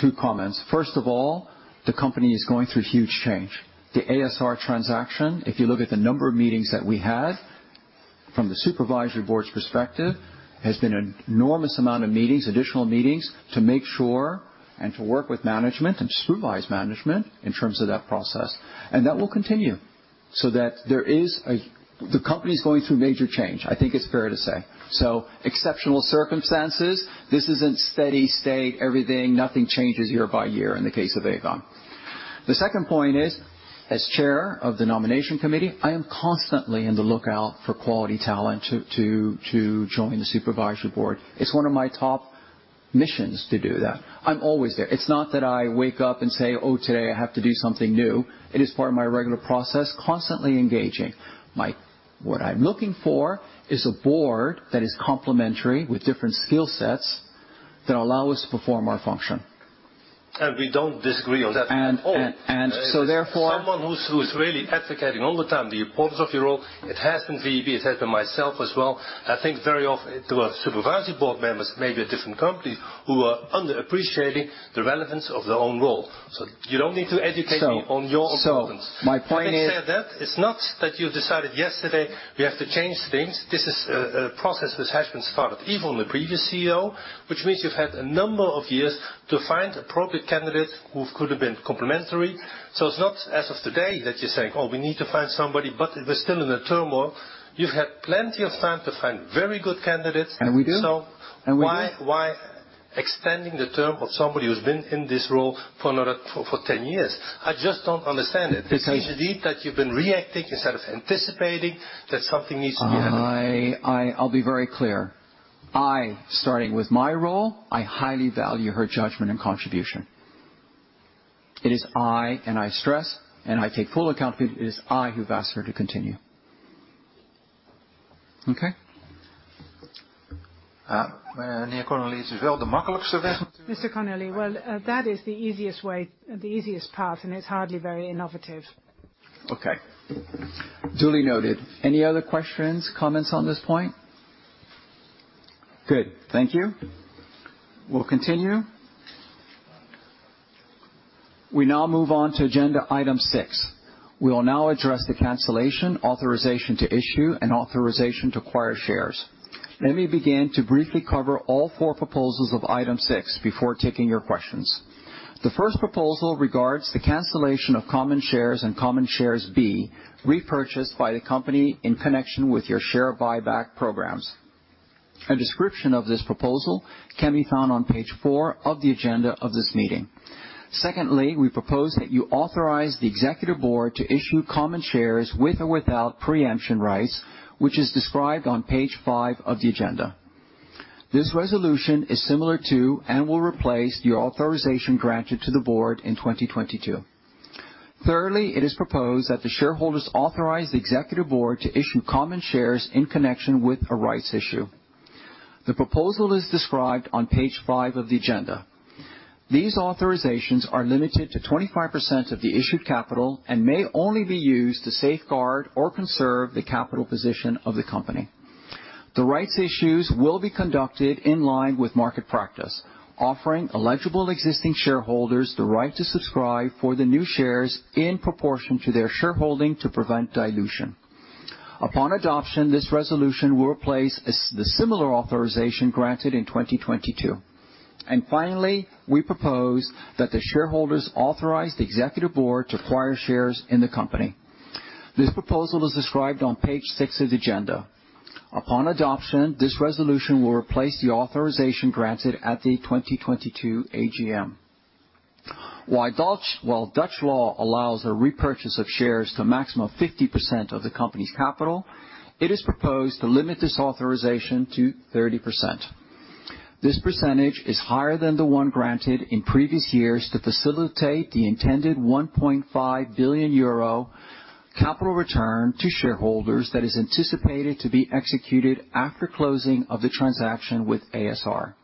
[SPEAKER 1] two comments. First of all, the company is going through huge change. The a.s.r. transaction, if you look at the number of meetings that we had from the Supervisory Board's perspective, has been an enormous amount of meetings, additional meetings, to make sure and to work with management and supervise management in terms of that process, and that will continue. The company is going through major change, I think it's fair to say. Exceptional circumstances, this isn't steady state, everything, nothing changes year by year in the case of Aegon. The second point is, as Chair of the Nomination Committee, I am constantly on the lookout for quality talent to join the Supervisory Board. It's one of my top missions to do that. I'm always there. It's not that I wake up and say, "Oh, today I have to do something new." It is part of my regular process, constantly engaging. What I'm looking for is a board that is complementary with different skill sets that allow us to perform our function.
[SPEAKER 7] We don't disagree on that at all.
[SPEAKER 1] And, and, and so therefore-
[SPEAKER 7] Someone who's really advocating all the time, the importance of your role. It has been VB, it has been myself as well. I think very often there were supervisory board members, maybe at different companies, who are underappreciating the relevance of their own role. You don't need to educate me on your importance.
[SPEAKER 1] my point.
[SPEAKER 7] Having said that, it's not that you decided yesterday you have to change things. This is a process that has been started even with the previous CEO, which means you've had a number of years to find appropriate candidates who could have been complementary. It's not as of today that you're saying, "Oh, we need to find somebody, but we're still in a turmoil." You've had plenty of time to find very good candidates.
[SPEAKER 1] We do.
[SPEAKER 7] So-
[SPEAKER 1] We do.
[SPEAKER 7] Why extending the term of somebody who's been in this role for another, for 10 years? I just don't understand it.
[SPEAKER 1] Because-
[SPEAKER 7] It seems to me that you've been reacting instead of anticipating that something needs to be done.
[SPEAKER 1] I'll be very clear. I, starting with my role, I highly value her judgment and contribution. It is I, and I stress, and I take full account, it is I who've asked her to continue. Okay? William L. Connelly.
[SPEAKER 14] Mr. Connelly, well, that is the easiest way, the easiest path, and it's hardly very innovative.
[SPEAKER 1] Okay, duly noted. Any other questions, comments on this point? Good. Thank you. We'll continue. We now move on to agenda item 6. We will now address the cancellation, authorization to issue, and authorization to acquire shares. Let me begin to briefly cover all 4 proposals of item 6 before taking your questions. The first proposal regards the cancellation of common shares and Common Shares B, repurchased by the company in connection with your share buyback programs. A description of this proposal can be found on page 4 of the agenda of this meeting. Secondly, we propose that you authorize the executive board to issue common shares with or without preemption rights, which is described on page 5 of the agenda. This resolution is similar to, and will replace, the authorization granted to the board in 2022. Thirdly, it is proposed that the shareholders authorize the executive board to issue common shares in connection with a rights issue. The proposal is described on page five of the agenda. These authorizations are limited to 25% of the issued capital and may only be used to safeguard or conserve the capital position of the company. The rights issues will be conducted in line with market practice, offering eligible existing shareholders the right to subscribe for the new shares in proportion to their shareholding to prevent dilution. Upon adoption, this resolution will replace the similar authorization granted in 2022. Finally, we propose that the shareholders authorize the executive board to acquire shares in the company. This proposal is described on page six of the agenda. Upon adoption, this resolution will replace the authorization granted at the 2022 AGM. While Dutch law allows a repurchase of shares to a maximum of 50% of the company's capital, it is proposed to limit this authorization to 30%. This percentage is higher than the one granted in previous years to facilitate the intended 1.5 billion euro capital return to shareholders that is anticipated to be executed after closing of the transaction with a.s.r.,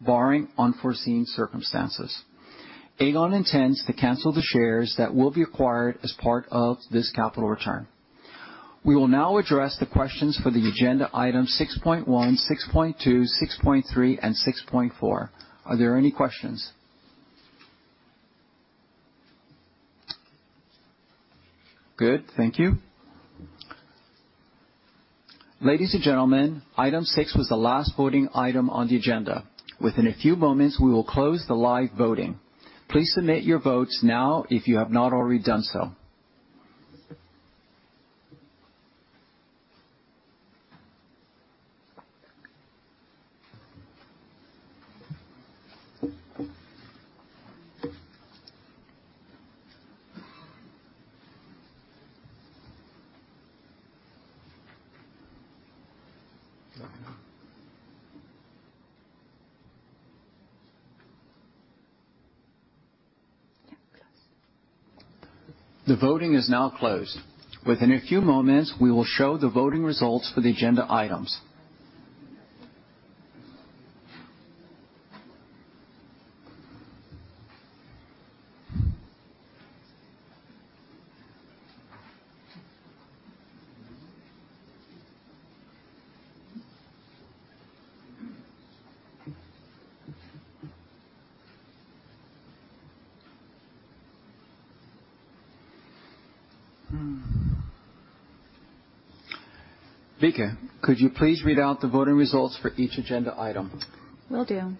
[SPEAKER 1] barring unforeseen circumstances. Aegon intends to cancel the shares that will be acquired as part of this capital return. We will now address the questions for the agenda item 6.1, 6.2, 6.3, and 6.4. Are there any questions? Good, thank you. Ladies and gentlemen, item 6 was the last voting item on the agenda. Within a few moments, we will close the live voting. Please submit your votes now, if you have not already done so.
[SPEAKER 14] Yeah, close.
[SPEAKER 1] The voting is now closed. Within a few moments, we will show the voting results for the agenda items. Lieke, could you please read out the voting results for each agenda item?
[SPEAKER 14] Will do.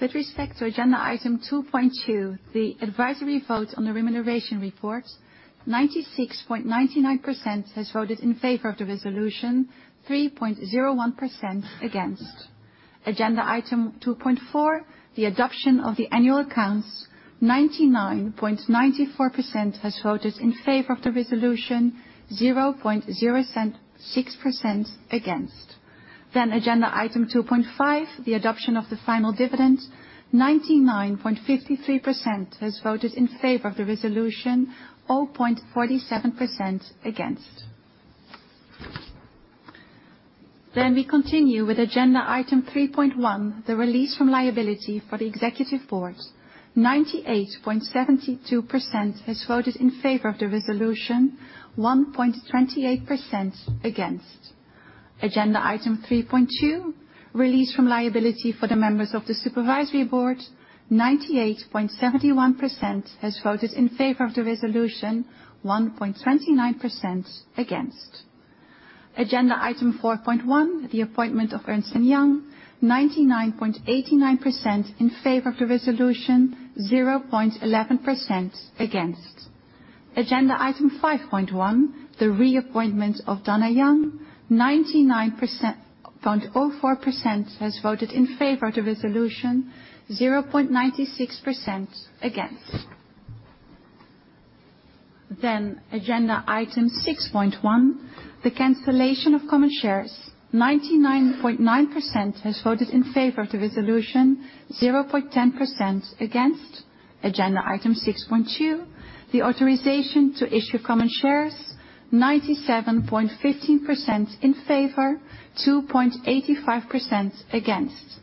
[SPEAKER 14] With respect to agenda item 2.2, the advisory vote on the remuneration report, 96.99% has voted in favor of the resolution, 3.01% against. Agenda item 2.4, the adoption of the annual accounts, 99.94% has voted in favor of the resolution, 0.06% against. Agenda item 2.5, the adoption of the final dividend, 99.53% has voted in favor of the resolution, 0.47% against. We continue with agenda item 3.1, the release from liability for the executive board, 98.72% has voted in favor of the resolution, 1.28% against. Agenda item 3.2, release from liability for the members of the Supervisory Board, 98.71% has voted in favor of the resolution, 1.29% against. Agenda item 4.1, the appointment of Ernst & Young, 99.89% in favor of the resolution, 0.11% against. Agenda item 5.1, the reappointment of Dona Young, 99.04% has voted in favor of the resolution, 0.96% against. Agenda item 6.1, the cancellation of common shares, 99.9% has voted in favor of the resolution, 0.10% against. Agenda item 6.2, the authorization to issue common shares, 97.15% in favor, 2.85% against.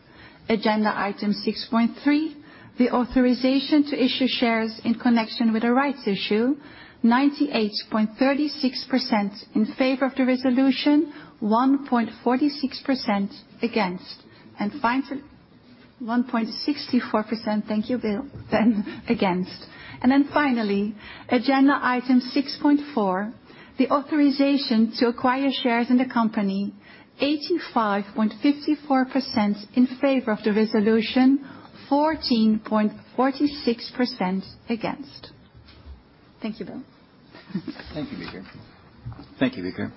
[SPEAKER 14] Agenda item 6.3, the authorization to issue shares in connection with the rights issue, 98.36% in favor of the resolution, 1.46% against, and final, 1.64%, thank you, Bill, then against. Finally, agenda item 6.4, the authorization to acquire shares in the company, 85.54% in favor of the resolution, 14.46% against. Thank you, Bill.
[SPEAKER 2] Thank you, Bieke. Thank you, Bieke.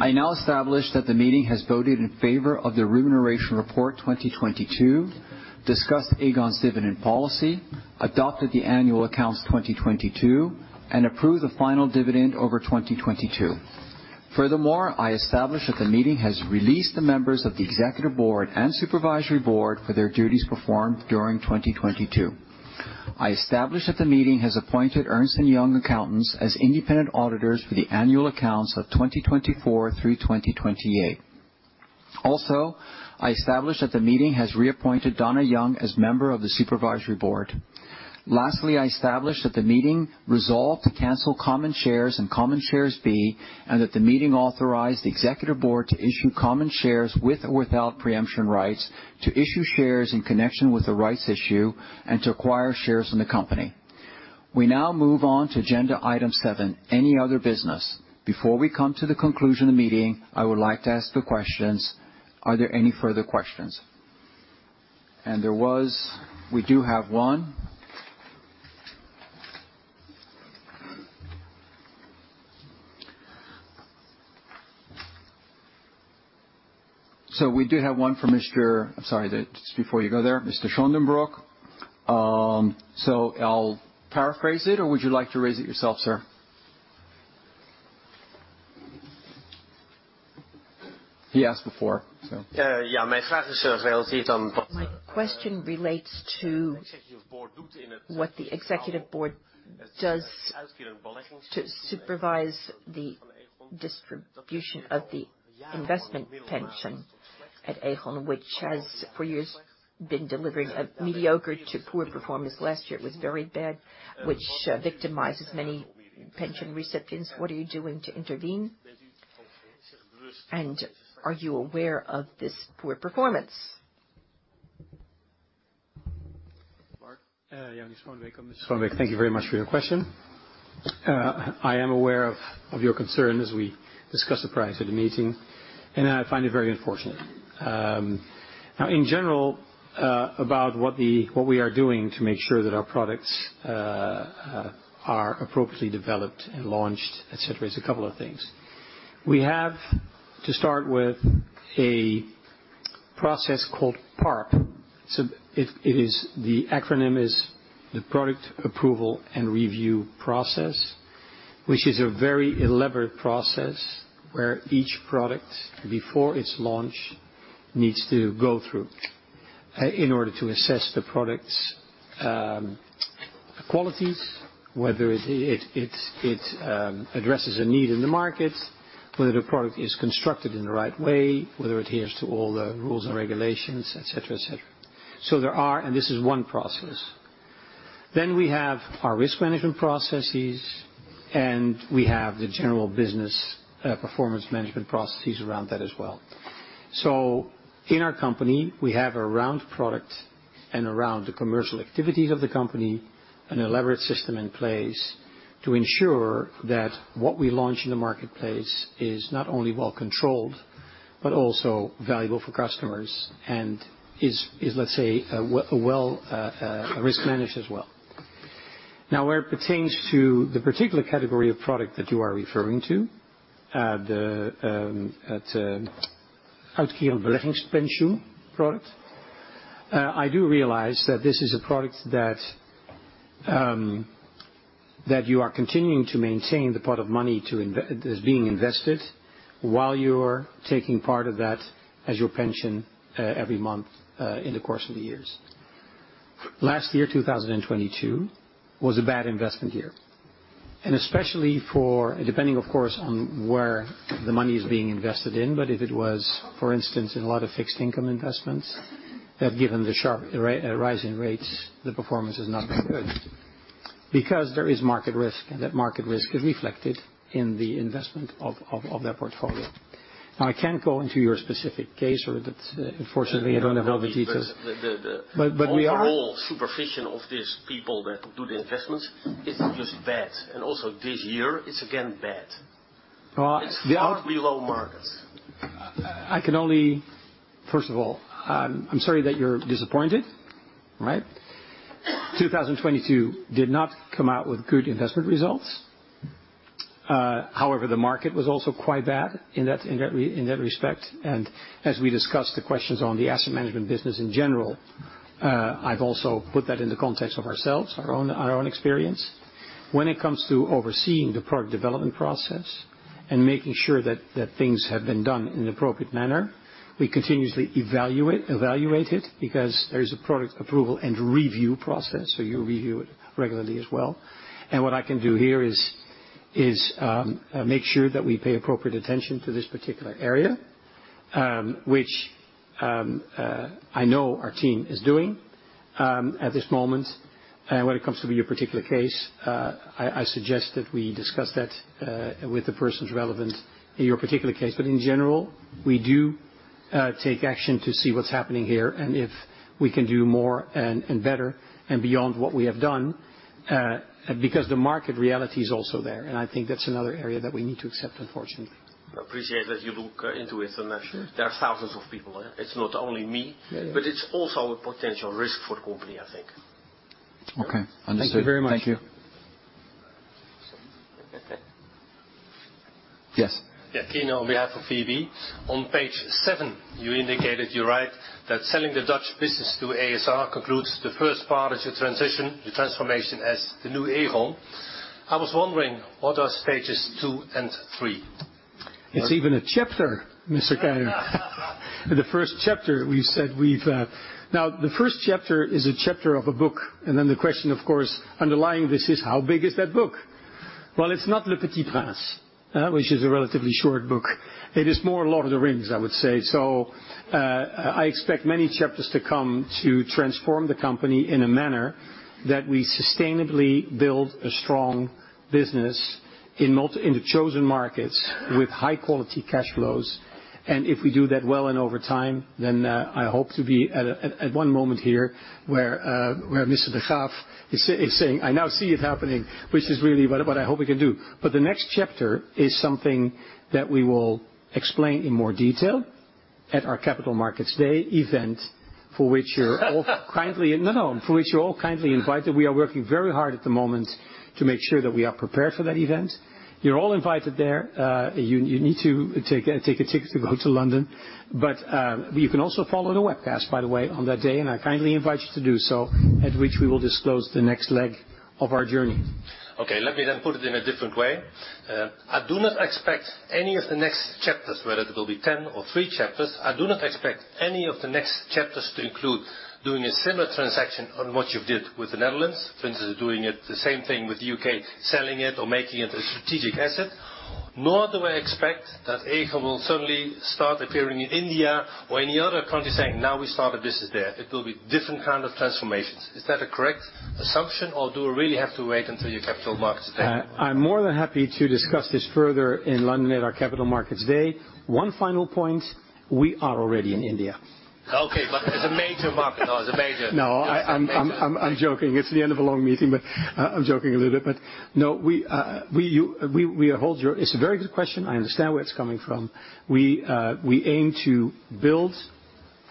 [SPEAKER 2] I now establish that the meeting has voted in favor of the Remuneration Report 2022, discussed Aegon's dividend policy, adopted the annual accounts 2022, and approved the final dividend over 2022. Furthermore, I establish that the meeting has released the members of the Executive Board and Supervisory Board for their duties performed during 2022. I establish that the meeting has appointed Ernst & Young Accountants as independent auditors for the annual accounts of 2024-2028. Also, I establish that the meeting has reappointed Dona Young as member of the Supervisory Board. Lastly, I establish that the meeting resolved to cancel common shares and Common Shares B, and that the meeting authorized the executive board to issue common shares with or without preemption rights, to issue shares in connection with the rights issue, and to acquire shares in the company. We now move on to agenda item 7, any other business. Before we come to the conclusion of the meeting, I would like to ask the questions: Are there any further questions? We do have one. We do have one from Mr. I'm sorry, that just before you go there, Mr. Schandenbroek. I'll paraphrase it, or would you like to raise it yourself, sir? He asked before.
[SPEAKER 3] Yeah, My question relates to what the executive board does to supervise the distribution of the investment pension at Aegon, which has for years been delivering a mediocre to poor performance. Last year, it was very bad, which victimizes many pension recipients. What are you doing to intervene? Are you aware of this poor performance?
[SPEAKER 2] Yeah, Jan van den Broek. Thank you very much for your question. I am aware of your concern as we discussed it prior to the meeting, and I find it very unfortunate. Now, in general, about what we are doing to make sure that our products are appropriately developed and launched, et cetera, is a couple of things. We have, to start with, a process called PARP. It is, the acronym is the Product Approval and Review Process, which is a very elaborate process, where each product, before its launch, needs to go through in order to assess the product's qualities, whether it addresses a need in the market, whether the product is constructed in the right way, whether it adheres to all the rules and regulations, et cetera, et cetera. There are, and this is one process. We have our risk management processes, and we have the general business, performance management processes around that as well. In our company, we have around product and around the commercial activities of the company, an elaborate system in place to ensure that what we launch in the marketplace is not only well-controlled, but also valuable for customers and let's say, risk managed as well. Now, where it pertains to the particular category of product that you are referring to, the out here, Beleggingspensioen product, I do realize that this is a product that you are continuing to maintain the pot of money that's being invested, while you're taking part of that as your pension every month in the course of the years. Last year, 2022, was a bad investment year, and especially for... Depending, of course, on where the money is being invested in, but if it was, for instance, in a lot of fixed income investments, given the sharp rise in rates, the performance is not very good. Because there is market risk, and that market risk is reflected in the investment of that portfolio. Now, I can't go into your specific case or that, unfortunately, I don't have all the details. But we are-
[SPEAKER 3] The overall supervision of these people that do the investments, it's just bad. Also this year, it's again bad.
[SPEAKER 2] Uh, the-
[SPEAKER 3] It's far below markets.
[SPEAKER 2] I can only First of all, I'm sorry that you're disappointed, right? 2022 did not come out with good investment results. However, the market was also quite bad in that respect, as we discussed the questions on the asset management business in general, I've also put that in the context of ourselves, our own experience. When it comes to overseeing the product development process and making sure that things have been done in an appropriate manner, we continuously evaluate it because there is a Product Approval and Review Process, so you review it regularly as well. What I can do here is make sure that we pay appropriate attention to this particular area, which I know our team is doing at this moment. When it comes to your particular case, I suggest that we discuss that with the persons relevant in your particular case. In general, we do take action to see what's happening here, and if we can do more and better and beyond what we have done, because the market reality is also there, and I think that's another area that we need to accept, unfortunately.
[SPEAKER 3] I appreciate that you look, into it.
[SPEAKER 2] Sure.
[SPEAKER 3] There are thousands of people, it's not only me.
[SPEAKER 2] Yeah, yeah.
[SPEAKER 3] It's also a potential risk for the company, I think.
[SPEAKER 2] Okay, understood.
[SPEAKER 1] Thank you very much.
[SPEAKER 2] Thank you. Yes?
[SPEAKER 15] Yeah, Kener, on behalf of VBDO. On page seven, you indicated, you write, that selling the Dutch business to a.s.r. concludes the first part of your transition, your transformation as the new Aegon. I was wondering, what are pages two and three?
[SPEAKER 2] It's even a chapter, Mr. Kener. In the first chapter, we said we've... Now, the first chapter is a chapter of a book, and then the question, of course, underlying this is: How big is that book? Well, it's not Le Petit Prince, which is a relatively short book. It is more Lord of the Rings, I would say. I expect many chapters to come to transform the company in a manner that we sustainably build a strong business in the chosen markets with high-quality cash flows. And if we do that well and over time, then, I hope to be at a, at one moment here where Mr. de Graaf is saying, "I now see it happening," which is really what I, what I hope we can do. The next chapter is something that we will explain in more detail at our Capital Markets Day event, for which you're all kindly invited. We are working very hard at the moment to make sure that we are prepared for that event. You're all invited there. You need to take a ticket to go to London, but you can also follow the webcast, by the way, on that day, and I kindly invite you to do so, at which we will disclose the next leg of our journey.
[SPEAKER 15] Let me then put it in a different way. I do not expect any of the next chapters, whether it will be 10 or 3 chapters, I do not expect any of the next chapters to include doing a similar transaction on what you did with the Netherlands. For instance, doing it, the same thing with the UK, selling it or making it a strategic asset, nor do I expect that Aegon will suddenly start appearing in India or any other country, saying, "Now we start a business there." It will be different kind of transformations. Is that a correct assumption, or do we really have to wait until your Capital Markets Day?
[SPEAKER 2] I'm more than happy to discuss this further in London at our Capital Markets Day. One final point, we are already in India.
[SPEAKER 15] Okay, it's a major market. Oh, it's a major-
[SPEAKER 2] No, I,
[SPEAKER 15] Major.
[SPEAKER 2] I'm joking. It's the end of a long meeting, but I'm joking a little bit. No, we hold your... It's a very good question. I understand where it's coming from. We aim to build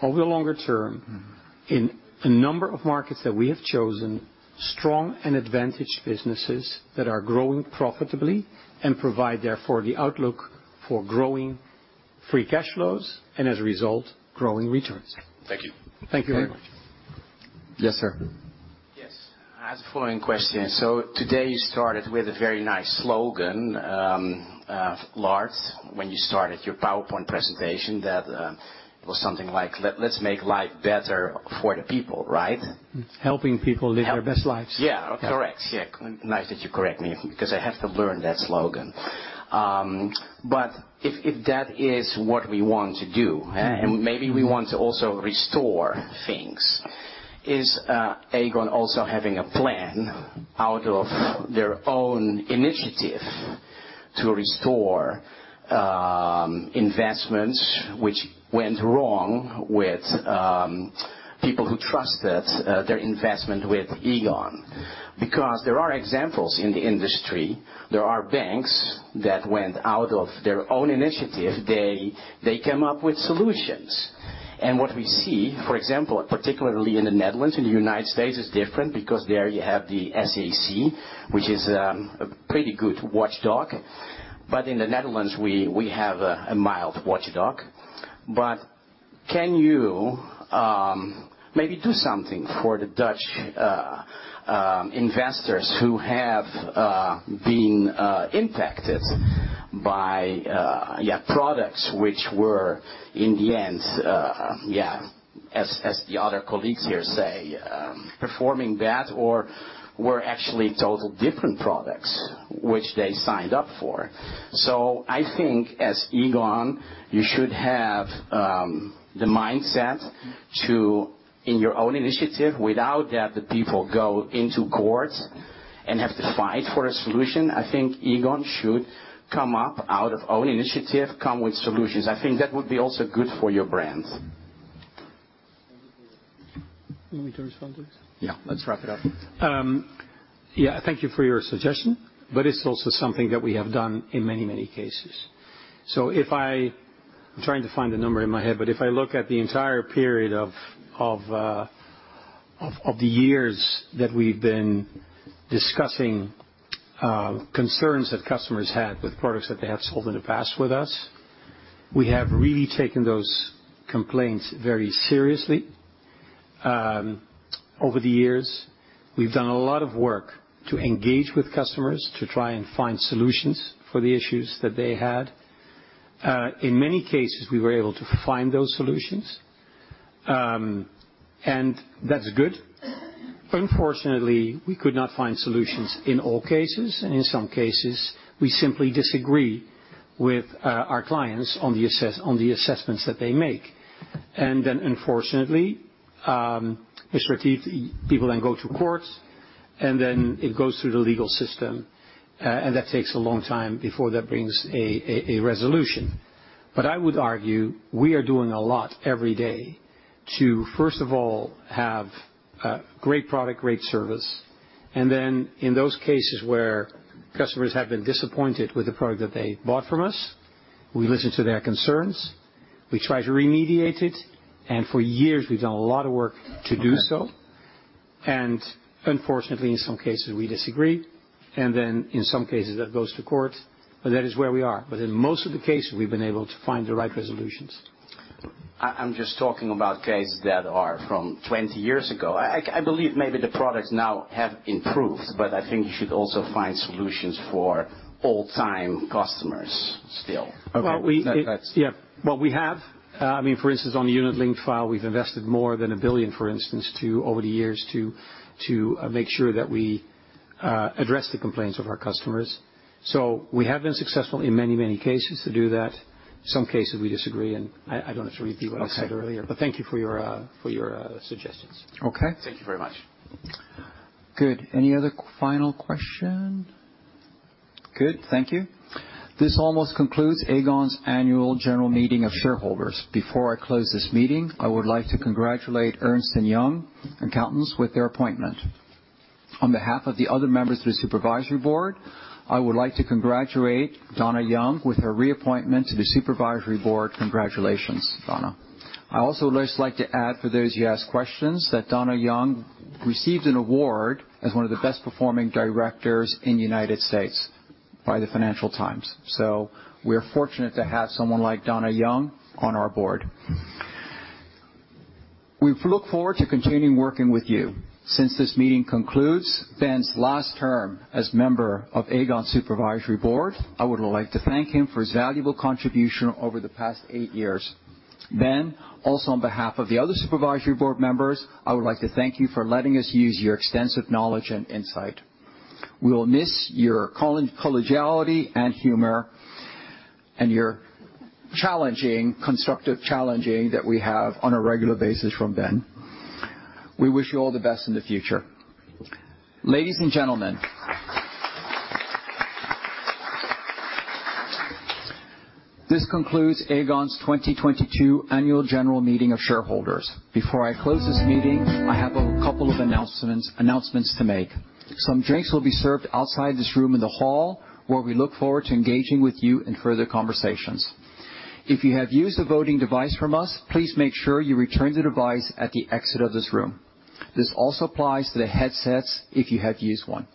[SPEAKER 2] over the longer term...
[SPEAKER 15] Mm-hmm.
[SPEAKER 2] In a number of markets that we have chosen, strong and advantaged businesses that are growing profitably and provide, therefore, the outlook for growing free cash flows, and as a result, growing returns.
[SPEAKER 15] Thank you.
[SPEAKER 2] Thank you very much.
[SPEAKER 1] Yes, sir.
[SPEAKER 12] Yes, I have the following question: Today, you started with a very nice slogan, Lars, when you started your PowerPoint presentation, that it was something like, "Let's make life better for the people," right?
[SPEAKER 2] Helping people live their best lives.
[SPEAKER 12] Yeah, correct.
[SPEAKER 2] Yeah.
[SPEAKER 12] Nice that you correct me, because I have to learn that slogan. If that is what we want to do.
[SPEAKER 2] Mm-hmm.
[SPEAKER 12] Maybe we want to also restore things, is Aegon also having a plan out of their own initiative to restore investments which went wrong with people who trusted their investment with Aegon? Because there are examples in the industry, there are banks that went out of their own initiative, they came up with solutions. What we see, for example, particularly in the Netherlands, in the United States, it's different because there you have the SEC, which is a pretty good watchdog. In the Netherlands, we have a mild watchdog. Can you maybe do something for the Dutch investors who have been impacted by products which were, in the end, as the other colleagues here say, performing bad or were actually total different products which they signed up for. I think as Aegon, you should have the mindset to, in your own initiative, without that the people go into courts and have to fight for a solution, I think Aegon should come up out of own initiative, come with solutions. I think that would be also good for your brand.
[SPEAKER 2] You want me to respond, please?
[SPEAKER 1] Yeah, let's wrap it up.
[SPEAKER 2] Thank you for your suggestion, it's also something that we have done in many, many cases. I'm trying to find the number in my head, but if I look at the entire period of the years that we've been discussing, concerns that customers had with products that they have sold in the past with us, we have really taken those complaints very seriously. Over the years, we've done a lot of work to engage with customers to try and find solutions for the issues that they had. In many cases, we were able to find those solutions, that's good. Unfortunately, we could not find solutions in all cases, in some cases, we simply disagree with our clients on the assessments that they make. Unfortunately, Mr. Keith, people then go to court, and then it goes through the legal system, and that takes a long time before that brings a resolution. I would argue, we are doing a lot every day to, first of all, have a great product, great service, and then in those cases where customers have been disappointed with the product that they bought from us, we listen to their concerns, we try to remediate it, and for years, we've done a lot of work to do so. Unfortunately, in some cases, we disagree, and then in some cases, that goes to court. That is where we are. In most of the cases, we've been able to find the right resolutions.
[SPEAKER 12] I'm just talking about cases that are from 20 years ago. I believe maybe the products now have improved, but I think you should also find solutions for old-time customers still.
[SPEAKER 2] Well.
[SPEAKER 12] That's-
[SPEAKER 2] Well, we have. I mean, for instance, on the unit-linked file, we've invested more than 1 billion, for instance, over the years, to make sure that we address the complaints of our customers. We have been successful in many, many cases to do that. Some cases, we disagree, and I don't have to repeat what I said earlier.
[SPEAKER 12] Okay.
[SPEAKER 2] Thank you for your, for your, suggestions.
[SPEAKER 12] Okay. Thank you very much.
[SPEAKER 2] Good. Any other final question? Good. Thank you. This almost concludes Aegon's annual general meeting of shareholders. Before I close this meeting, I would like to congratulate Ernst & Young Accountants, with their appointment. On behalf of the other members of the supervisory board, I would like to congratulate Dona Young with her reappointment to the supervisory board. Congratulations, Dona. I also would just like to add, for those who asked questions, that Dona Young received an award as one of the best-performing directors in the United States by the Financial Times, so we're fortunate to have someone like Dona Young on our board. We look forward to continuing working with you. Since this meeting concludes Ben's last term as member of Aegon Supervisory Board, I would like to thank him for his valuable contribution over the past 8 years. Ben, also on behalf of the other Supervisory Board members, I would like to thank you for letting us use your extensive knowledge and insight. We will miss your collegiality and humor, and your challenging, constructive challenging that we have on a regular basis from Ben. We wish you all the best in the future. Ladies and gentlemen, this concludes Aegon's 2022 Annual General Meeting of Shareholders. Before I close this meeting, I have a couple of announcements to make. Some drinks will be served outside this room in the hall, where we look forward to engaging with you in further conversations. If you have used a voting device from us, please make sure you return the device at the exit of this room. This also applies to the headsets, if you have used one.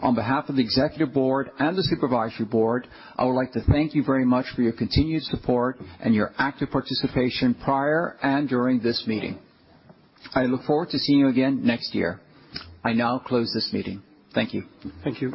[SPEAKER 2] On behalf of the executive board and the supervisory board, I would like to thank you very much for your continued support and your active participation prior and during this meeting. I look forward to seeing you again next year. I now close this meeting. Thank you.
[SPEAKER 1] Thank you.